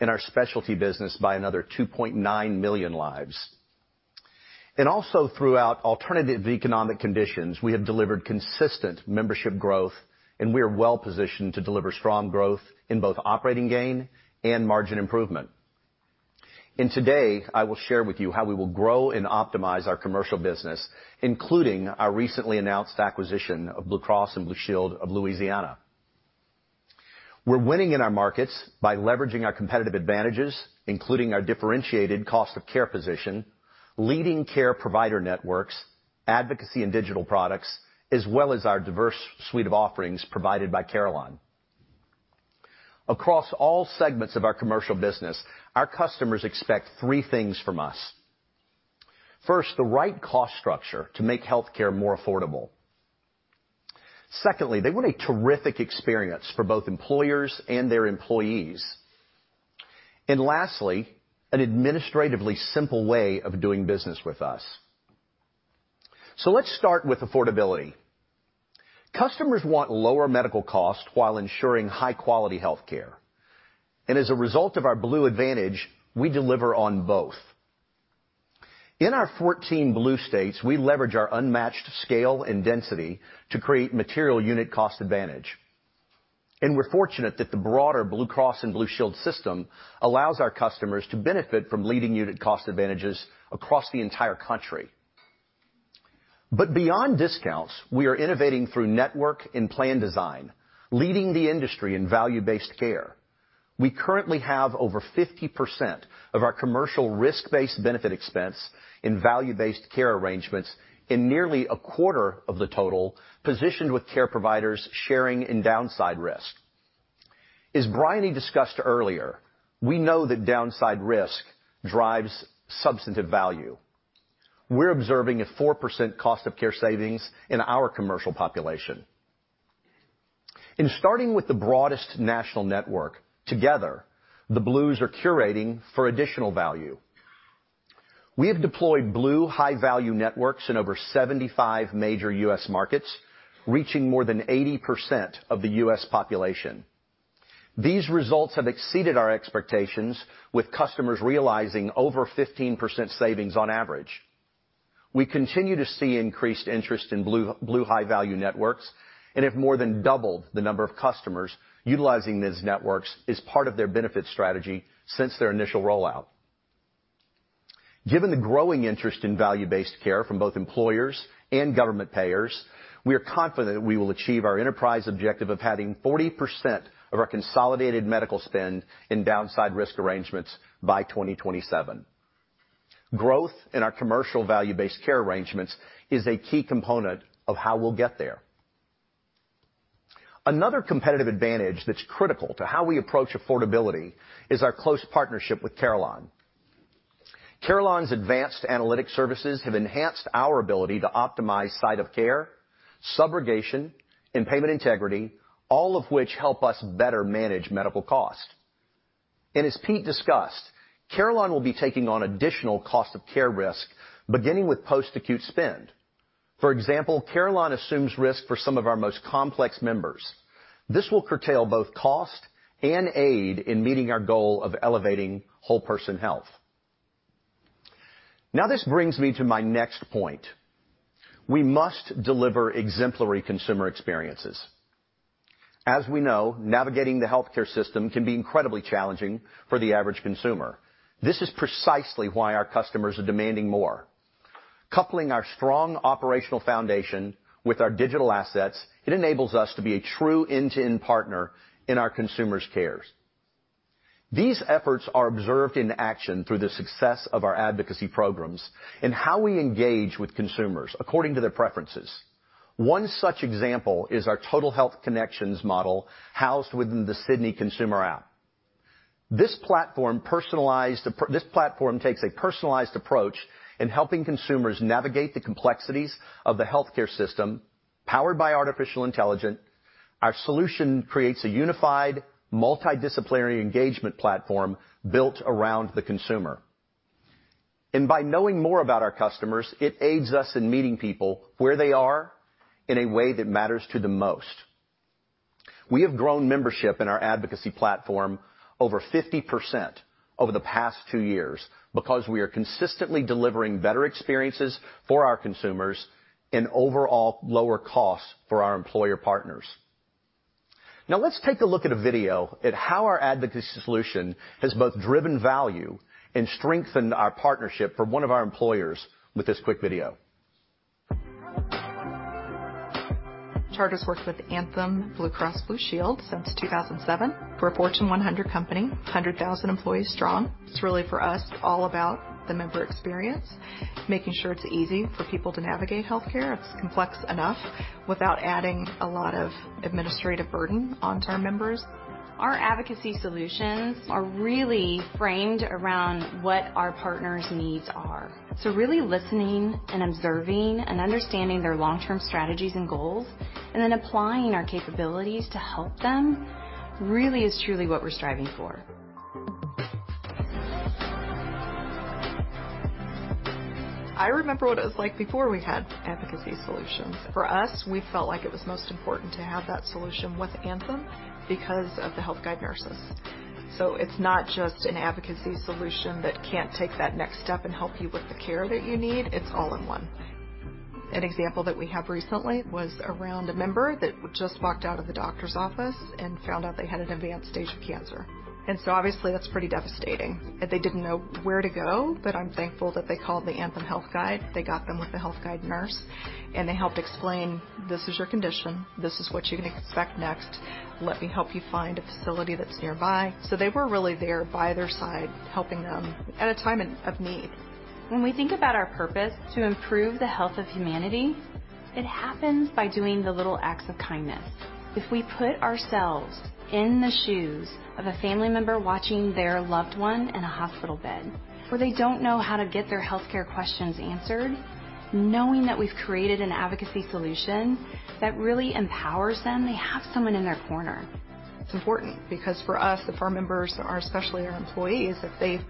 and our specialty business by another 2.9 million lives. Also throughout alternative economic conditions, we have delivered consistent membership growth, and we are well-positioned to deliver strong growth in both operating gain and margin improvement. Today, I will share with you how we will grow and optimize our commercial business, including our recently announced acquisition of Blue Cross and Blue Shield of Louisiana. We're winning in our markets by leveraging our competitive advantages, including our differentiated cost of care position, leading care provider networks, advocacy and digital products, as well as our diverse suite of offerings provided by Carelon. Across all segments of our commercial business, our customers expect three things from us. First, the right cost structure to make healthcare more affordable. Secondly, they want a terrific experience for both employers and their employees. Lastly, an administratively simple way of doing business with us. Let's start with affordability. Customers want lower medical costs while ensuring high-quality healthcare. As a result of our Blue Advantage, we deliver on both. In our 14 Blue states, we leverage our unmatched scale and density to create material unit cost advantage. We're fortunate that the broader Blue Cross and Blue Shield system allows our customers to benefit from leading unit cost advantages across the entire country. Beyond discounts, we are innovating through network and plan design, leading the industry in value-based care. We currently have over 50% of our commercial risk-based benefit expense in value-based care arrangements and nearly a quarter of the total positioned with care providers sharing in downside risk. As Bryony discussed earlier, we know that downside risk drives substantive value. We're observing a 4% cost of care savings in our commercial population. In starting with the broadest national network, together, the blues are curating for additional value. We have deployed blue high-value networks in over 75 major U.S. markets, reaching more than 80% of the U.S. population. These results have exceeded our expectations with customers realizing over 15% savings on average. We continue to see increased interest in Blue high-value networks and have more than doubled the number of customers utilizing these networks as part of their benefit strategy since their initial rollout. Given the growing interest in value-based care from both employers and government payers, we are confident we will achieve our enterprise objective of having 40% of our consolidated medical spend in downside risk arrangements by 2027. Growth in our commercial value-based care arrangements is a key component of how we'll get there. Another competitive advantage that's critical to how we approach affordability is our close partnership with Carelon. Carelon's advanced analytic services have enhanced our ability to optimize site of care, subrogation, and payment integrity, all of which help us better manage medical costs. As Pete discussed, Carelon will be taking on additional cost of care risk, beginning with post-acute spend. For example, Carelon assumes risk for some of our most complex members. This will curtail both cost and aid in meeting our goal of elevating whole person health. This brings me to my next point. We must deliver exemplary consumer experiences. As we know, navigating the healthcare system can be incredibly challenging for the average consumer. This is precisely why our customers are demanding more. Coupling our strong operational foundation with our digital assets, it enables us to be a true end-to-end partner in our consumers' cares. These efforts are observed in action through the success of our advocacy programs and how we engage with consumers according to their preferences. One such example is our Total Health Connections model housed within the Sydney consumer app. This platform takes a personalized approach in helping consumers navigate the complexities of the healthcare system. Powered by artificial intelligence, our solution creates a unified, multidisciplinary engagement platform built around the consumer. By knowing more about our customers, it aids us in meeting people where they are in a way that matters to them most. We have grown membership in our advocacy platform over 50% over the past 2 years because we are consistently delivering better experiences for our consumers and overall lower costs for our employer partners. Now let's take a look at a video at how our advocacy solution has both driven value and strengthened our partnership for one of our employers with this quick video. Chargers worked with Anthem Blue Cross and Blue Shield since 2007. We're a Fortune 100 company, 100,000 employees strong. It's really, for us, all about the member experience, making sure it's easy for people to navigate healthcare. It's complex enough without adding a lot of administrative burden onto our members. Our advocacy solutions are really framed around what our partners' needs are. Really listening and observing and understanding their long-term strategies and goals, and then applying our capabilities to help them really is truly what we're striving for. I remember what it was like before we had advocacy solutions. For us, we felt like it was most important to have that solution with Anthem because of the Health Guide nurses. It's not just an advocacy solution that can't take that next step and help you with the care that you need. It's all in one. An example that we had recently was around a member that just walked out of the doctor's office and found out they had an advanced stage of cancer. Obviously that's pretty devastating, and they didn't know where to go, but I'm thankful that they called the Anthem Health Guide. They got them with a Health Guide nurse, and they helped explain, "This is your condition, this is what you can expect next. Let me help you find a facility that's nearby." They were really there by their side, helping them at a time of need. When we think about our purpose to improve the health of humanity, it happens by doing the little acts of kindness. If we put ourselves in the shoes of a family member watching their loved one in a hospital bed, where they don't know how to get their healthcare questions answered, knowing that we've created an advocacy solution that really empowers them, they have someone in their corner. It's important because for us, if our members are, especially our employees, if they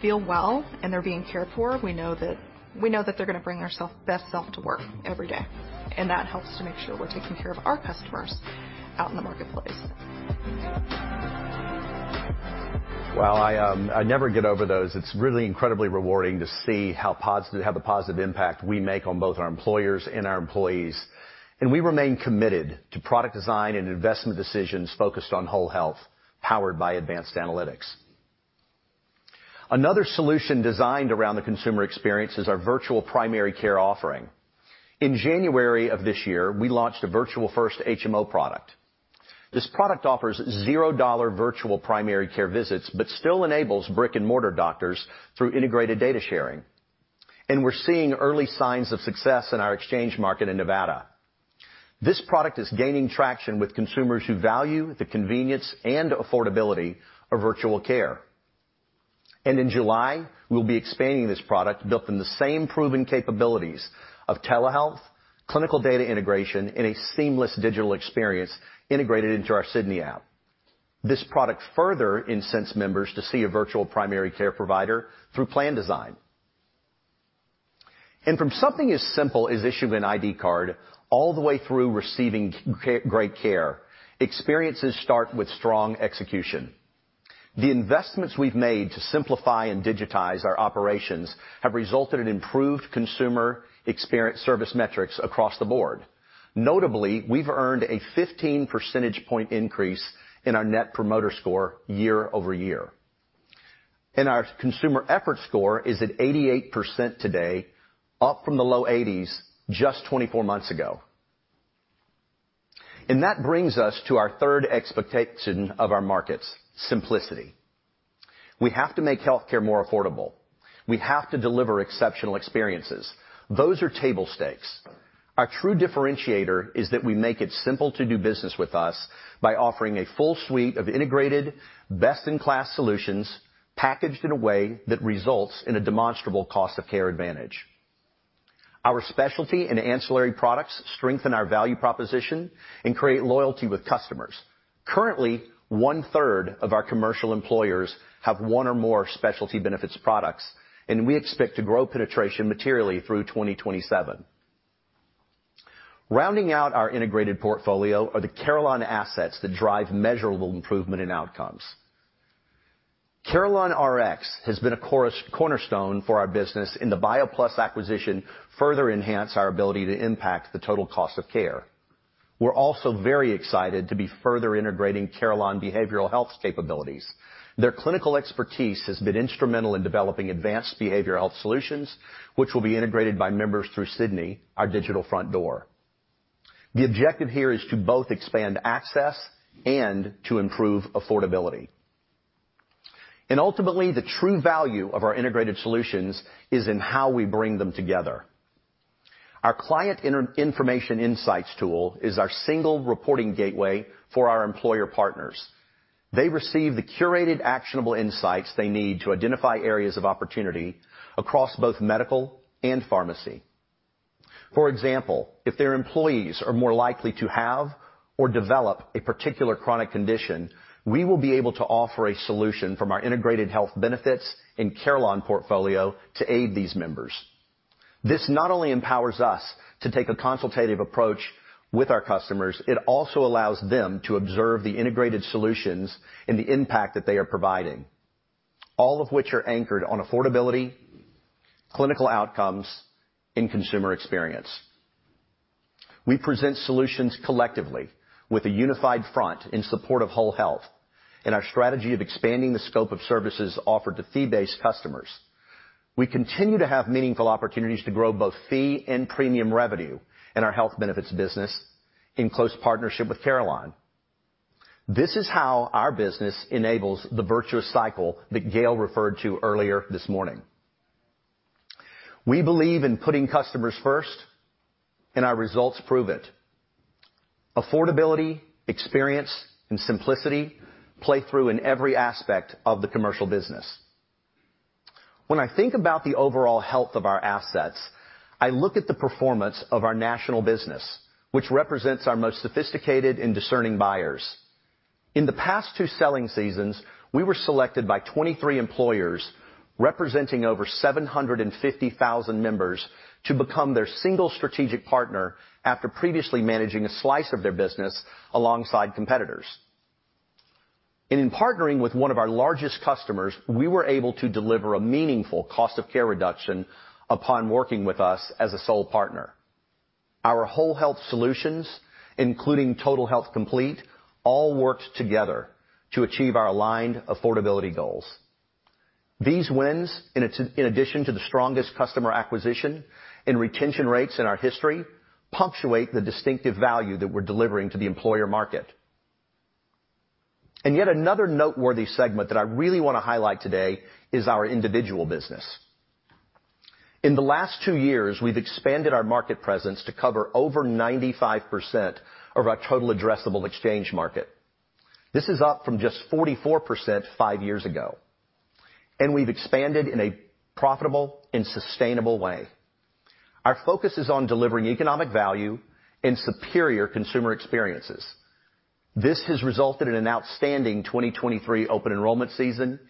feel well and they're being cared for, we know that they're gonna bring theirself best self to work every day, and that helps to make sure we're taking care of our customers out in the marketplace. I never get over those. It's really incredibly rewarding to see how the positive impact we make on both our employers and our employees. We remain committed to product design and investment decisions focused on whole health, powered by advanced analytics. Another solution designed around the consumer experience is our virtual primary care offering. In January of this year, we launched a Virtual-First HMO product. This product offers $0 virtual primary care visits, but still enables brick-and-mortar doctors through integrated data sharing. We're seeing early signs of success in our exchange market in Nevada. This product is gaining traction with consumers who value the convenience and affordability of virtual care. In July, we'll be expanding this product built in the same proven capabilities of telehealth, clinical data integration in a seamless digital experience integrated into our Sydney app. This product further incents members to see a virtual primary care provider through plan design. From something as simple as issuing an ID card all the way through receiving great care, experiences start with strong execution. The investments we've made to simplify and digitize our operations have resulted in improved consumer experience service metrics across the board. Notably, we've earned a 15 percentage point increase in our Net Promoter Score year-over-year. Our Customer Effort Score is at 88% today, up from the low 80s just 24 months ago. That brings us to our third expectation of our markets, simplicity. We have to make healthcare more affordable. We have to deliver exceptional experiences. Those are table stakes. Our true differentiator is that we make it simple to do business with us by offering a full suite of integrated, best-in-class solutions packaged in a way that results in a demonstrable cost of care advantage. Our specialty and ancillary products strengthen our value proposition and create loyalty with customers. Currently, one-third of our commercial employers have one or more specialty benefits products. We expect to grow penetration materially through 2027. Rounding out our integrated portfolio are the Carelon assets that drive measurable improvement in outcomes. CarelonRx has been a cornerstone for our business. The BioPlus acquisition further enhanced our ability to impact the total cost of care. We're also very excited to be further integrating Carelon Behavioral Health capabilities. Their clinical expertise has been instrumental in developing advanced behavioral health solutions, which will be integrated by members through Sydney, our digital front door. The objective here is to both expand access and to improve affordability. Ultimately, the true value of our integrated solutions is in how we bring them together. Our client information insights tool is our single reporting gateway for our employer partners. They receive the curated, actionable insights they need to identify areas of opportunity across both medical and pharmacy. For example, if their employees are more likely to have or develop a particular chronic condition, we will be able to offer a solution from our integrated health benefits and Carelon portfolio to aid these members. This not only empowers us to take a consultative approach with our customers, it also allows them to observe the integrated solutions and the impact that they are providing, all of which are anchored on affordability, clinical outcomes, and consumer experience. We present solutions collectively with a unified front in support of whole health and our strategy of expanding the scope of services offered to fee-based customers. We continue to have meaningful opportunities to grow both fee and premium revenue in our health benefits business in close partnership with Carelon. This is how our business enables the virtuous cycle that Gail referred to earlier this morning. We believe in putting customers first, and our results prove it. Affordability, experience, and simplicity play through in every aspect of the commercial business. When I think about the overall health of our assets, I look at the performance of our national business, which represents our most sophisticated and discerning buyers. In the past two selling seasons, we were selected by 23 employers representing over 750,000 members to become their single strategic partner after previously managing a slice of their business alongside competitors. In partnering with one of our largest customers, we were able to deliver a meaningful cost of care reduction upon working with us as a sole partner. Our whole health solutions, including Total Health Complete, all worked together to achieve our aligned affordability goals. These wins, in addition to the strongest customer acquisition and retention rates in our history, punctuate the distinctive value that we're delivering to the employer market. Yet another noteworthy segment that I really wanna highlight today is our individual business. In the last two years, we've expanded our market presence to cover over 95% of our total addressable exchange market. This is up from just 44% five years ago. We've expanded in a profitable and sustainable way. Our focus is on delivering economic value and superior consumer experiences. This has resulted in an outstanding 2023 open enrollment season.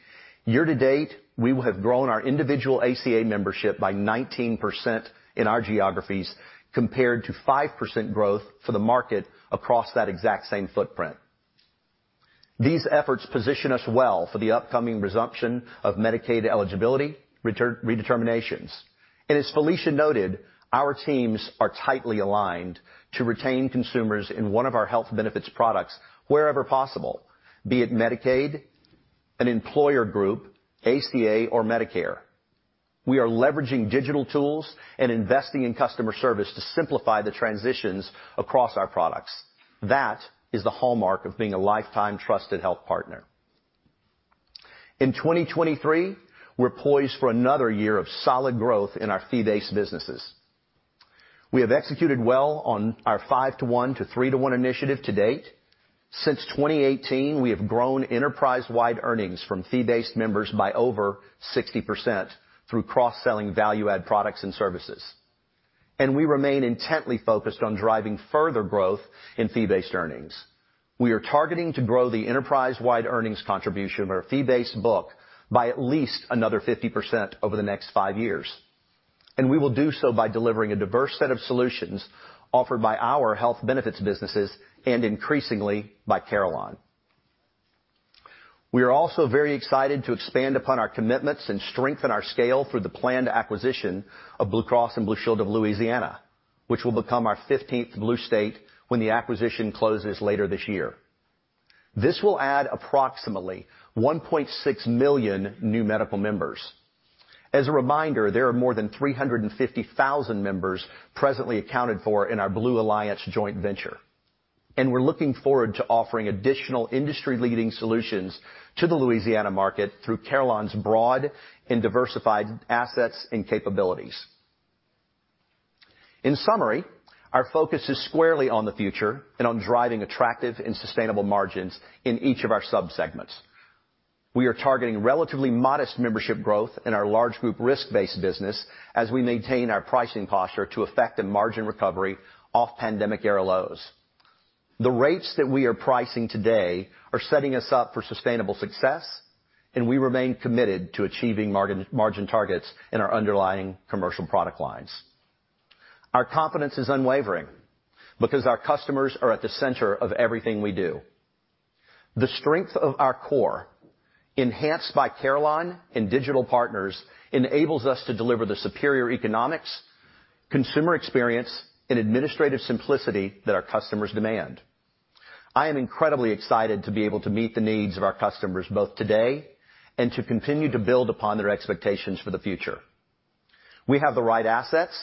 Year to date, we have grown our individual ACA membership by 19% in our geographies, compared to 5% growth for the market across that exact same footprint. These efforts position us well for the upcoming resumption of Medicaid eligibility redeterminations. As Felicia noted, our teams are tightly aligned to retain consumers in one of our health benefits products wherever possible, be it Medicaid, an employer group, ACA, or Medicare. We are leveraging digital tools and investing in customer service to simplify the transitions across our products. That is the hallmark of being a lifetime trusted health partner. In 2023, we're poised for another year of solid growth in our fee-based businesses. We have executed well on our 5-to-1 to 3-to-1 initiative to date. Since 2018, we have grown enterprise-wide earnings from fee-based members by over 60% through cross-selling value-add products and services. We remain intently focused on driving further growth in fee-based earnings. We are targeting to grow the enterprise-wide earnings contribution of our fee-based book by at least another 50% over the next five years, and we will do so by delivering a diverse set of solutions offered by our health benefits businesses and increasingly by Carelon. We are also very excited to expand upon our commitments and strengthen our scale through the planned acquisition of Blue Cross and Blue Shield of Louisiana, which will become our fifteenth Blue state when the acquisition closes later this year. This will add approximately 1.6 million new medical members. As a reminder, there are more than 350,000 members presently accounted for in our Blue Alliance joint venture. We're looking forward to offering additional industry-leading solutions to the Louisiana market through Carelon's broad and diversified assets and capabilities. In summary, our focus is squarely on the future and on driving attractive and sustainable margins in each of our sub-segments. We are targeting relatively modest membership growth in our large group risk-based business as we maintain our pricing posture to effect a margin recovery off pandemic era lows. The rates that we are pricing today are setting us up for sustainable success. We remain committed to achieving margin targets in our underlying commercial product lines. Our confidence is unwavering because our customers are at the center of everything we do. The strength of our core, enhanced by Carelon and digital partners, enables us to deliver the superior economics, consumer experience, and administrative simplicity that our customers demand. I am incredibly excited to be able to meet the needs of our customers both today and to continue to build upon their expectations for the future. We have the right assets,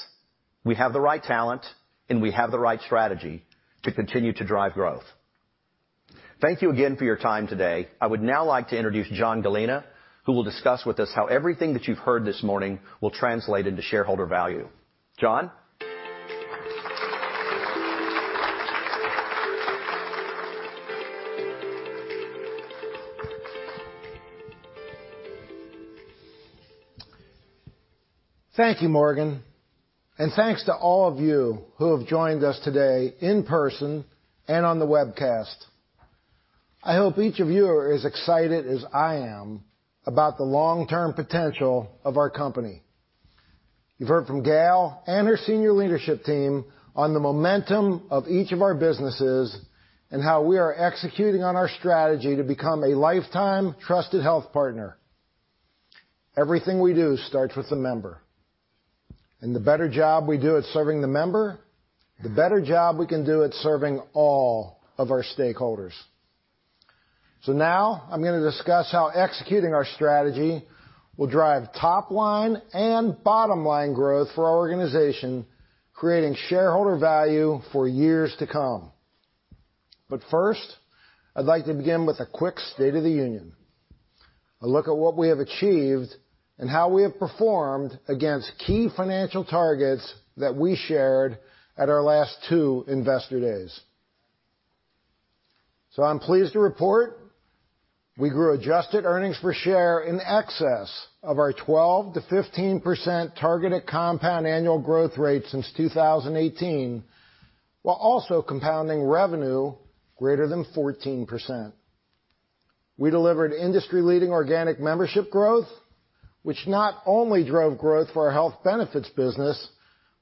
we have the right talent, and we have the right strategy to continue to drive growth. Thank you again for your time today. I would now like to introduce John Gallina, who will discuss with us how everything that you've heard this morning will translate into shareholder value. John? Thank you, Morgan, and thanks to all of you who have joined us today in person and on the webcast. I hope each of you are as excited as I am about the long-term potential of our company. You've heard from Gail and her senior leadership team on the momentum of each of our businesses and how we are executing on our strategy to become a lifetime trusted health partner. Everything we do starts with the member. The better job we do at serving the member, the better job we can do at serving all of our stakeholders. Now I'm going to discuss how executing our strategy will drive top-line and bottom-line growth for our organization, creating shareholder value for years to come. First, I'd like to begin with a quick state of the union, a look at what we have achieved and how we have performed against key financial targets that we shared at our last two investor days. I'm pleased to report we grew adjusted earnings per share in excess of our 12%-15% targeted compound annual growth rate since 2018, while also compounding revenue greater than 14%. We delivered industry-leading organic membership growth, which not only drove growth for our health benefits business,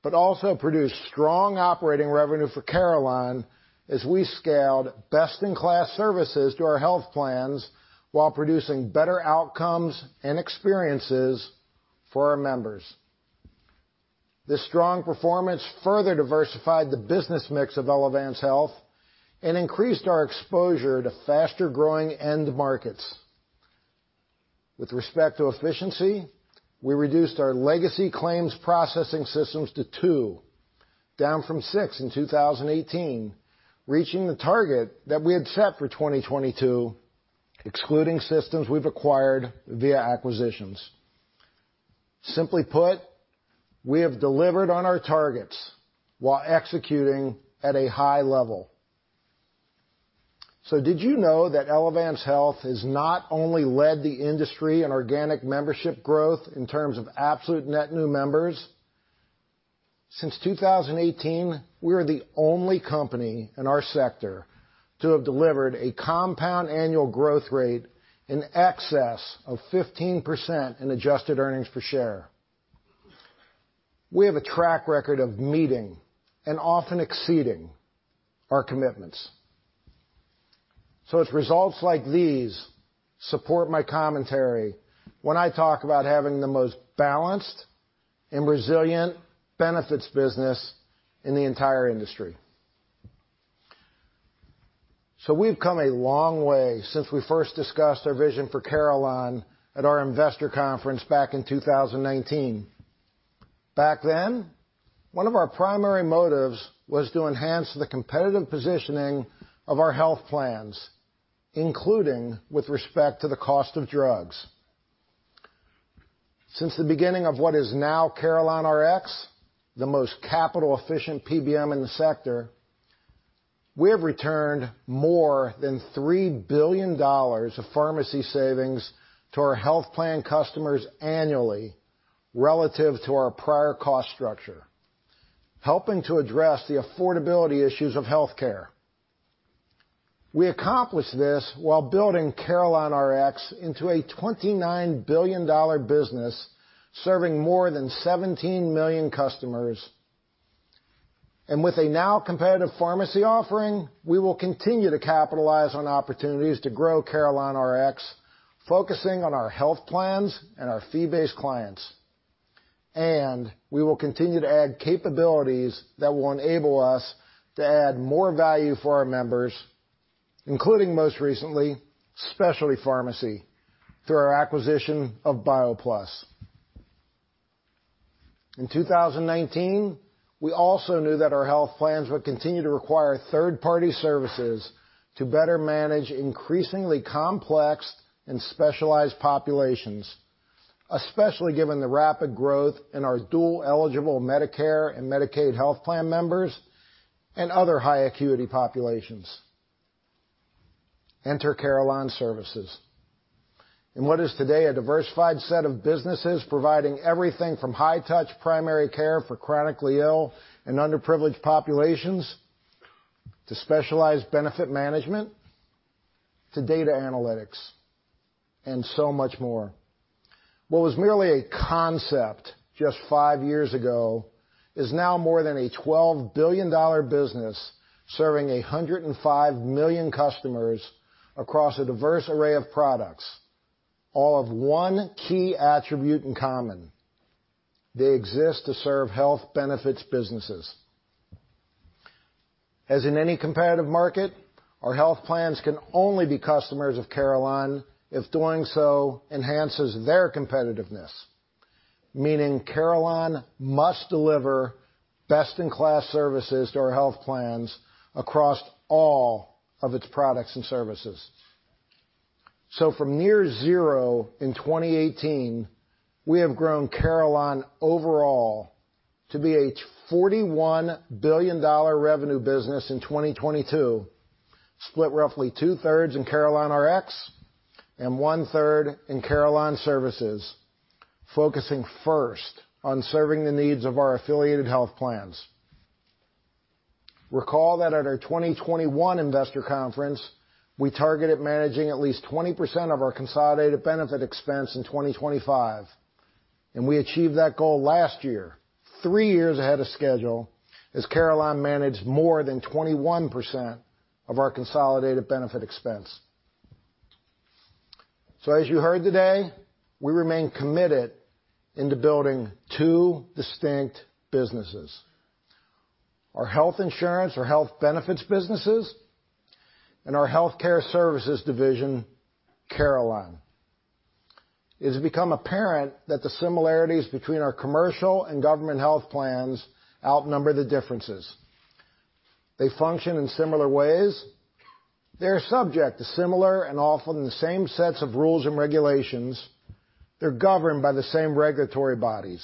but also produced strong operating revenue for Carelon as we scaled best-in-class services to our health plans while producing better outcomes and experiences for our members. This strong performance further diversified the business mix of Elevance Health and increased our exposure to faster-growing end markets. With respect to efficiency, we reduced our legacy claims processing systems to 2, down from 6 in 2018, reaching the target that we had set for 2022, excluding systems we've acquired via acquisitions. Simply put, we have delivered on our targets while executing at a high level. Did you know that Elevance Health has not only led the industry in organic membership growth in terms of absolute net new members? Since 2018, we are the only company in our sector to have delivered a compound annual growth rate in excess of 15% in adjusted earnings per share. We have a track record of meeting and often exceeding our commitments. It's results like these support my commentary when I talk about having the most balanced and resilient benefits business in the entire industry. We've come a long way since we first discussed our vision for Carelon at our investor conference back in 2019. Back then, one of our primary motives was to enhance the competitive positioning of our health plans, including with respect to the cost of drugs. Since the beginning of what is now CarelonRx, the most capital-efficient PBM in the sector, we have returned more than $3 billion of pharmacy savings to our health plan customers annually relative to our prior cost structure, helping to address the affordability issues of healthcare. We accomplished this while building CarelonRx into a $29 billion business serving more than 17 million customers. With a now competitive pharmacy offering, we will continue to capitalize on opportunities to grow CarelonRx, focusing on our health plans and our fee-based clients. We will continue to add capabilities that will enable us to add more value for our members, including, most recently, specialty pharmacy through our acquisition of BioPlus. In 2019, we also knew that our health plans would continue to require third-party services to better manage increasingly complex and specialized populations, especially given the rapid growth in our dual-eligible Medicare and Medicaid health plan members and other high-acuity populations. Enter Carelon Services. In what is today a diversified set of businesses providing everything from high-touch primary care for chronically ill and underprivileged populations to specialized benefit management to data analytics and so much more. What was merely a concept just five years ago is now more than a $12 billion business serving 105 million customers across a diverse array of products, all of one key attribute in common: They exist to serve health benefits businesses. As in any competitive market, our health plans can only be customers of Carelon if doing so enhances their competitiveness, meaning Carelon must deliver best-in-class services to our health plans across all of its products and services. From near zero in 2018, we have grown Carelon overall to be a $41 billion revenue business in 2022, split roughly 2/3 in CarelonRx and 1/3 in Carelon Services, focusing first on serving the needs of our affiliated health plans. Recall that at our 2021 investor conference, we targeted managing at least 20% of our consolidated benefit expense in 2025. We achieved that goal last year, 3 years ahead of schedule, as Carelon managed more than 21% of our consolidated benefit expense. As you heard today, we remain committed into building 2 distinct businesses. Our health insurance or health benefits businesses, our healthcare services division, Carelon. It has become apparent that the similarities between our commercial and government health plans outnumber the differences. They function in similar ways. They are subject to similar and often the same sets of rules and regulations. They're governed by the same regulatory bodies.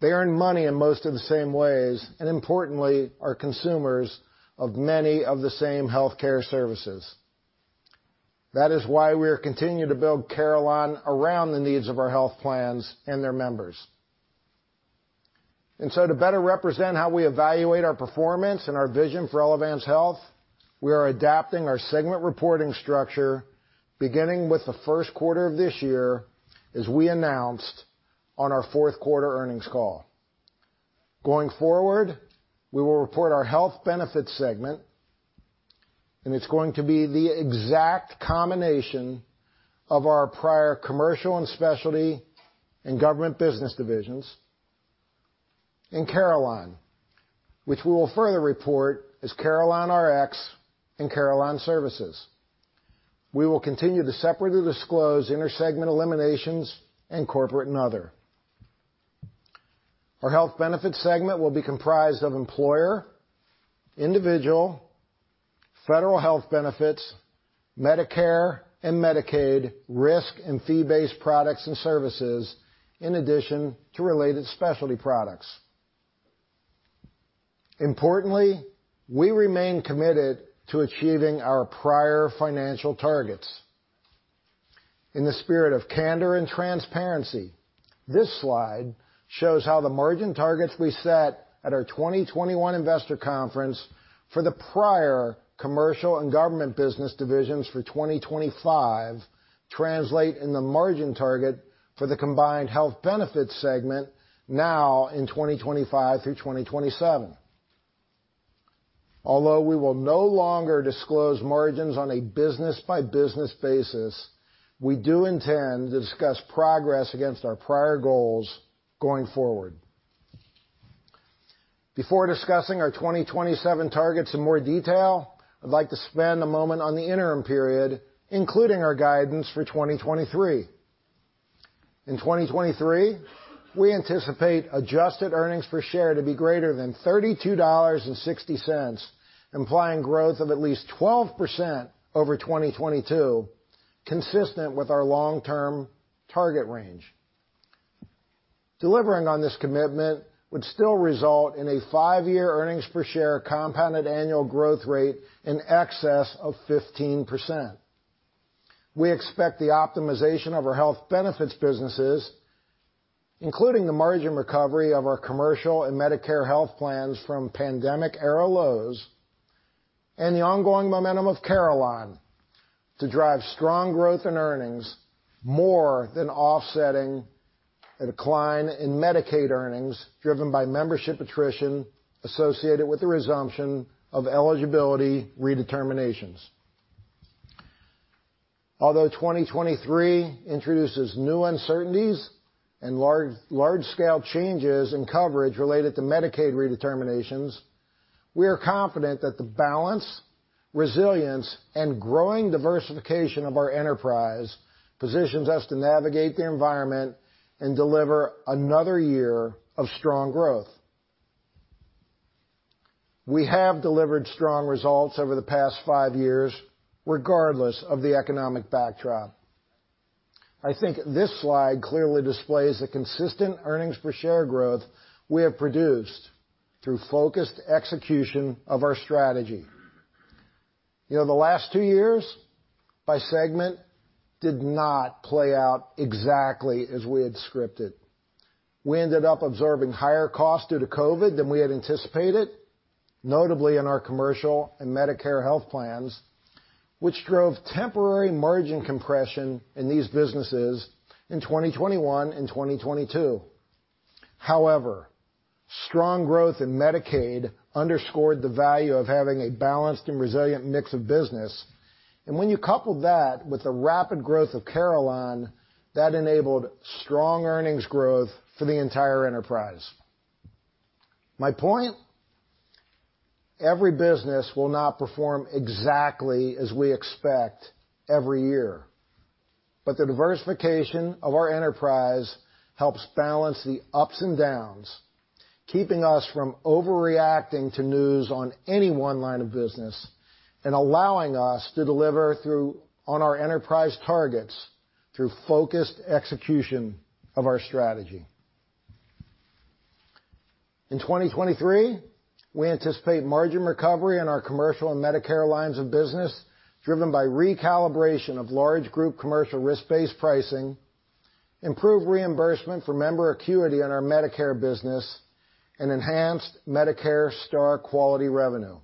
They earn money in most of the same ways. Importantly, are consumers of many of the same healthcare services. That is why we are continuing to build Carelon around the needs of our health plans and their members. To better represent how we evaluate our performance and our vision for Elevance Health, we are adapting our segment reporting structure beginning with the first quarter of this year, as we announced on our fourth quarter earnings call. Going forward, we will report our health benefits segment, and it's going to be the exact combination of our prior commercial and specialty and government business divisions in Carelon, which we will further report as CarelonRx and Carelon Services. We will continue to separately disclose intersegment eliminations and corporate and other. Our health benefits segment will be comprised of employer, individual, federal health benefits, Medicare, and Medicaid risk and fee-based products and services, in addition to related specialty products. Importantly, we remain committed to achieving our prior financial targets. In the spirit of candor and transparency, this slide shows how the margin targets we set at our 2021 investor conference for the prior commercial and government business divisions for 2025 translate in the margin target for the combined health benefits segment now in 2025-2027. We will no longer disclose margins on a business-by-business basis, we do intend to discuss progress against our prior goals going forward. Before discussing our 2027 targets in more detail, I'd like to spend a moment on the interim period, including our guidance for 2023. In 2023, we anticipate adjusted earnings per share to be greater than $32.60, implying growth of at least 12% over 2022, consistent with our long-term target range. Delivering on this commitment would still result in a five-year earnings per share compounded annual growth rate in excess of 15%. We expect the optimization of our health benefits businesses, including the margin recovery of our commercial and Medicare health plans from pandemic era lows and the ongoing momentum of Carelon to drive strong growth in earnings, more than offsetting a decline in Medicaid earnings driven by membership attrition associated with the resumption of eligibility redeterminations. Although 2023 introduces new uncertainties and large-scale changes in coverage related to Medicaid redeterminations, we are confident that the balance, resilience, and growing diversification of our enterprise positions us to navigate the environment and deliver another year of strong growth. We have delivered strong results over the past five years, regardless of the economic backdrop. I think this slide clearly displays the consistent earnings per share growth we have produced through focused execution of our strategy. You know, the last two years by segment did not play out exactly as we had scripted. We ended up absorbing higher costs due to COVID than we had anticipated, notably in our commercial and Medicare health plans, which drove temporary margin compression in these businesses in 2021 and 2022. However, strong growth in Medicaid underscored the value of having a balanced and resilient mix of business, and when you couple that with the rapid growth of Carelon, that enabled strong earnings growth for the entire enterprise. My point? Every business will not perform exactly as we expect every year, the diversification of our enterprise helps balance the ups and downs, keeping us from overreacting to news on any one line of business and allowing us to deliver through on our enterprise targets through focused execution of our strategy. In 2023, we anticipate margin recovery in our commercial and Medicare lines of business, driven by recalibration of large group commercial risk-based pricing, improved reimbursement for member acuity in our Medicare business, and enhanced Medicare Star quality revenue.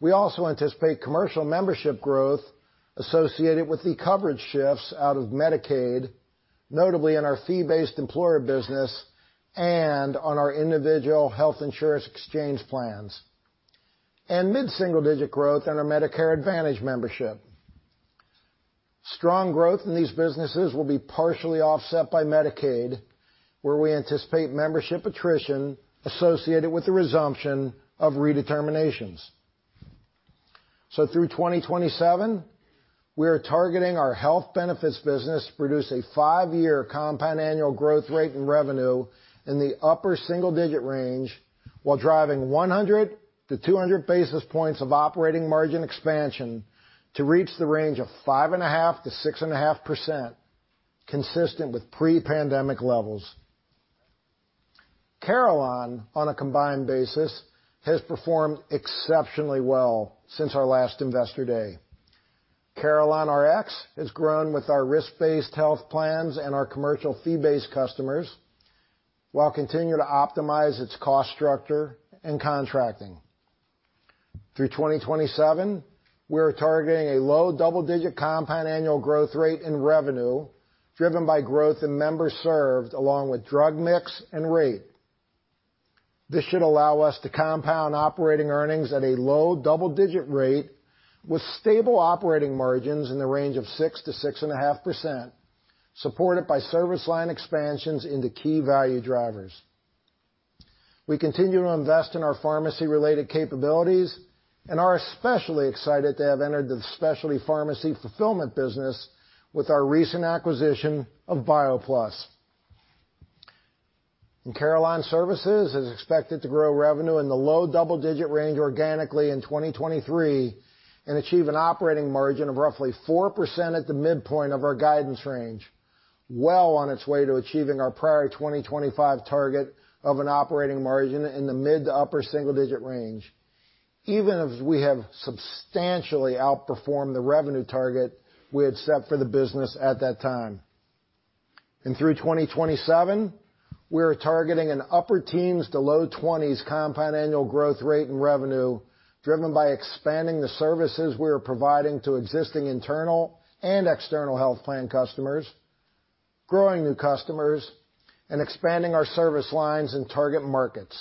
We also anticipate commercial membership growth associated with the coverage shifts out of Medicaid, notably in our fee-based employer business and on our individual health insurance exchange plans, and mid-single-digit growth in our Medicare Advantage membership. Strong growth in these businesses will be partially offset by Medicaid, where we anticipate membership attrition associated with the resumption of redeterminations. Through 2027, we are targeting our health benefits business to produce a five-year compound annual growth rate in revenue in the upper single digit range while driving 100 to 200 basis points of operating margin expansion to reach the range of 5.5%-6.5%, consistent with pre-pandemic levels. Carelon, on a combined basis, has performed exceptionally well since our last Investor Day. CarelonRx has grown with our risk-based health plans and our commercial fee-based customers, while continuing to optimize its cost structure and contracting. Through 2027, we are targeting a low double-digit compound annual growth rate in revenue driven by growth in members served along with drug mix and rate. This should allow us to compound operating earnings at a low double-digit rate with stable operating margins in the range of 6%-6.5%, supported by service line expansions into key value drivers. We continue to invest in our pharmacy-related capabilities and are especially excited to have entered the specialty pharmacy fulfillment business with our recent acquisition of BioPlus. Carelon Services is expected to grow revenue in the low double-digit range organically in 2023 and achieve an operating margin of roughly 4% at the midpoint of our guidance range. Well on its way to achieving our prior 2025 target of an operating margin in the mid to upper single-digit range, even as we have substantially outperformed the revenue target we had set for the business at that time. Through 2027, we are targeting an upper teens to low 20s compound annual growth rate in revenue driven by expanding the services we are providing to existing internal and external health plan customers, growing new customers and expanding our service lines in target markets.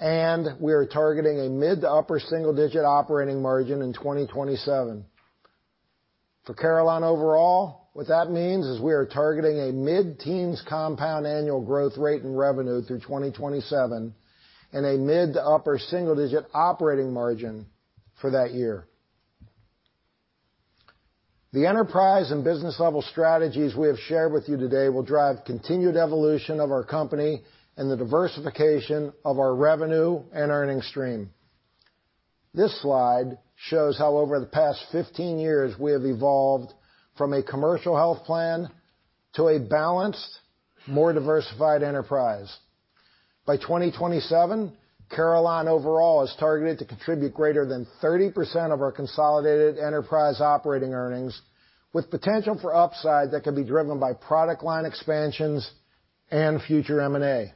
We are targeting a mid to upper single-digit operating margin in 2027. For Carelon overall, what that means is we are targeting a mid-teens compound annual growth rate in revenue through 2027 and a mid to upper single-digit operating margin for that year. The enterprise and business-level strategies we have shared with you today will drive continued evolution of our company and the diversification of our revenue and earnings stream. This slide shows how over the past 15 years we have evolved from a commercial health plan to a balanced, more diversified enterprise. By 2027, Carelon overall is targeted to contribute greater than 30% of our consolidated enterprise operating earnings, with potential for upside that could be driven by product line expansions and future M&A.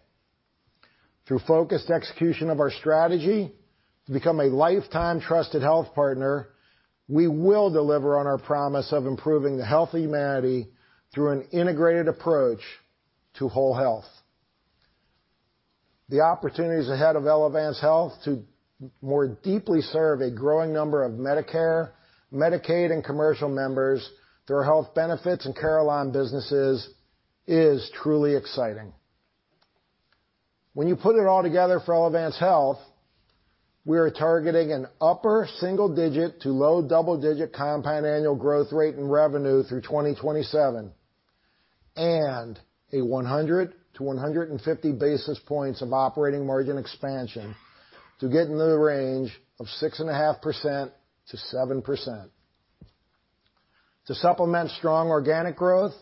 Through focused execution of our strategy to become a lifetime trusted health partner, we will deliver on our promise of improving the health of humanity through an integrated approach to whole health. The opportunities ahead of Elevance Health to more deeply serve a growing number of Medicare, Medicaid, and commercial members through our health benefits and Carelon businesses is truly exciting. When you put it all together for Elevance Health, we are targeting an upper single digit to low double-digit compound annual growth rate in revenue through 2027, and a 100 to 150 basis points of operating margin expansion to get into the range of 6.5%-7%. To supplement strong organic growth,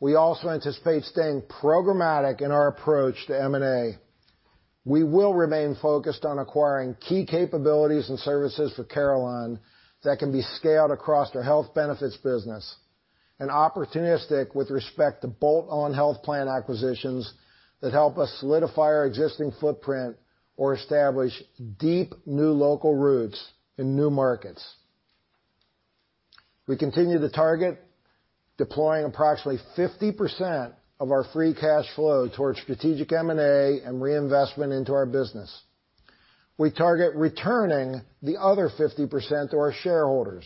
we also anticipate staying programmatic in our approach to M&A. We will remain focused on acquiring key capabilities and services for Carelon that can be scaled across their health benefits business, and opportunistic with respect to bolt-on health plan acquisitions that help us solidify our existing footprint or establish deep new local roots in new markets. We continue to target deploying approximately 50% of our free cash flow towards strategic M&A and reinvestment into our business. We target returning the other 50% to our shareholders,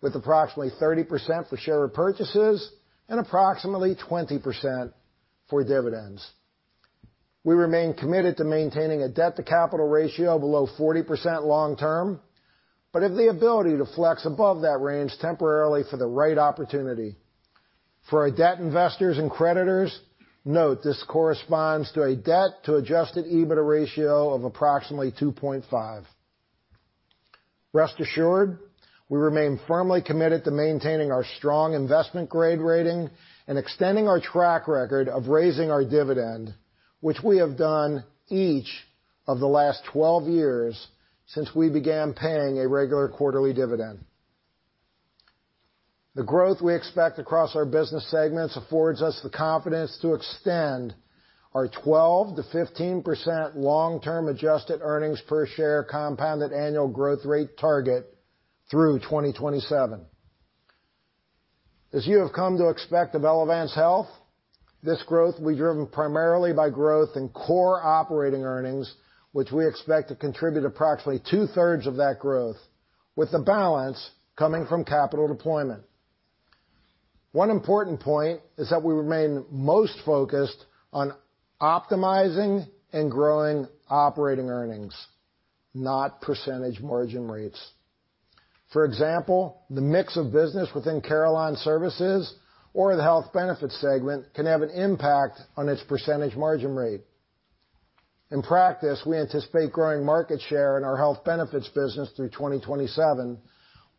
with approximately 30% for share repurchases and approximately 20% for dividends. We remain committed to maintaining a debt-to-capital ratio below 40% long term, but have the ability to flex above that range temporarily for the right opportunity. For our debt investors and creditors, note this corresponds to a debt-to-adjusted EBITDA ratio of approximately 2.5. Rest assured, we remain firmly committed to maintaining our strong investment grade rating and extending our track record of raising our dividend, which we have done each of the last 12 years since we began paying a regular quarterly dividend. The growth we expect across our business segments affords us the confidence to extend our 12%-15% long-term adjusted earnings per share compounded annual growth rate target through 2027. As you have come to expect of Elevance Health, this growth will be driven primarily by growth in core operating earnings, which we expect to contribute approximately 2/3 of that growth, with the balance coming from capital deployment. One important point is that we remain most focused on optimizing and growing operating earnings, not percentage margin rates. For example, the mix of business within Carelon Services or the health benefits segment can have an impact on its percentage margin rate. In practice, we anticipate growing market share in our health benefits business through 2027,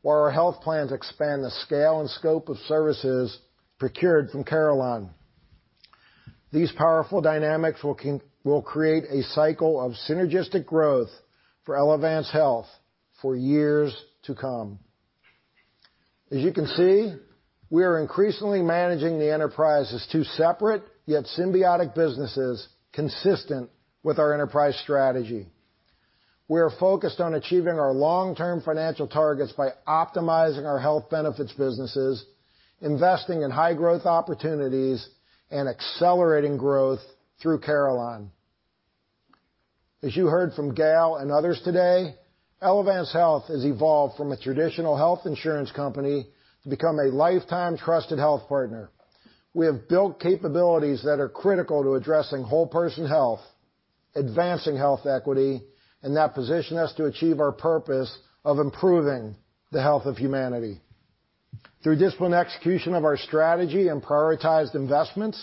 while our health plans expand the scale and scope of services procured from Carelon. These powerful dynamics will create a cycle of synergistic growth for Elevance Health for years to come. As you can see, we are increasingly managing the enterprise as 2 separate yet symbiotic businesses consistent with our enterprise strategy. We are focused on achieving our long-term financial targets by optimizing our health benefits businesses, investing in high-growth opportunities, and accelerating growth through Carelon. As you heard from Gail and others today, Elevance Health has evolved from a traditional health insurance company to become a lifetime trusted health partner. We have built capabilities that are critical to addressing whole person health, advancing health equity, and that position us to achieve our purpose of improving the health of humanity. Through disciplined execution of our strategy and prioritized investments,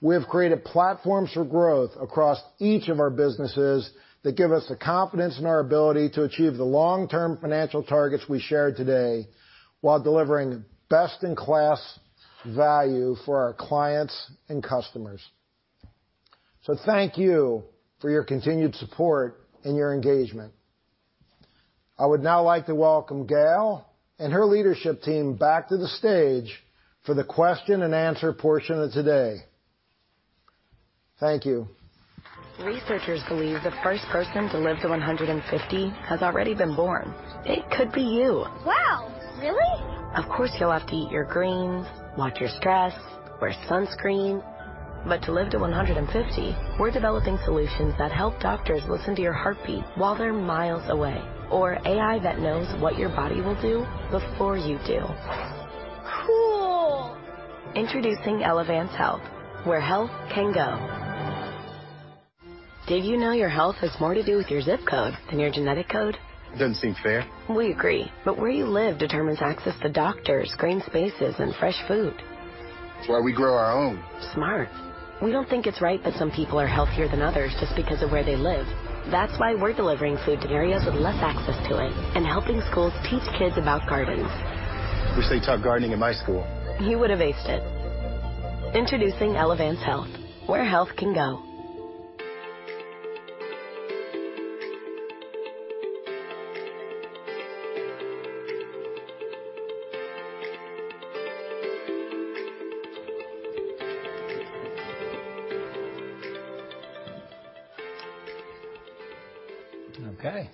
we have created platforms for growth across each of our businesses that give us the confidence in our ability to achieve the long-term financial targets we shared today while delivering best-in-class value for our clients and customers. Thank you for your continued support and your engagement. I would now like to welcome Gail and her leadership team back to the stage for the question and answer portion of today. Thank you. Researchers believe the first person to live to 150 has already been born. It could be you. Wow. Really? Of course, you'll have to eat your greens, watch your stress, wear sunscreen. To live to 150, we're developing solutions that help doctors listen to your heartbeat while they're miles away. AI that knows what your body will do before you do. Cool. Introducing Elevance Health. Where health can go. Did you know your health has more to do with your ZIP code than your genetic code? Doesn't seem fair. We agree. Where you live determines access to doctors, green spaces and fresh food. That's why we grow our own. Smart. We don't think it's right that some people are healthier than others just because of where they live. That's why we're delivering food to areas with less access to it and helping schools teach kids about gardens. Wish they taught gardening in my school. You would have aced it. Introducing Elevance Health. Where health can go. Okay.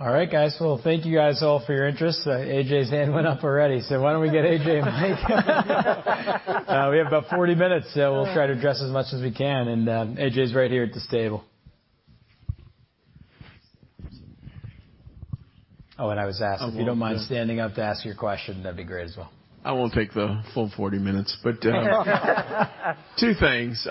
All right, guys. Well, thank you guys all for your interest. AJ's hand went up already, so why don't we get AJ a mic? We have about 40 minutes, so we'll try to address as much as we can. AJ's right here at this table. I was asking, if you don't mind standing up to ask your question, that'd be great as well. I won't take the full 40 minutes. Two things.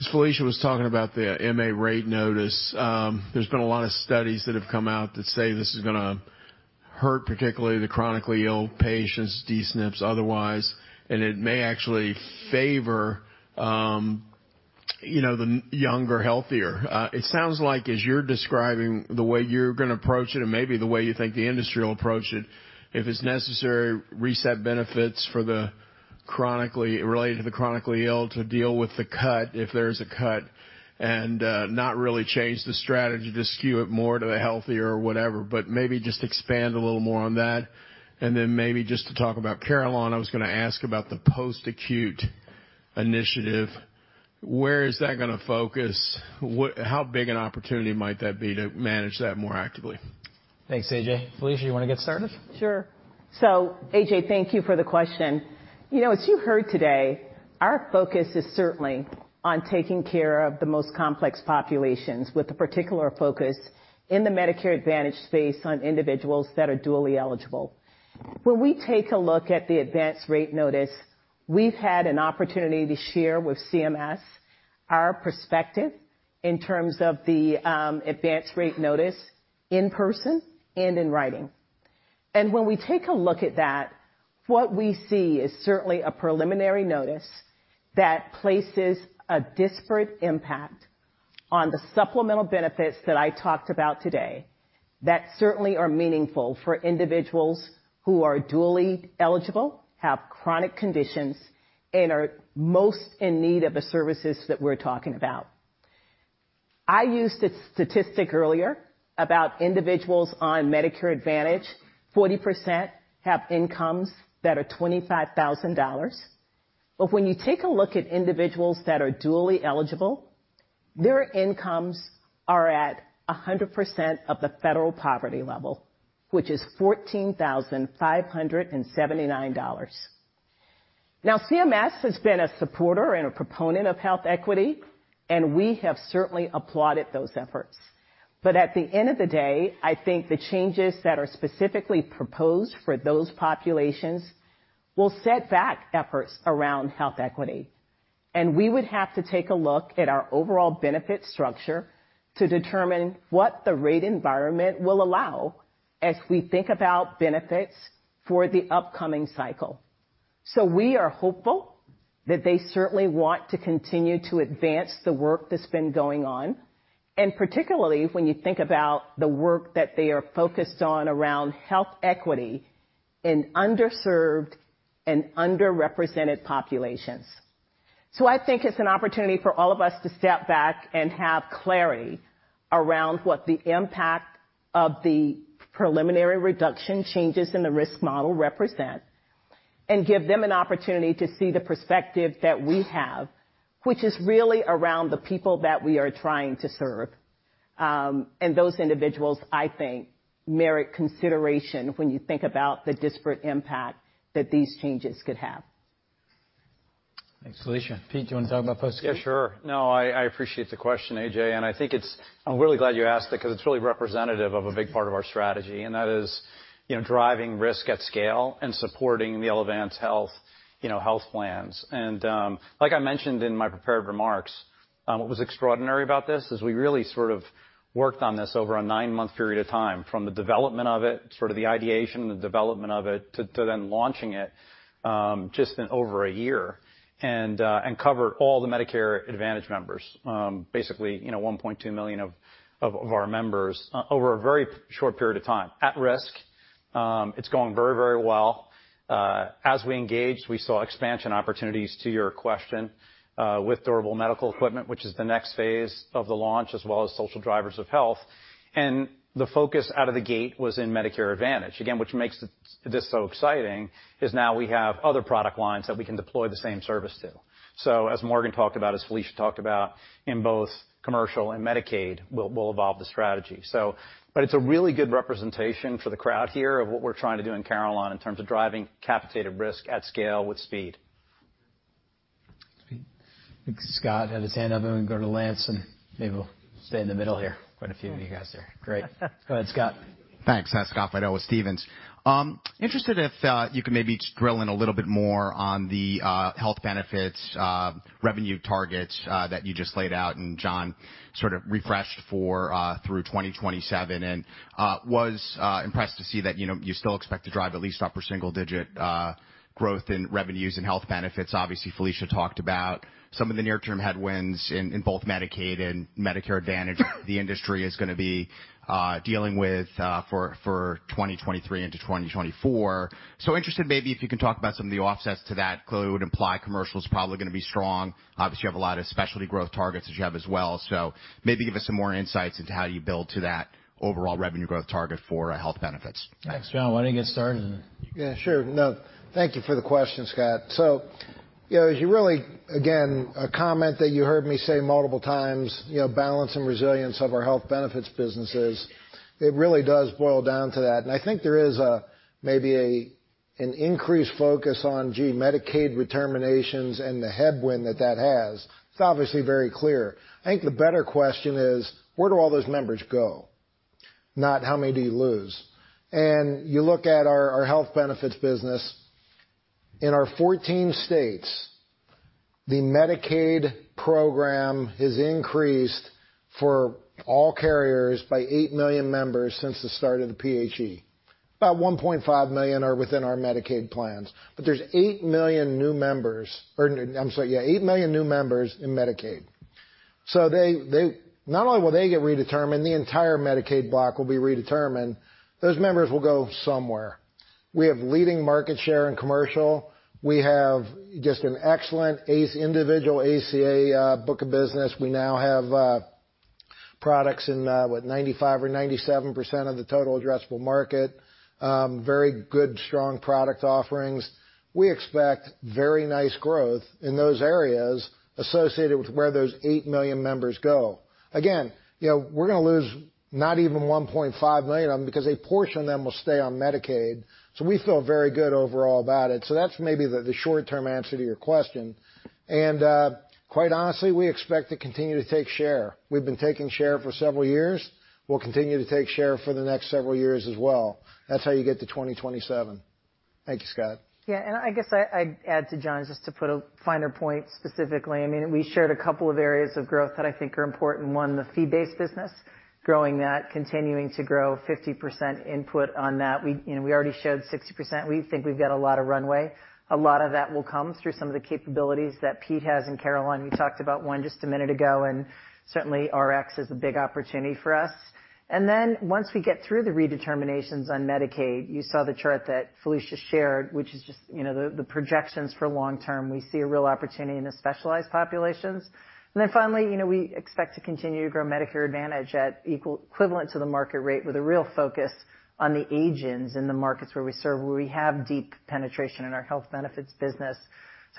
As Felicia was talking about the MA rate notice, there's been a lot of studies that have come out that say this is gonna hurt, particularly the chronically ill patients, D-SNPs otherwise, and it may actually favor, you know, the younger, healthier. It sounds like as you're describing the way you're gonna approach it and maybe the way you think the industry will approach it, if it's necessary, reset benefits for the related to the chronically ill to deal with the cut, if there's a cut, and not really change the strategy to skew it more to the healthier or whatever, but maybe just expand a little more on that. Then maybe just to talk about Carelon, I was gonna ask about the post-acute initiative. Where is that gonna focus? How big an opportunity might that be to manage that more actively? Thanks, AJ. Felicia, you wanna get started? AJ, thank you for the question. You know, as you heard today, our focus is certainly on taking care of the most complex populations with a particular focus in the Medicare Advantage space on individuals that are dually eligible. When we take a look at the advance rate notice, we've had an opportunity to share with CMS our perspective in terms of the advance rate notice in person and in writing. When we take a look at that, what we see is certainly a preliminary notice that places a disparate impact on the supplemental benefits that I talked about today that certainly are meaningful for individuals who are dually eligible, have chronic conditions, and are most in need of the services that we're talking about. I used a statistic earlier about individuals on Medicare Advantage. 40% have incomes that are $25,000. When you take a look at individuals that are dually eligible, their incomes are at 100% of the federal poverty level, which is $14,579. CMS has been a supporter and a proponent of health equity, and we have certainly applauded those efforts. At the end of the day, I think the changes that are specifically proposed for those populations will set back efforts around health equity. We would have to take a look at our overall benefit structure to determine what the rate environment will allow as we think about benefits for the upcoming cycle. We are hopeful that they certainly want to continue to advance the work that's been going on. Particularly when you think about the work that they are focused on around health equity in underserved and underrepresented populations. I think it's an opportunity for all of us to step back and have clarity around what the impact of the preliminary reduction changes in the risk model represent and give them an opportunity to see the perspective that we have, which is really around the people that we are trying to serve. Those individuals, I think, merit consideration when you think about the disparate impact that these changes could have. Thanks, Felicia. Pete, do you want to talk about post-acute? Yeah, sure. No, I appreciate the question, AJ. I think I'm really glad you asked it because it's really representative of a big part of our strategy. That is, you know, driving risk at scale and supporting the Elevance Health, you know, health plans. Like I mentioned in my prepared remarks, what was extraordinary about this is we really sort of worked on this over a 9-month period of time, from the development of it, sort of the ideation, the development of it, to then launching it, just in over a year and covered all the Medicare Advantage members, basically, you know, 1.2 million of our members over a very short period of time at risk. It's going very, very well. As we engaged, we saw expansion opportunities, to your question, with Durable Medical Equipment, which is the next phase of the launch, as well as social drivers of health. The focus out of the gate was in Medicare Advantage. Again, which makes this so exciting is now we have other product lines that we can deploy the same service to. As Morgan talked about, as Felicia talked about, in both commercial and Medicaid we'll evolve the strategy. But it's a really good representation for the crowd here of what we're trying to do in Carelon in terms of driving capitated risk at scale with speed. Sweet. I think Scott had his hand up, and then we can go to Lance, and maybe we'll stay in the middle here. Quite a few of you guys there. Great. Go ahead, Scott. Thanks. Scott Fidel with Stephens. Interested if you could maybe just drill in a little bit more on the health benefits revenue targets that you just laid out, and John sort of refreshed for through 2027. Was impressed to see that, you know, you still expect to drive at least upper single digit growth in revenues and health benefits. Obviously, Felicia talked about some of the near-term headwinds in both Medicaid and Medicare Advantage the industry is gonna be dealing with for 2023 into 2024. Interested maybe if you could talk about some of the offsets to that, clearly would imply commercial's probably gonna be strong. Obviously, you have a lot of specialty growth targets that you have as well. Maybe give us some more insights into how you build to that overall revenue growth target for health benefits. Thanks. John, why don't you get started? Yeah, sure. No, thank you for the question, Scott. As you really, again, a comment that you heard me say multiple times, you know, balance and resilience of our health benefits businesses, it really does boil down to that. I think there is a, maybe an increased focus on, gee, Medicaid redeterminations and the headwind that has. It's obviously very clear. I think the better question is, where do all those members go, not how many do you lose. You look at our health benefits business. In our 14 states, the Medicaid program has increased for all carriers by 8 million members since the start of the PHE. About 1.5 million are within our Medicaid plans, but there's 8 million new members, or I'm sorry, yeah, 8 million new members in Medicaid. They, not only will they get redetermined, the entire Medicaid block will be redetermined. Those members will go somewhere. We have leading market share in commercial. We have just an excellent individual ACA book of business. We now have products in, what, 95% or 97% of the total addressable market. Very good, strong product offerings. We expect very nice growth in those areas associated with where those 8 million members go. Again, you know, we're gonna lose not even 1.5 million of them because a portion of them will stay on Medicaid, we feel very good overall about it. That's maybe the short-term answer to your question. Quite honestly, we expect to continue to take share. We've been taking share for several years. We'll continue to take share for the next several years as well. That's how you get to 2027. Thank you, Scott. Yeah, I guess I'd add to John's just to put a finer point specifically. I mean, we shared a couple of areas of growth that I think are important. One, the fee-based business, growing that, continuing to grow 50% input on that. We, you know, we already showed 60%. We think we've got a lot of runway. A lot of that will come through some of the capabilities that Pete has in Carelon. You talked about one just a minute ago, and certainly Rx is a big opportunity for us. Once we get through the redeterminations on Medicaid, you saw the chart that Felicia shared, which is just, you know, the projections for long term. We see a real opportunity in the specialized populations. Finally, you know, we expect to continue to grow Medicare Advantage at equal equivalent to the market rate with a real focus on the agents in the markets where we serve, where we have deep penetration in our health benefits business.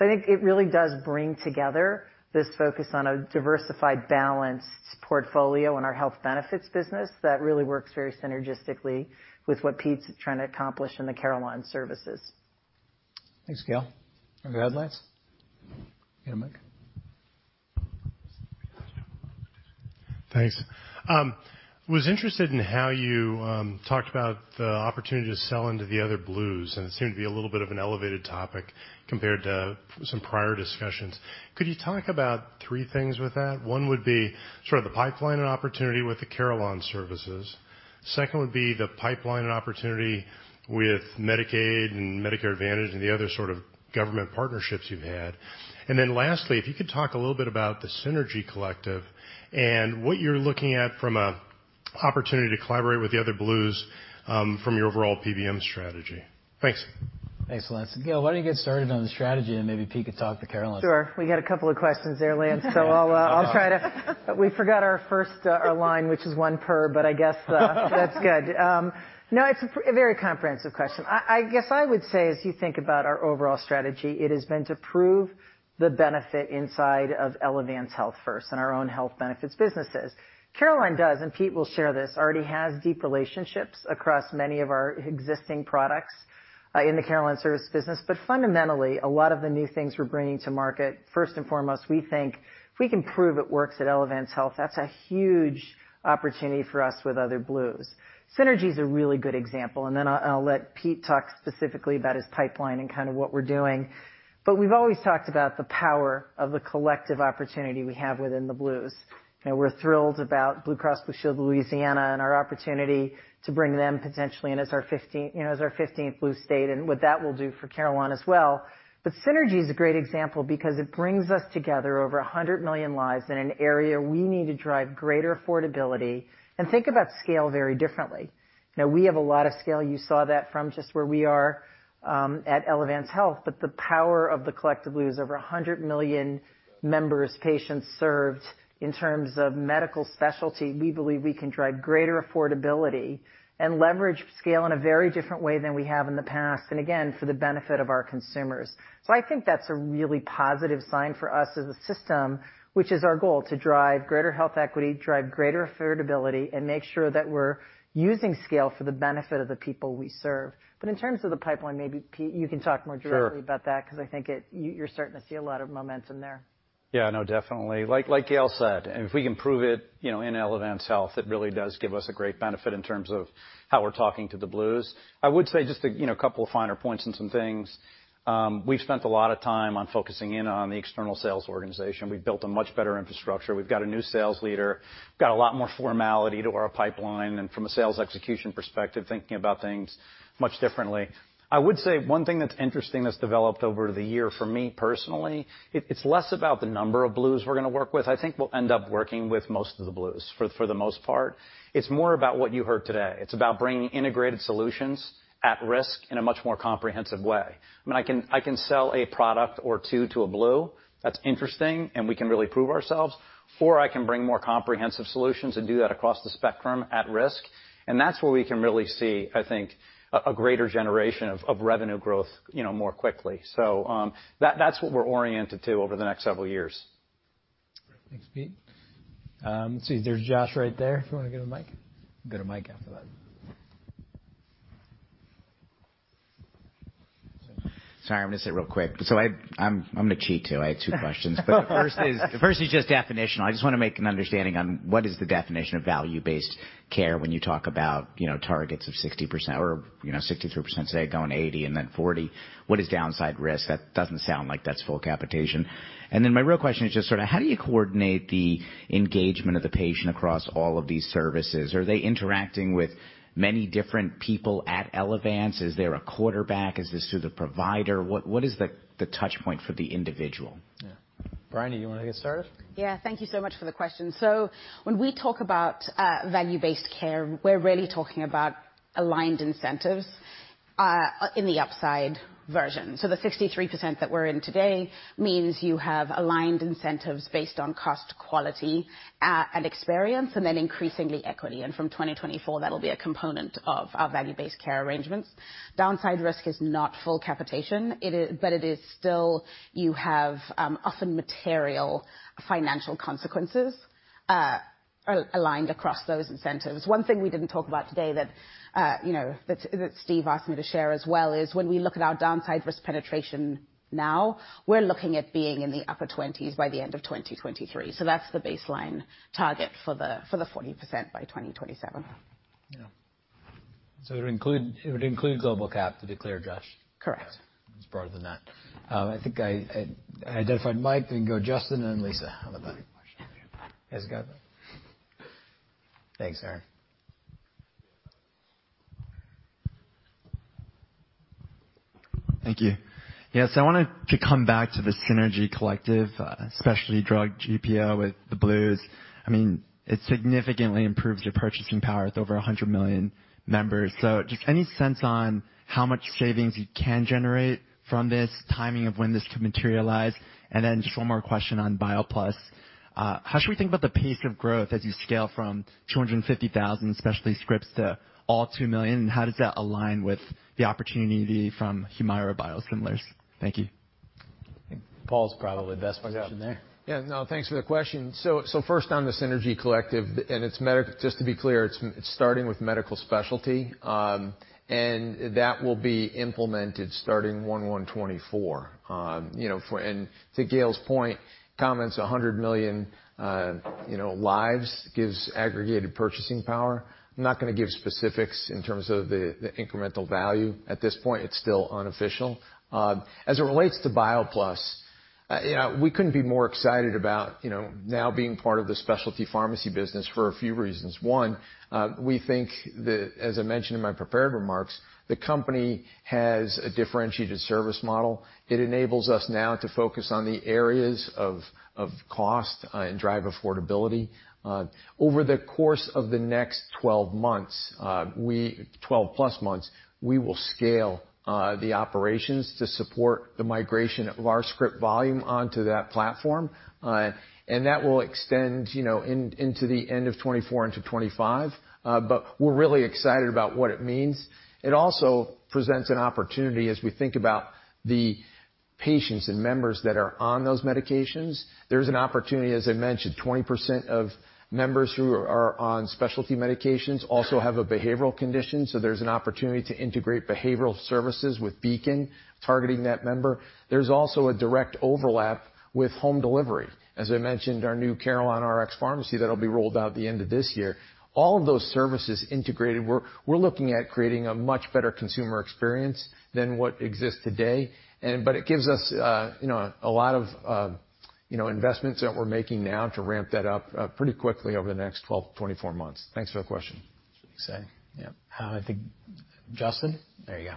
I think it really does bring together this focus on a diversified, balanced portfolio in our health benefits business that really works very synergistically with what Pete's trying to accomplish in the Carelon Services. Thanks, Gail. Go ahead, Lance. You have the mic. Thanks. Was interested in how you talked about the opportunity to sell into the other Blues, and it seemed to be a little bit of an elevated topic compared to some prior discussions. Could you talk about 3 things with that? 1 would be sort of the pipeline and opportunity with the Carelon Services. 2 would be the pipeline and opportunity with Medicaid and Medicare Advantage and the other sort of government partnerships you've had. Lastly, if you could talk a little bit about the Synergy Collective and what you're looking at from a opportunity to collaborate with the other Blues, from your overall PBM strategy? Thanks. Thanks, Lance. Gail, why don't you get started on the strategy, and maybe Pete could talk to Carelon? Sure. We got a couple of questions there, Lance. We forgot our first line, which is 1 per, I guess that's good. No, it's a very comprehensive question. I guess I would say as you think about our overall strategy, it has been to prove the benefit inside of Elevance Health first and our own health benefits businesses. Carelon does, and Pete will share this, already has deep relationships across many of our existing products in the Carelon Services business. Fundamentally, a lot of the new things we're bringing to market, first and foremost, we think if we can prove it works at Elevance Health, that's a huge opportunity for us with other Blues. Synergy is a really good example, I'll let Pete talk specifically about his pipeline and kinda what we're doing. We've always talked about the power of the collective opportunity we have within the Blues. We're thrilled about Blue Cross and Blue Shield of Louisiana and our opportunity to bring them potentially in as our 15, as our 15th Blue state, and what that will do for Carelon as well. Synergy is a great example because it brings us together over 100 million lives in an area we need to drive greater affordability and think about scale very differently. We have a lot of scale. You saw that from just where we are at Elevance Health. The power of the collective Blues, over 100 million members, patients served in terms of medical specialty, we believe we can drive greater affordability and leverage scale in a very different way than we have in the past, and again, for the benefit of our consumers. I think that's a really positive sign for us as a system, which is our goal, to drive greater health equity, drive greater affordability, and make sure that we're using scale for the benefit of the people we serve. In terms of the pipeline, maybe, Pete, you can talk more directly. Sure. about that 'cause I think You're starting to see a lot of momentum there. Yeah, no, definitely. Like Gail said, if we can prove it, you know, in Elevance Health, it really does give us a great benefit in terms of how we're talking to the Blues. I would say just a, you know, couple of finer points on some things. We've spent a lot of time on focusing in on the external sales organization. We've built a much better infrastructure. We've got a new sales leader. We've got a lot more formality to our pipeline and from a sales execution perspective, thinking about things much differently. I would say one thing that's interesting that's developed over the year for me personally, it's less about the number of Blues we're gonna work with. I think we'll end up working with most of the Blues for the most part. It's more about what you heard today. It's about bringing integrated solutions at risk in a much more comprehensive way. I mean, I can sell a product or two to a Blue. That's interesting, and we can really prove ourselves, or I can bring more comprehensive solutions and do that across the spectrum at risk. That's where we can really see, I think, a greater generation of revenue growth, you know, more quickly. That's what we're oriented to over the next several years. Great. Thanks, Pete. Let's see, there's Josh right there if you wanna get a mic. Get a mic after that. Sorry, I'm gonna say it real quick. I'm gonna cheat, too. I had two questions. The first is just definitional. I just wanna make an understanding on what is the definition of value-based care when you talk about, you know, targets of 60% or, you know, 63%, say, going 80 and then 40. What is downside risk? That doesn't sound like that's full capitation. My real question is just sort of how do you coordinate the engagement of the patient across all of these services? Are they interacting with many different people at Elevance? Is there a quarterback? Is this through the provider? What is the touch point for the individual? Yeah. Bryony, you wanna get started? Thank you so much for the question. When we talk about value-based care, we're really talking about aligned incentives in the upside version. The 63% that we're in today means you have aligned incentives based on cost, quality, and experience, and then increasingly equity. From 2024, that'll be a component of our value-based care arrangements. Downside risk is not full capitation. It is still, you have often material financial consequences aligned across those incentives. One thing we didn't talk about today that, you know, that Steve asked me to share as well, is when we look at our downside risk penetration now, we're looking at being in the upper 20s by the end of 2023. That's the baseline target for the 40% by 2027. Yeah. It would include global cap, to be clear, Josh? Correct. It's broader than that. I think I identified Mike. Go Justin, and then Lisa on the button. I have a question. Yes, go. Thanks, Aaron. Thank you. Yes, I wanted to come back to the Synergy Collective specialty drug GPO with the Blues. I mean, it significantly improves your purchasing power. It's over 100 million members. Just any sense on how much savings you can generate from this, timing of when this could materialize? Just one more question on BioPlus. How should we think about the pace of growth as you scale from 250,000 specialty scripts to all 2 million, and how does that align with the opportunity from Humira biosimilars? Thank you. Paul's probably best positioned there. Yeah. No, thanks for the question. First on the Synergy Collective, just to be clear, it's starting with medical specialty, that will be implemented starting 1/1/2024. you know, to Gail's point, comments $100 million, you know, lives gives aggregated purchasing power. I'm not gonna give specifics in terms of the incremental value at this point. It's still unofficial. As it relates to BioPlus, you know, we couldn't be more excited about, you know, now being part of the specialty pharmacy business for a few reasons. One, we think, as I mentioned in my prepared remarks, the company has a differentiated service model. It enables us now to focus on the areas of cost and drive affordability. Over the course of the next 12 months, 12 plus months, we will scale the operations to support the migration of our script volume onto that platform. That will extend, you know, into the end of 2024 into 2025, we're really excited about what it means. It also presents an opportunity as we think about Patients and members that are on those medications, there's an opportunity, as I mentioned, 20% of members who are on specialty medications also have a behavioral condition, there's an opportunity to integrate behavioral services with Beacon targeting that member. There's also a direct overlap with home delivery. As I mentioned, our new CarelonRx pharmacy that'll be rolled out at the end of this year. All of those services integrated, we're looking at creating a much better consumer experience than what exists today. But it gives us, you know, a lot of, you know, investments that we're making now to ramp that up, pretty quickly over the next 12-24 months. Thanks for the question. yep. I think Justin. There you go.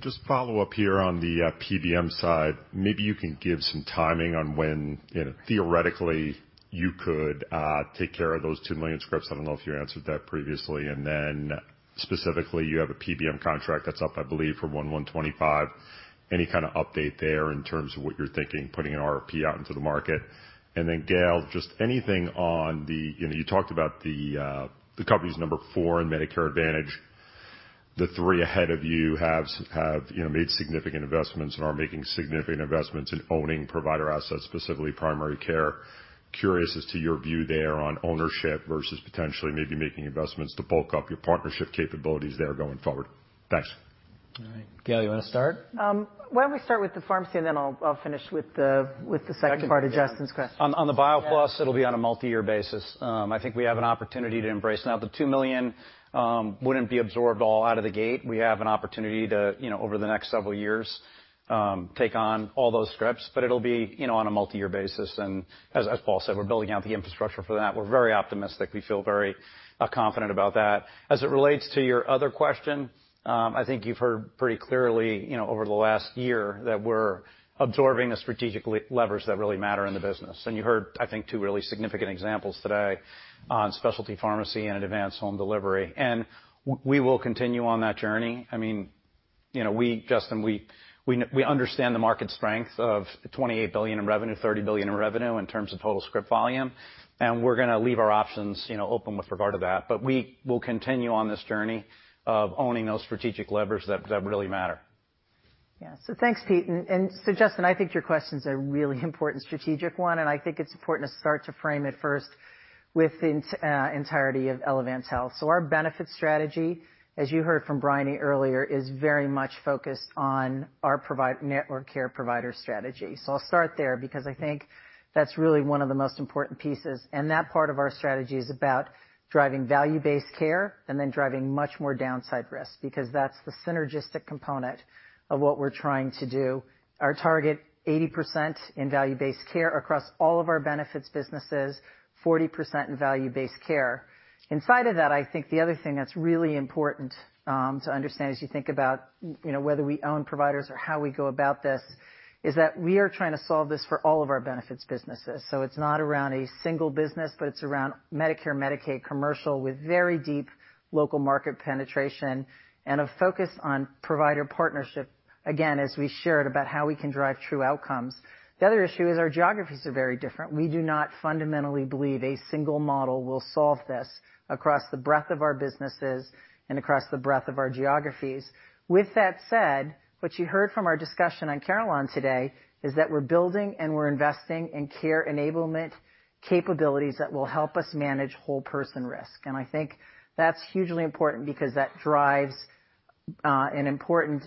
Just follow up here on the PBM side, maybe you can give some timing on when, you know, theoretically you could take care of those 2 million scripts. I don't know if you answered that previously. Specifically, you have a PBM contract that's up, I believe, for 2025. Any kind of update there in terms of what you're thinking, putting an RFP out into the market? Gail, just anything on the... You know, you talked about the company's number four in Medicare Advantage. The three ahead of you have, you know, made significant investments and are making significant investments in owning provider assets, specifically primary care. Curious as to your view there on ownership versus potentially maybe making investments to bulk up your partnership capabilities there going forward. Thanks. All right. Gail, you wanna start? Why don't we start with the pharmacy, and then I'll finish with the second part of Justin's question. On the BioPlus, it'll be on a multi-year basis. I think we have an opportunity to embrace. Now, the 2 million wouldn't be absorbed all out of the gate. We have an opportunity to, you know, over the next several years, take on all those scripts, but it'll be, you know, on a multi-year basis. As Paul said, we're building out the infrastructure for that. We're very optimistic. We feel very confident about that. As it relates to your other question, I think you've heard pretty clearly, you know, over the last year that we're absorbing the strategic levers that really matter in the business. You heard, I think, two really significant examples today on specialty pharmacy and advanced home delivery. We will continue on that journey. I mean, you know, we, Justin, we understand the market strength of $28 billion in revenue, $30 billion in revenue in terms of total script volume, and we're gonna leave our options, you know, open with regard to that. We will continue on this journey of owning those strategic levers that really matter. Yeah. Thanks, Pete. Justin, I think your question's a really important strategic one, and I think it's important to start to frame it first with the entirety of Elevance Health. Our benefit strategy, as you heard from Bryony earlier, is very much focused on our network care provider strategy. I'll start there because I think that's really one of the most important pieces, and that part of our strategy is about driving value-based care and then driving much more downside risk because that's the synergistic component of what we're trying to do. Our target, 80% in value-based care across all of our benefits businesses, 40% in value-based care. Inside of that, I think the other thing that's really important, to understand as you think about, you know, whether we own providers or how we go about this, is that we are trying to solve this for all of our benefits businesses. It's not around a single business, but it's around Medicare, Medicaid, commercial, with very deep local market penetration and a focus on provider partnership, again, as we shared about how we can drive true outcomes. The other issue is our geographies are very different. We do not fundamentally believe a single model will solve this across the breadth of our businesses and across the breadth of our geographies. With that said, what you heard from our discussion on Carelon today is that we're building and we're investing in care enablement capabilities that will help us manage whole person risk. I think that's hugely important because that drives an important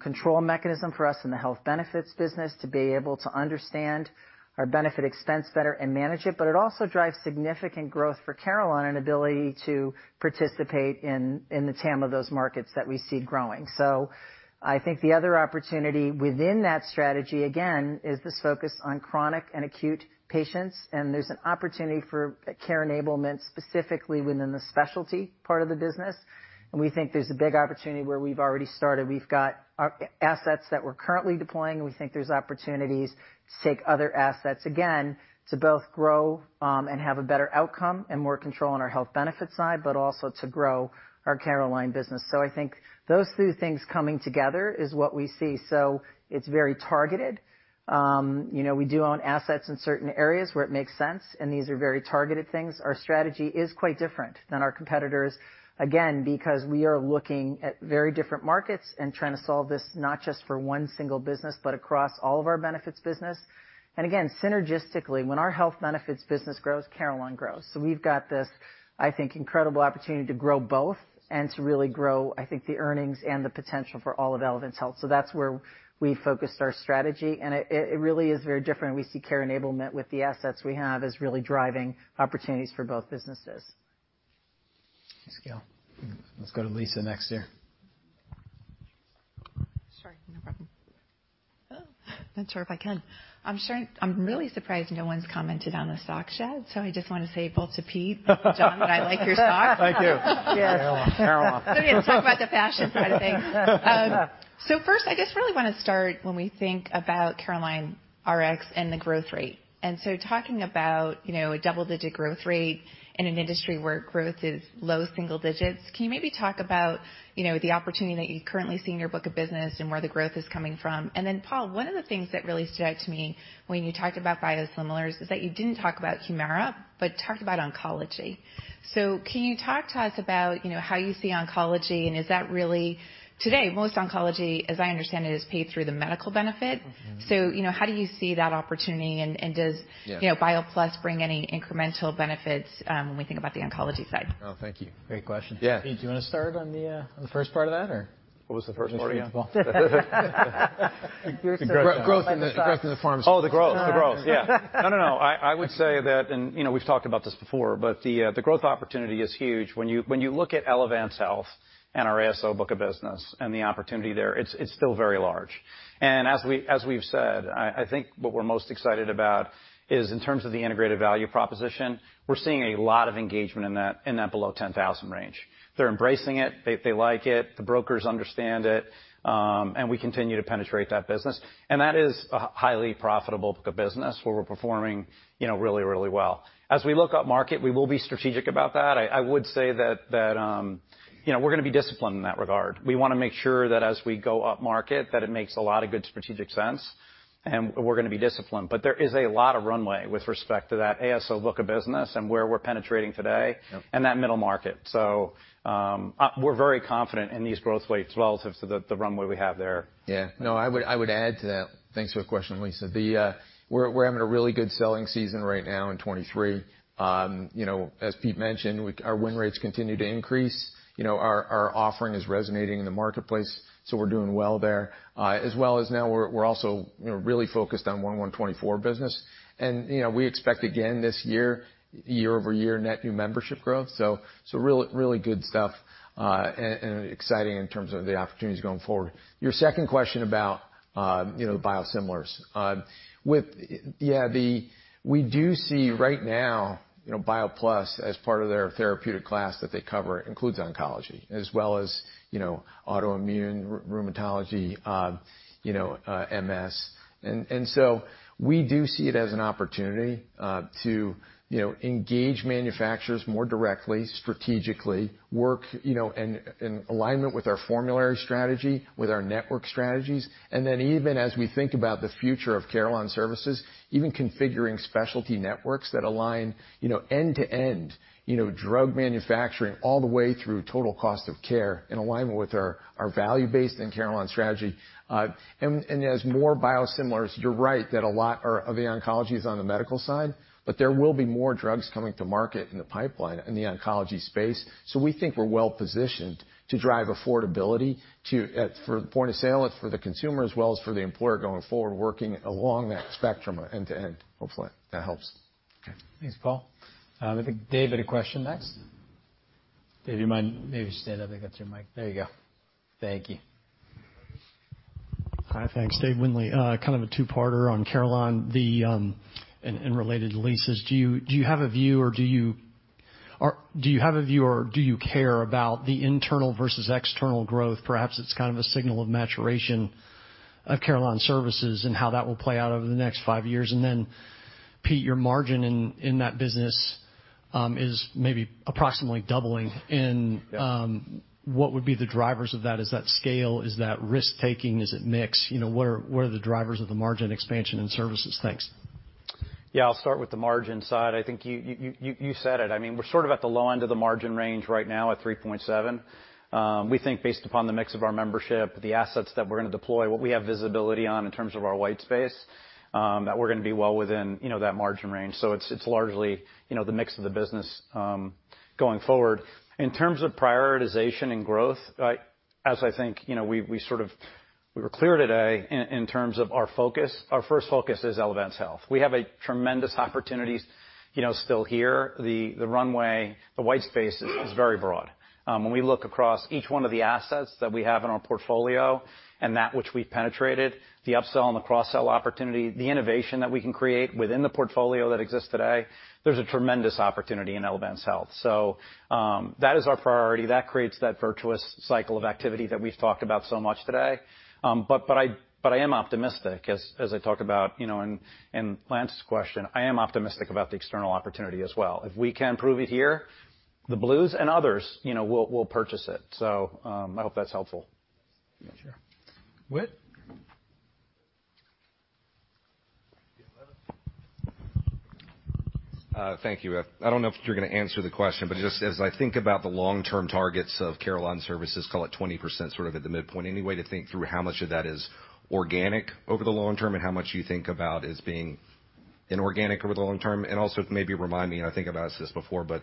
control mechanism for us in the health benefits business to be able to understand our benefit expense better and manage it, but it also drives significant growth for Carelon and ability to participate in the TAM of those markets that we see growing. I think the other opportunity within that strategy, again, is this focus on chronic and acute patients, and there's an opportunity for care enablement specifically within the specialty part of the business. We think there's a big opportunity where we've already started. We've got our assets that we're currently deploying. We think there's opportunities to take other assets, again, to both grow and have a better outcome and more control on our health benefits side, but also to grow our Carelon business. I think those two things coming together is what we see. It's very targeted. you know, we do own assets in certain areas where it makes sense, and these are very targeted things. Our strategy is quite different than our competitors, again, because we are looking at very different markets and trying to solve this not just for one single business, but across all of our benefits business. Again, synergistically, when our health benefits business grows, Carelon grows. We've got this, I think, incredible opportunity to grow both and to really grow, I think, the earnings and the potential for all of Elevance Health. That's where we focused our strategy, and it really is very different. We see care enablement with the assets we have as really driving opportunities for both businesses. Thanks, Gail. Let's go to Lisa next here. Sorry. No problem. Oh, not sure if I can. I'm really surprised no one's commented on the sock shed, so I just wanna say both to Pete and John that I like your socks. Thank you. Cheers. Caroline. We have to talk about the fashion side of things. First, I just really wanna start when we think about CarelonRx and the growth rate. Talking about, you know, a double-digit growth rate in an industry where growth is low single digits, can you maybe talk about, you know, the opportunity that you currently see in your book of business and where the growth is coming from? Paul, one of the things that really stood out to me when you talked about biosimilars is that you didn't talk about Humira, but talked about oncology. Can you talk to us about, you know, how you see oncology, and is that really Today, most oncology, as I understand it, is paid through the medical benefit. Mm-hmm. you know, how do you see that opportunity, and? Yeah. you know, BioPlus bring any incremental benefits, when we think about the oncology side? Oh, thank you. Great question. Yeah. Pete, do you wanna start on the first part of that, or? What was the first part again? You're such a... The growth in the pharmacy. Oh, the growth. Yeah. No, no. I would say that, and, you know, we've talked about this before, but the growth opportunity is huge. When you look at Elevance Health and our ASO book of business and the opportunity there, it's still very large. As we've said, I think what we're most excited about is in terms of the integrated value proposition, we're seeing a lot of engagement in that below 10,000 range. They're embracing it. They like it. The brokers understand it, and we continue to penetrate that business. That is a highly profitable book of business where we're performing, you know, really well. As we look up market, we will be strategic about that. I would say that, you know, we're gonna be disciplined in that regard. We wanna make sure that as we go up market, that it makes a lot of good strategic sense, and we're gonna be disciplined. There is a lot of runway with respect to that ASO book of business and where we're penetrating today. Yep. That middle market. We're very confident in these growth rates relative to the runway we have there. Yeah. No, I would add to that. Thanks for the question, Lisa. The... We're having a really good selling season right now in 2023. You know, as Pete mentioned, our win rates continue to increase. You know, our offering is resonating in the marketplace, we're doing well there. As well as now we're also, you know, really focused on 2024 business. You know, we expect again this year-over-year, net new membership growth. Really good stuff and exciting in terms of the opportunities going forward. Your second question about, you know, biosimilars. We do see right now, you know, BioPlus as part of their therapeutic class that they cover includes oncology as well as, you know, autoimmune, rheumatology, you know, MS. We do see it as an opportunity, you know, to engage manufacturers more directly, strategically, work, you know, in alignment with our formulary strategy, with our network strategies. Even as we think about the future of Carelon Services, even configuring specialty networks that align, you know, end to end, you know, drug manufacturing all the way through total cost of care in alignment with our value-based and Carelon strategy. As more biosimilars, you're right that a lot of the oncology is on the medical side, but there will be more drugs coming to market in the pipeline in the oncology space. We think we're well positioned to drive affordability for the point of sale, it's for the consumer as well as for the employer going forward, working along that spectrum end to end. Hopefully that helps. Okay. Thanks, Paul. I think David, a question next. Dave, you mind maybe stand up and get to your mic? There you go. Thank you. Hi. Thanks. Dave Windley. Kind of a 2-parter on Carelon, and related to Lisa's. Do you have a view or do you care about the internal versus external growth? Perhaps it's kind of a signal of maturation of Carelon services and how that will play out over the next 5 years? Then, Pete, your margin in that business, is maybe approximately doubling? Yeah. What would be the drivers of that? Is that scale? Is that risk-taking? Is it mix? You know, what are the drivers of the margin expansion in services? Thanks. Yeah. I'll start with the margin side. I think you said it. I mean, we're sort of at the low end of the margin range right now at 3.7%. We think based upon the mix of our membership, the assets that we're gonna deploy, what we have visibility on in terms of our white space, that we're gonna be well within, you know, that margin range. It's largely, you know, the mix of the business going forward. In terms of prioritization and growth, as I think, you know, we sort of, we were clear today in terms of our focus, our first focus is Elevance Health. We have a tremendous opportunities, you know, still here. The runway, the white space is very broad. When we look across each one of the assets that we have in our portfolio and that which we've penetrated, the upsell and the cross-sell opportunity, the innovation that we can create within the portfolio that exists today, there's a tremendous opportunity in Elevance Health. That is our priority. That creates that virtuous cycle of activity that we've talked about so much today. I am optimistic, as I talked about, you know, in Lance's question. I am optimistic about the external opportunity as well. If we can prove it here, the Blues and others, you know, will purchase it. I hope that's helpful. Sure. Whit? Yeah. Thank you. I don't know if you're gonna answer the question, but just as I think about the long-term targets of Carelon Services, call it 20%, sort of at the midpoint, any way to think through how much of that is organic over the long term and how much you think about as being inorganic over the long term? Maybe remind me, and I think I've asked this before, but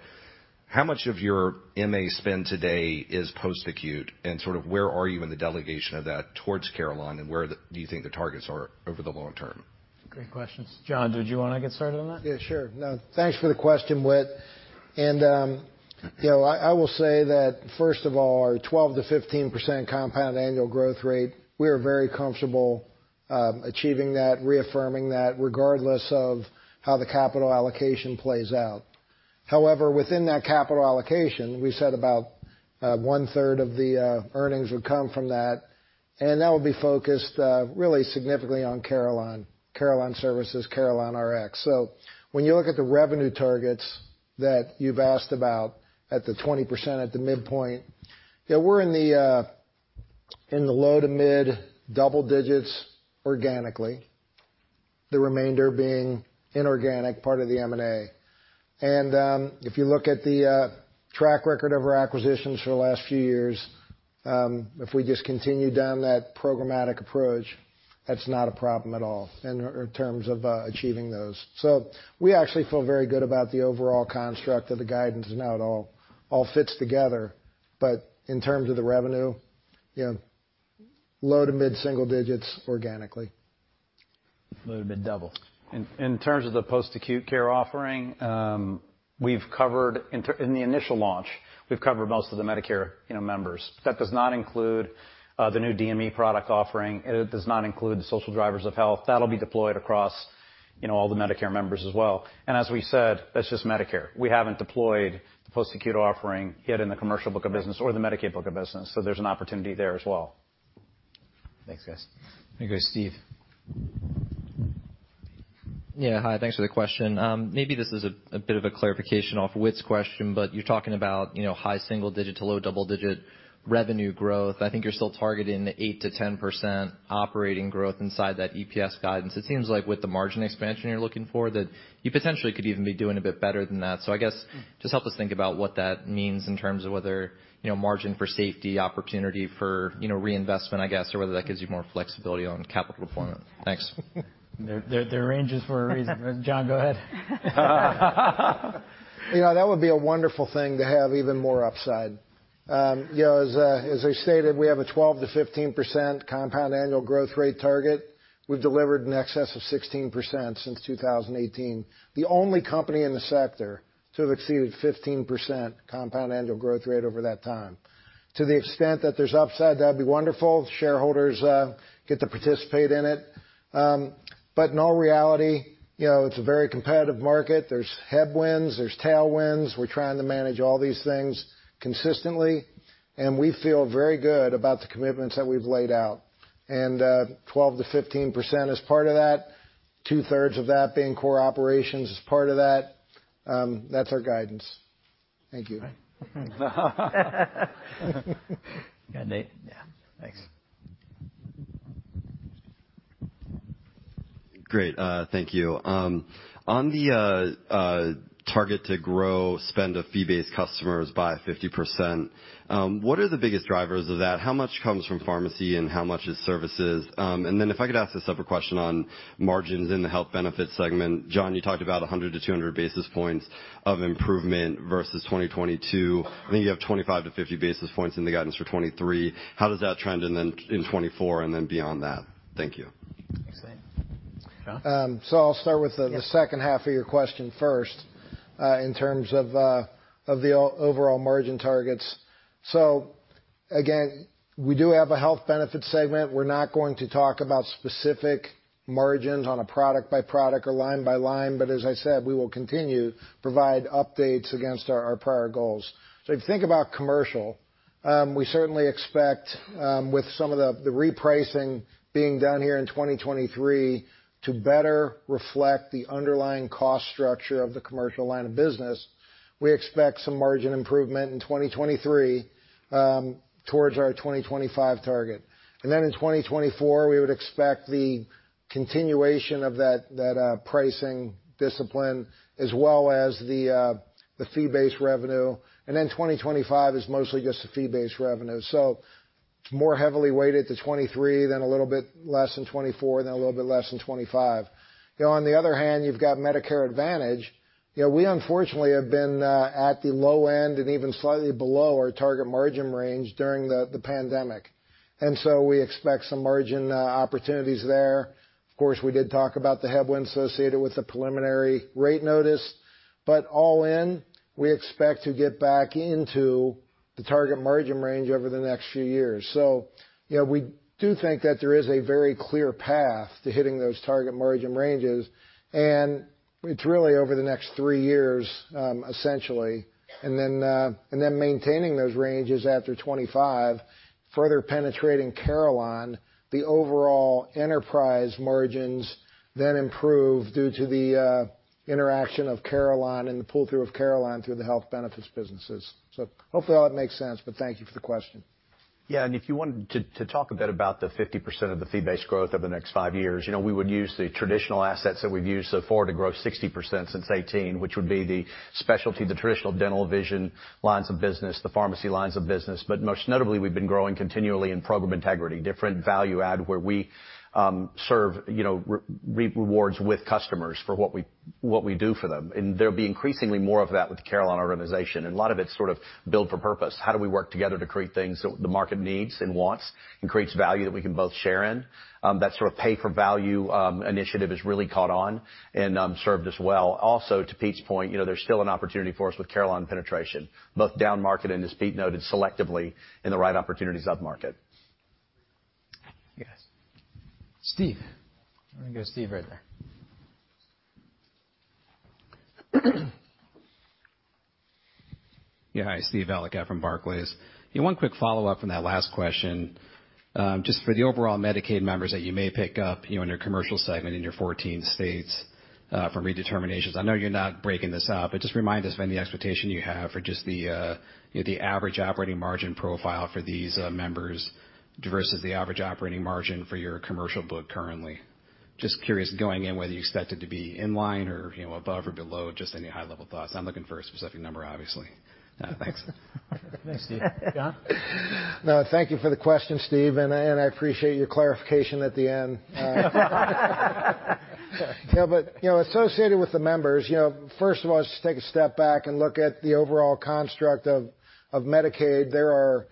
how much of your MA spend today is post-acute, and sort of where are you in the delegation of that towards Carelon, and where do you think the targets are over the long term? Great questions. John, did you want to get started on that? Yeah, sure. No, thanks for the question, Whit. You know, I will say that first of all, our 12%-15% CAGR, we are very comfortable achieving that, reaffirming that, regardless of how the capital allocation plays out. However, within that capital allocation, we said about one-third of the earnings would come from that, and that would be focused really significantly on Carelon Services, CarelonRx. When you look at the revenue targets that you've asked about at the 20% at the midpoint, yeah, we're in the low to mid double digits organically, the remainder being inorganic, part of the M&A. If you look at the track record of our acquisitions for the last few years, if we just continue down that programmatic approach, that's not a problem at all in terms of achieving those. We actually feel very good about the overall construct of the guidance and how it all fits together. In terms of the revenue, you know, low to mid-single digits organically. Low to mid double. In terms of the post-acute care offering, we've covered in the initial launch, we've covered most of the Medicare, you know, members. That does not include the new DME product offering. It does not include the social drivers of health. That'll be deployed across, you know, all the Medicare members as well. As we said, that's just Medicare. We haven't deployed the post-acute offering yet in the commercial book of business or the Medicaid book of business, so there's an opportunity there as well. Thanks, guys. Here you go, Steve. Yeah. Hi. Thanks for the question. Maybe this is a bit of a clarification off Whit's question. You're talking about, you know, high single-digit to low double-digit revenue growth. I think you're still targeting 8% to 10% operating growth inside that EPS guidance. It seems like with the margin expansion you're looking for, that you potentially could even be doing a bit better than that. I guess just help us think about what that means in terms of whether, you know, margin for safety, opportunity for, you know, reinvestment, I guess, or whether that gives you more flexibility on capital deployment. Thanks. There are ranges for a reason. John, go ahead. You know, that would be a wonderful thing to have even more upside. You know, as I stated, we have a 12%-15% compound annual growth rate target. We've delivered in excess of 16% since 2018. The only company in the sector to have exceeded 15% compound annual growth rate over that time. To the extent that there's upside, that'd be wonderful. Shareholders get to participate in it. In all reality, you know, it's a very competitive market. There's headwinds, there's tailwinds. We're trying to manage all these things consistently, and we feel very good about the commitments that we've laid out. 12%-15% as part of that, two-thirds of that being core operations as part of that's our guidance. Thank you. All right. Yeah. Nate? Yeah. Thanks. Great. Thank you. On the target to grow spend of fee-based customers by 50%, what are the biggest drivers of that? How much comes from pharmacy and how much is services? Then if I could ask a separate question on margins in the health benefit segment. John, you talked about 100-200 basis points of improvement versus 2022. I think you have 25-50 basis points in the guidance for 2023. How does that trend and then in 2024 and then beyond that? Thank you. Thanks, Nate. John? I'll start with the second half of your question first, in terms of overall margin targets. Again, we do have a health benefit segment. We're not going to talk about specific margins on a product by product or line by line, but as I said, we will continue to provide updates against our prior goals. If you think about commercial, we certainly expect, with some of the repricing being done here in 2023 to better reflect the underlying cost structure of the commercial line of business, we expect some margin improvement in 2023, towards our 2025 target. In 2024, we would expect the continuation of that pricing discipline as well as the fee-based revenue. 2025 is mostly just the fee-based revenue. More heavily weighted to 2023, then a little bit less in 2024, and then a little bit less in 2025. You know, on the other hand, you've got Medicare Advantage. You know, we unfortunately have been at the low end and even slightly below our target margin range during the pandemic. We expect some margin opportunities there. Of course, we did talk about the headwinds associated with the preliminary rate notice. All in, we expect to get back into the target margin range over the next few years. You know, we do think that there is a very clear path to hitting those target margin ranges, and it's really over the next 3 years, essentially, and then, and then maintaining those ranges after 25, further penetrating Carelon, the overall enterprise margins then improve due to the interaction of Carelon and the pull-through of Carelon through the health benefits businesses. Hopefully all that makes sense, but thank you for the question. If you wanted to talk a bit about the 50% of the fee-based growth over the next 5 years, you know, we would use the traditional assets that we've used so far to grow 60% since 2018, which would be the specialty, the traditional dental, vision lines of business, the pharmacy lines of business. Most notably, we've been growing continually in program integrity, different value-add where we serve, you know, rewards with customers for what we do for them. There'll be increasingly more of that with the Carelon organization, and a lot of it's sort of built for purpose. How do we work together to create things that the market needs and wants and creates value that we can both share in? That sort of pay for value, initiative has really caught on and, served us well. To Pete's point, you know, there's still an opportunity for us with Carelon penetration, both downmarket and, as Pete noted, selectively in the right opportunities upmarket. Yes. Steve. I'm gonna go Steve right there. Hi, Steve Valiquette from Barclays. One quick follow-up from that last question. Just for the overall Medicaid members that you may pick up, you know, in your commercial segment in your 14 states from redeterminations. I know you're not breaking this out, but just remind us of any expectation you have for just the, you know, the average operating margin profile for these members versus the average operating margin for your commercial book currently. Just curious going in whether you expect it to be in line or, you know, above or below, just any high level thoughts. Not looking for a specific number, obviously. Thanks. Thanks, Steve. John? No, thank you for the question, Steve, and I, and I appreciate your clarification at the end. Yeah, you know, associated with the members, you know, first of all, let's just take a step back and look at the overall construct of Medicaid. There are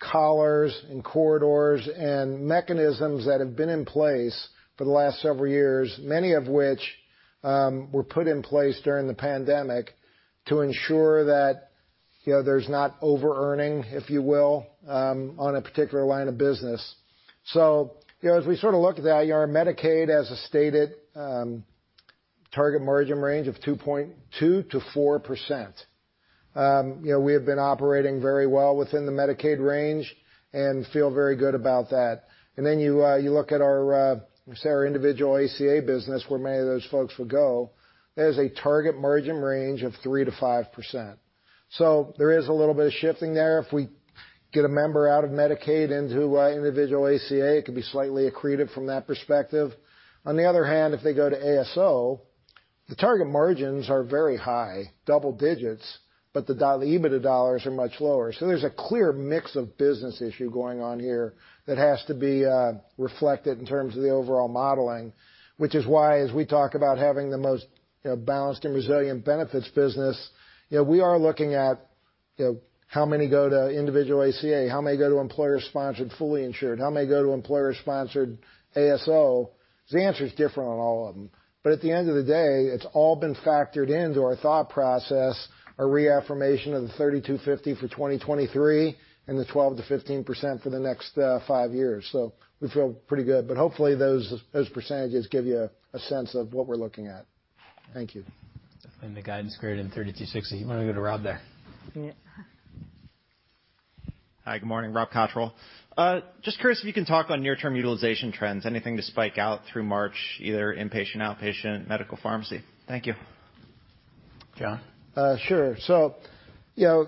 collars and corridors and mechanisms that have been in place for the last several years, many of which were put in place during the pandemic to ensure that, you know, there's not overearning, if you will, on a particular line of business. You know, as we sort of look at that, you know, our Medicaid has a stated target margin range of 2.2%-4%. You know, we have been operating very well within the Medicaid range and feel very good about that. You look at our say, our individual ACA business, where many of those folks would go, that has a target margin range of 3%-5%. There is a little bit of shifting there. If we get a member out of Medicaid into individual ACA, it could be slightly accretive from that perspective. On the other hand, if they go to ASO, the target margins are very high, double digits, the EBITDA dollars are much lower. There's a clear mix of business issue going on here that has to be reflected in terms of the overall modeling, which is why, as we talk about having the most, you know, balanced and resilient benefits business, you know, we are looking at, you know, how many go to individual ACA? How many go to employer-sponsored, fully insured? How many go to employer-sponsored ASO? The answer is different on all of them. At the end of the day, it's all been factored into our thought process, our reaffirmation of the $32.50 for 2023, and the 12%-15% for the next 5 years. We feel pretty good. Hopefully those percentages give you a sense of what we're looking at. Thank you. The guidance squared in $32.60. Why don't we go to Rob there? Yeah. Hi. Good morning. Rob Cottrell. Just curious if you can talk on near-term utilization trends? Anything to spike out through March, either inpatient, outpatient, medical, pharmacy? Thank you. John? Sure. You know,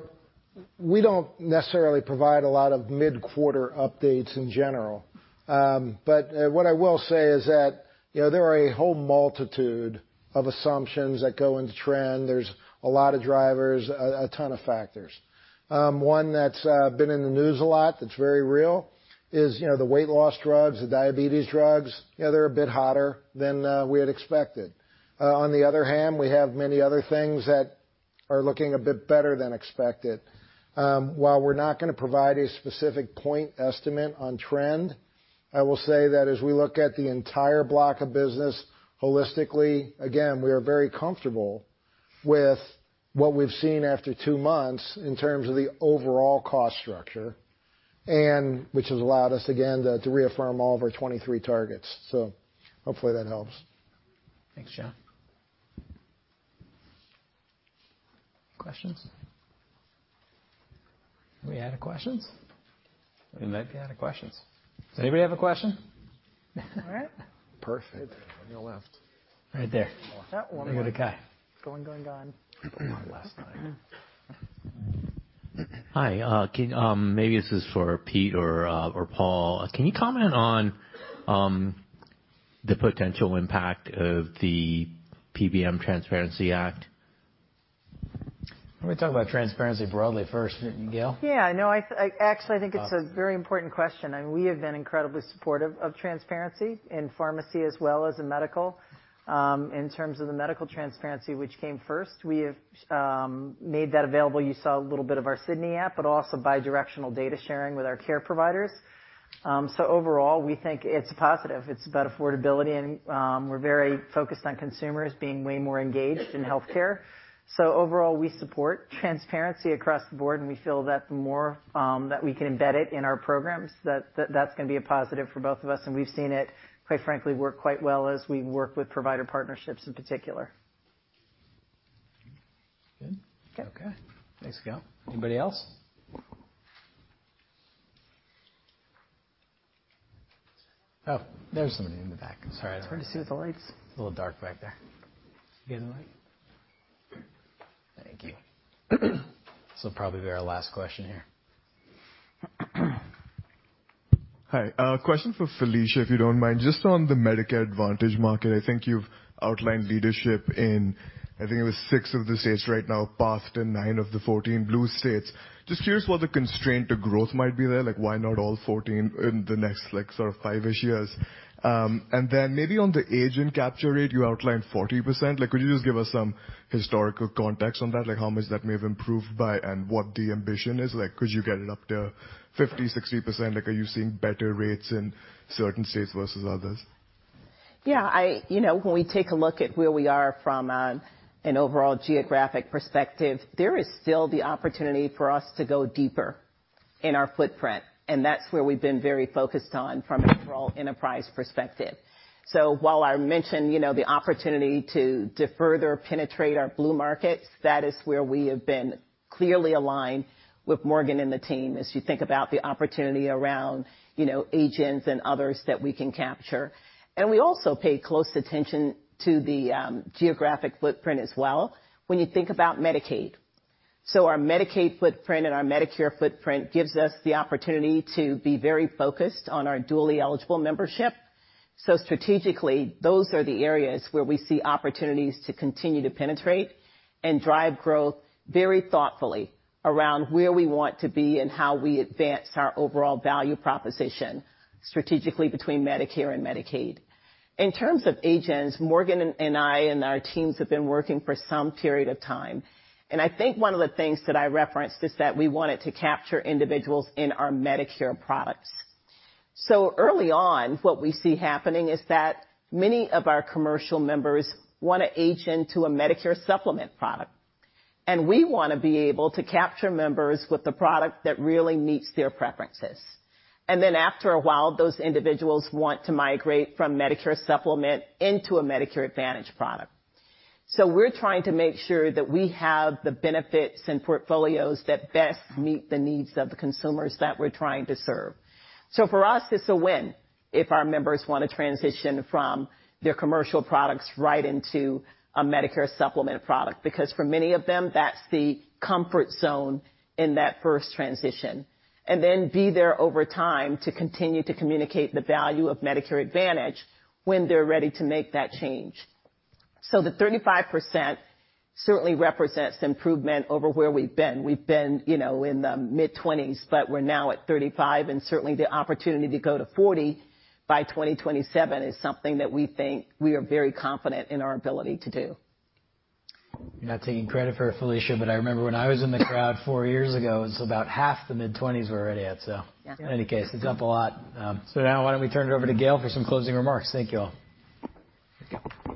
we don't necessarily provide a lot of mid-quarter updates in general. What I will say is that, you know, there are a whole multitude of assumptions that go into trend. There's a lot of drivers, a ton of factors. One that's been in the news a lot that's very real is, you know, the weight loss drugs, the diabetes drugs. You know, they're a bit hotter than we had expected. On the other hand, we have many other things that are looking a bit better than expected. While we're not gonna provide a specific point estimate on trend, I will say that as we look at the entire block of business holistically, again, we are very comfortable with what we've seen after 2 months in terms of the overall cost structure, and which has allowed us again to reaffirm all of our 2023 targets. Hopefully that helps. Thanks, John. Questions? Are we out of questions? We might be out of questions. Does anybody have a question? Perfect. On your left. Right there. That one. I'm gonna go to Kai. It's going, gone. One last time. Hi. Maybe this is for Pete or Paul. Can you comment on the potential impact of the PBM Transparency Act? Why don't we talk about transparency broadly first, Gail? No, I actually think it's a very important question. We have been incredibly supportive of transparency in pharmacy as well as in medical. In terms of the medical transparency which came first, we have made that available. You saw a little bit of our Sydney app, also bi-directional data sharing with our care providers. Overall, we think it's a positive. It's about affordability. We're very focused on consumers being way more engaged in healthcare. Overall, we support transparency across the board. We feel that the more that we can embed it in our programs, that's gonna be a positive for both of us. We've seen it, quite frankly, work quite well as we work with provider partnerships in particular. Good. Okay. Okay. Thanks, Gail. Anybody else? There's somebody in the back. Sorry. It's hard to see with the lights. It's a little dark back there. You got the light? Thank you. This will probably be our last question here. Hi. A question for Felicia, if you don't mind. Just on the Medicare Advantage market, I think you've outlined leadership in, I think it was six of the states right now, passed in nine of the 14 Blue states. Just curious what the constraint to growth might be there. Like, why not all 14 in the next, like, sort of 5-ish years? Maybe on the age and capture rate, you outlined 40%. Like, could you just give us some historical context on that? Like, how much that may have improved by and what the ambition is? Like, could you get it up to 50%, 60%? Like, are you seeing better rates in certain states versus others? I, you know, when we take a look at where we are from an overall geographic perspective, there is still the opportunity for us to go deeper in our footprint, and that's where we've been very focused on from an overall enterprise perspective. While I mentioned, you know, the opportunity to further penetrate our blue markets, that is where we have been clearly aligned with Morgan and the team, as you think about the opportunity around, you know, agents and others that we can capture. We also pay close attention to the geographic footprint as well when you think about Medicaid. Our Medicaid footprint and our Medicare footprint gives us the opportunity to be very focused on our dually eligible membership. Strategically, those are the areas where we see opportunities to continue to penetrate and drive growth very thoughtfully around where we want to be and how we advance our overall value proposition strategically between Medicare and Medicaid. In terms of agents, Morgan and I and our teams have been working for some period of time, and I think one of the things that I referenced is that we wanted to capture individuals in our Medicare products. Early on, what we see happening is that many of our commercial members wanna age into a Medicare supplement product, and we wanna be able to capture members with the product that really meets their preferences. After a while, those individuals want to migrate from Medicare supplement into a Medicare Advantage product. We're trying to make sure that we have the benefits and portfolios that best meet the needs of the consumers that we're trying to serve. For us, it's a win if our members wanna transition from their commercial products right into a Medicare supplement product, because for many of them, that's the comfort zone in that first transition. Then be there over time to continue to communicate the value of Medicare Advantage when they're ready to make that change. The 35% certainly represents improvement over where we've been. We've been, you know, in the mid-twenties, but we're now at 35, and certainly the opportunity to go to 40 by 2027 is something that we think we are very confident in our ability to do. You're not taking credit for it, Felicia, but I remember when I was in the crowd four years ago, it was about half the mid-twenties we're already at, so. Yeah. In any case, it's up a lot. Now why don't we turn it over to Gail for some closing remarks. Thank you all. Thank you.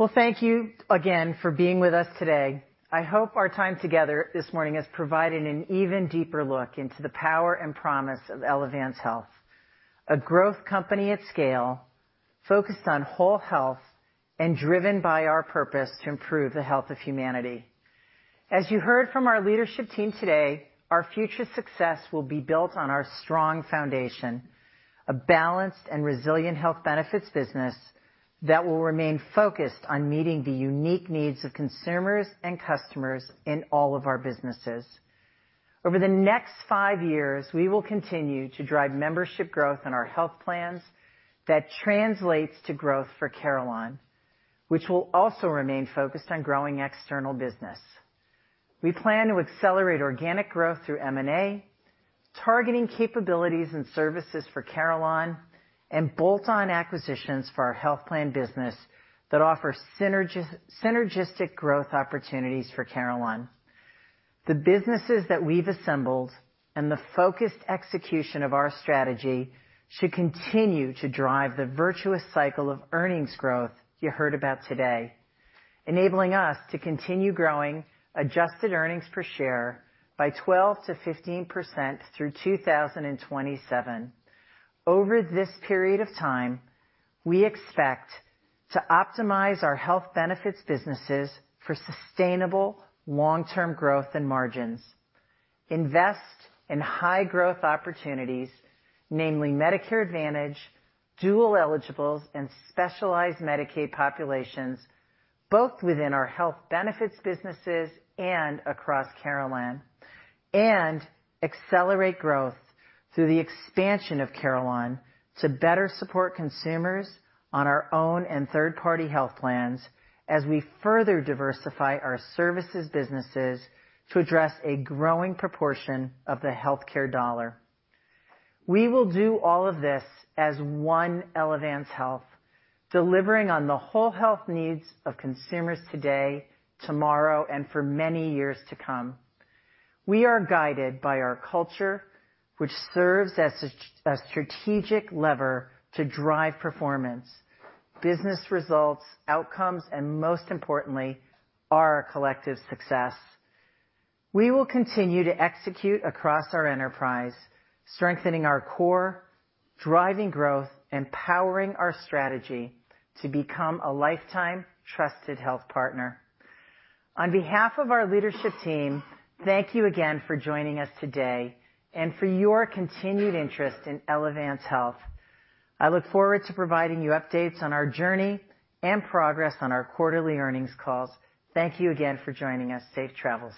Well, thank you again for being with us today. I hope our time together this morning has provided an even deeper look into the power and promise of Elevance Health, a growth company at scale, focused on whole health, and driven by our purpose to improve the health of humanity. As you heard from our leadership team today, our future success will be built on our strong foundation, a balanced and resilient health benefits business that will remain focused on meeting the unique needs of consumers and customers in all of our businesses. Over the next five years, we will continue to drive membership growth in our health plans that translates to growth for Carelon, which will also remain focused on growing external business. We plan to accelerate organic growth through M&A, targeting capabilities and services for Carelon, and bolt-on acquisitions for our health plan business that offer synergistic growth opportunities for Carelon. The businesses that we've assembled and the focused execution of our strategy should continue to drive the virtuous cycle of earnings growth you heard about today, enabling us to continue growing adjusted earnings per share by 12%-15% through 2027. Over this period of time, we expect to optimize our health benefits businesses for sustainable long-term growth and margins, invest in high-growth opportunities, namely Medicare Advantage, dual eligibles, and specialized Medicaid populations, both within our health benefits businesses and across Carelon, and accelerate growth through the expansion of Carelon to better support consumers on our own and third-party health plans as we further diversify our services businesses to address a growing proportion of the healthcare dollar. We will do all of this as one Elevance Health, delivering on the whole health needs of consumers today, tomorrow, and for many years to come. We are guided by our culture, which serves as a strategic lever to drive performance, business results, outcomes, and most importantly, our collective success. We will continue to execute across our enterprise, strengthening our core, driving growth, and powering our strategy to become a lifetime trusted health partner. On behalf of our leadership team, thank you again for joining us today and for your continued interest in Elevance Health. I look forward to providing you updates on our journey and progress on our quarterly earnings calls. Thank you again for joining us. Safe travels.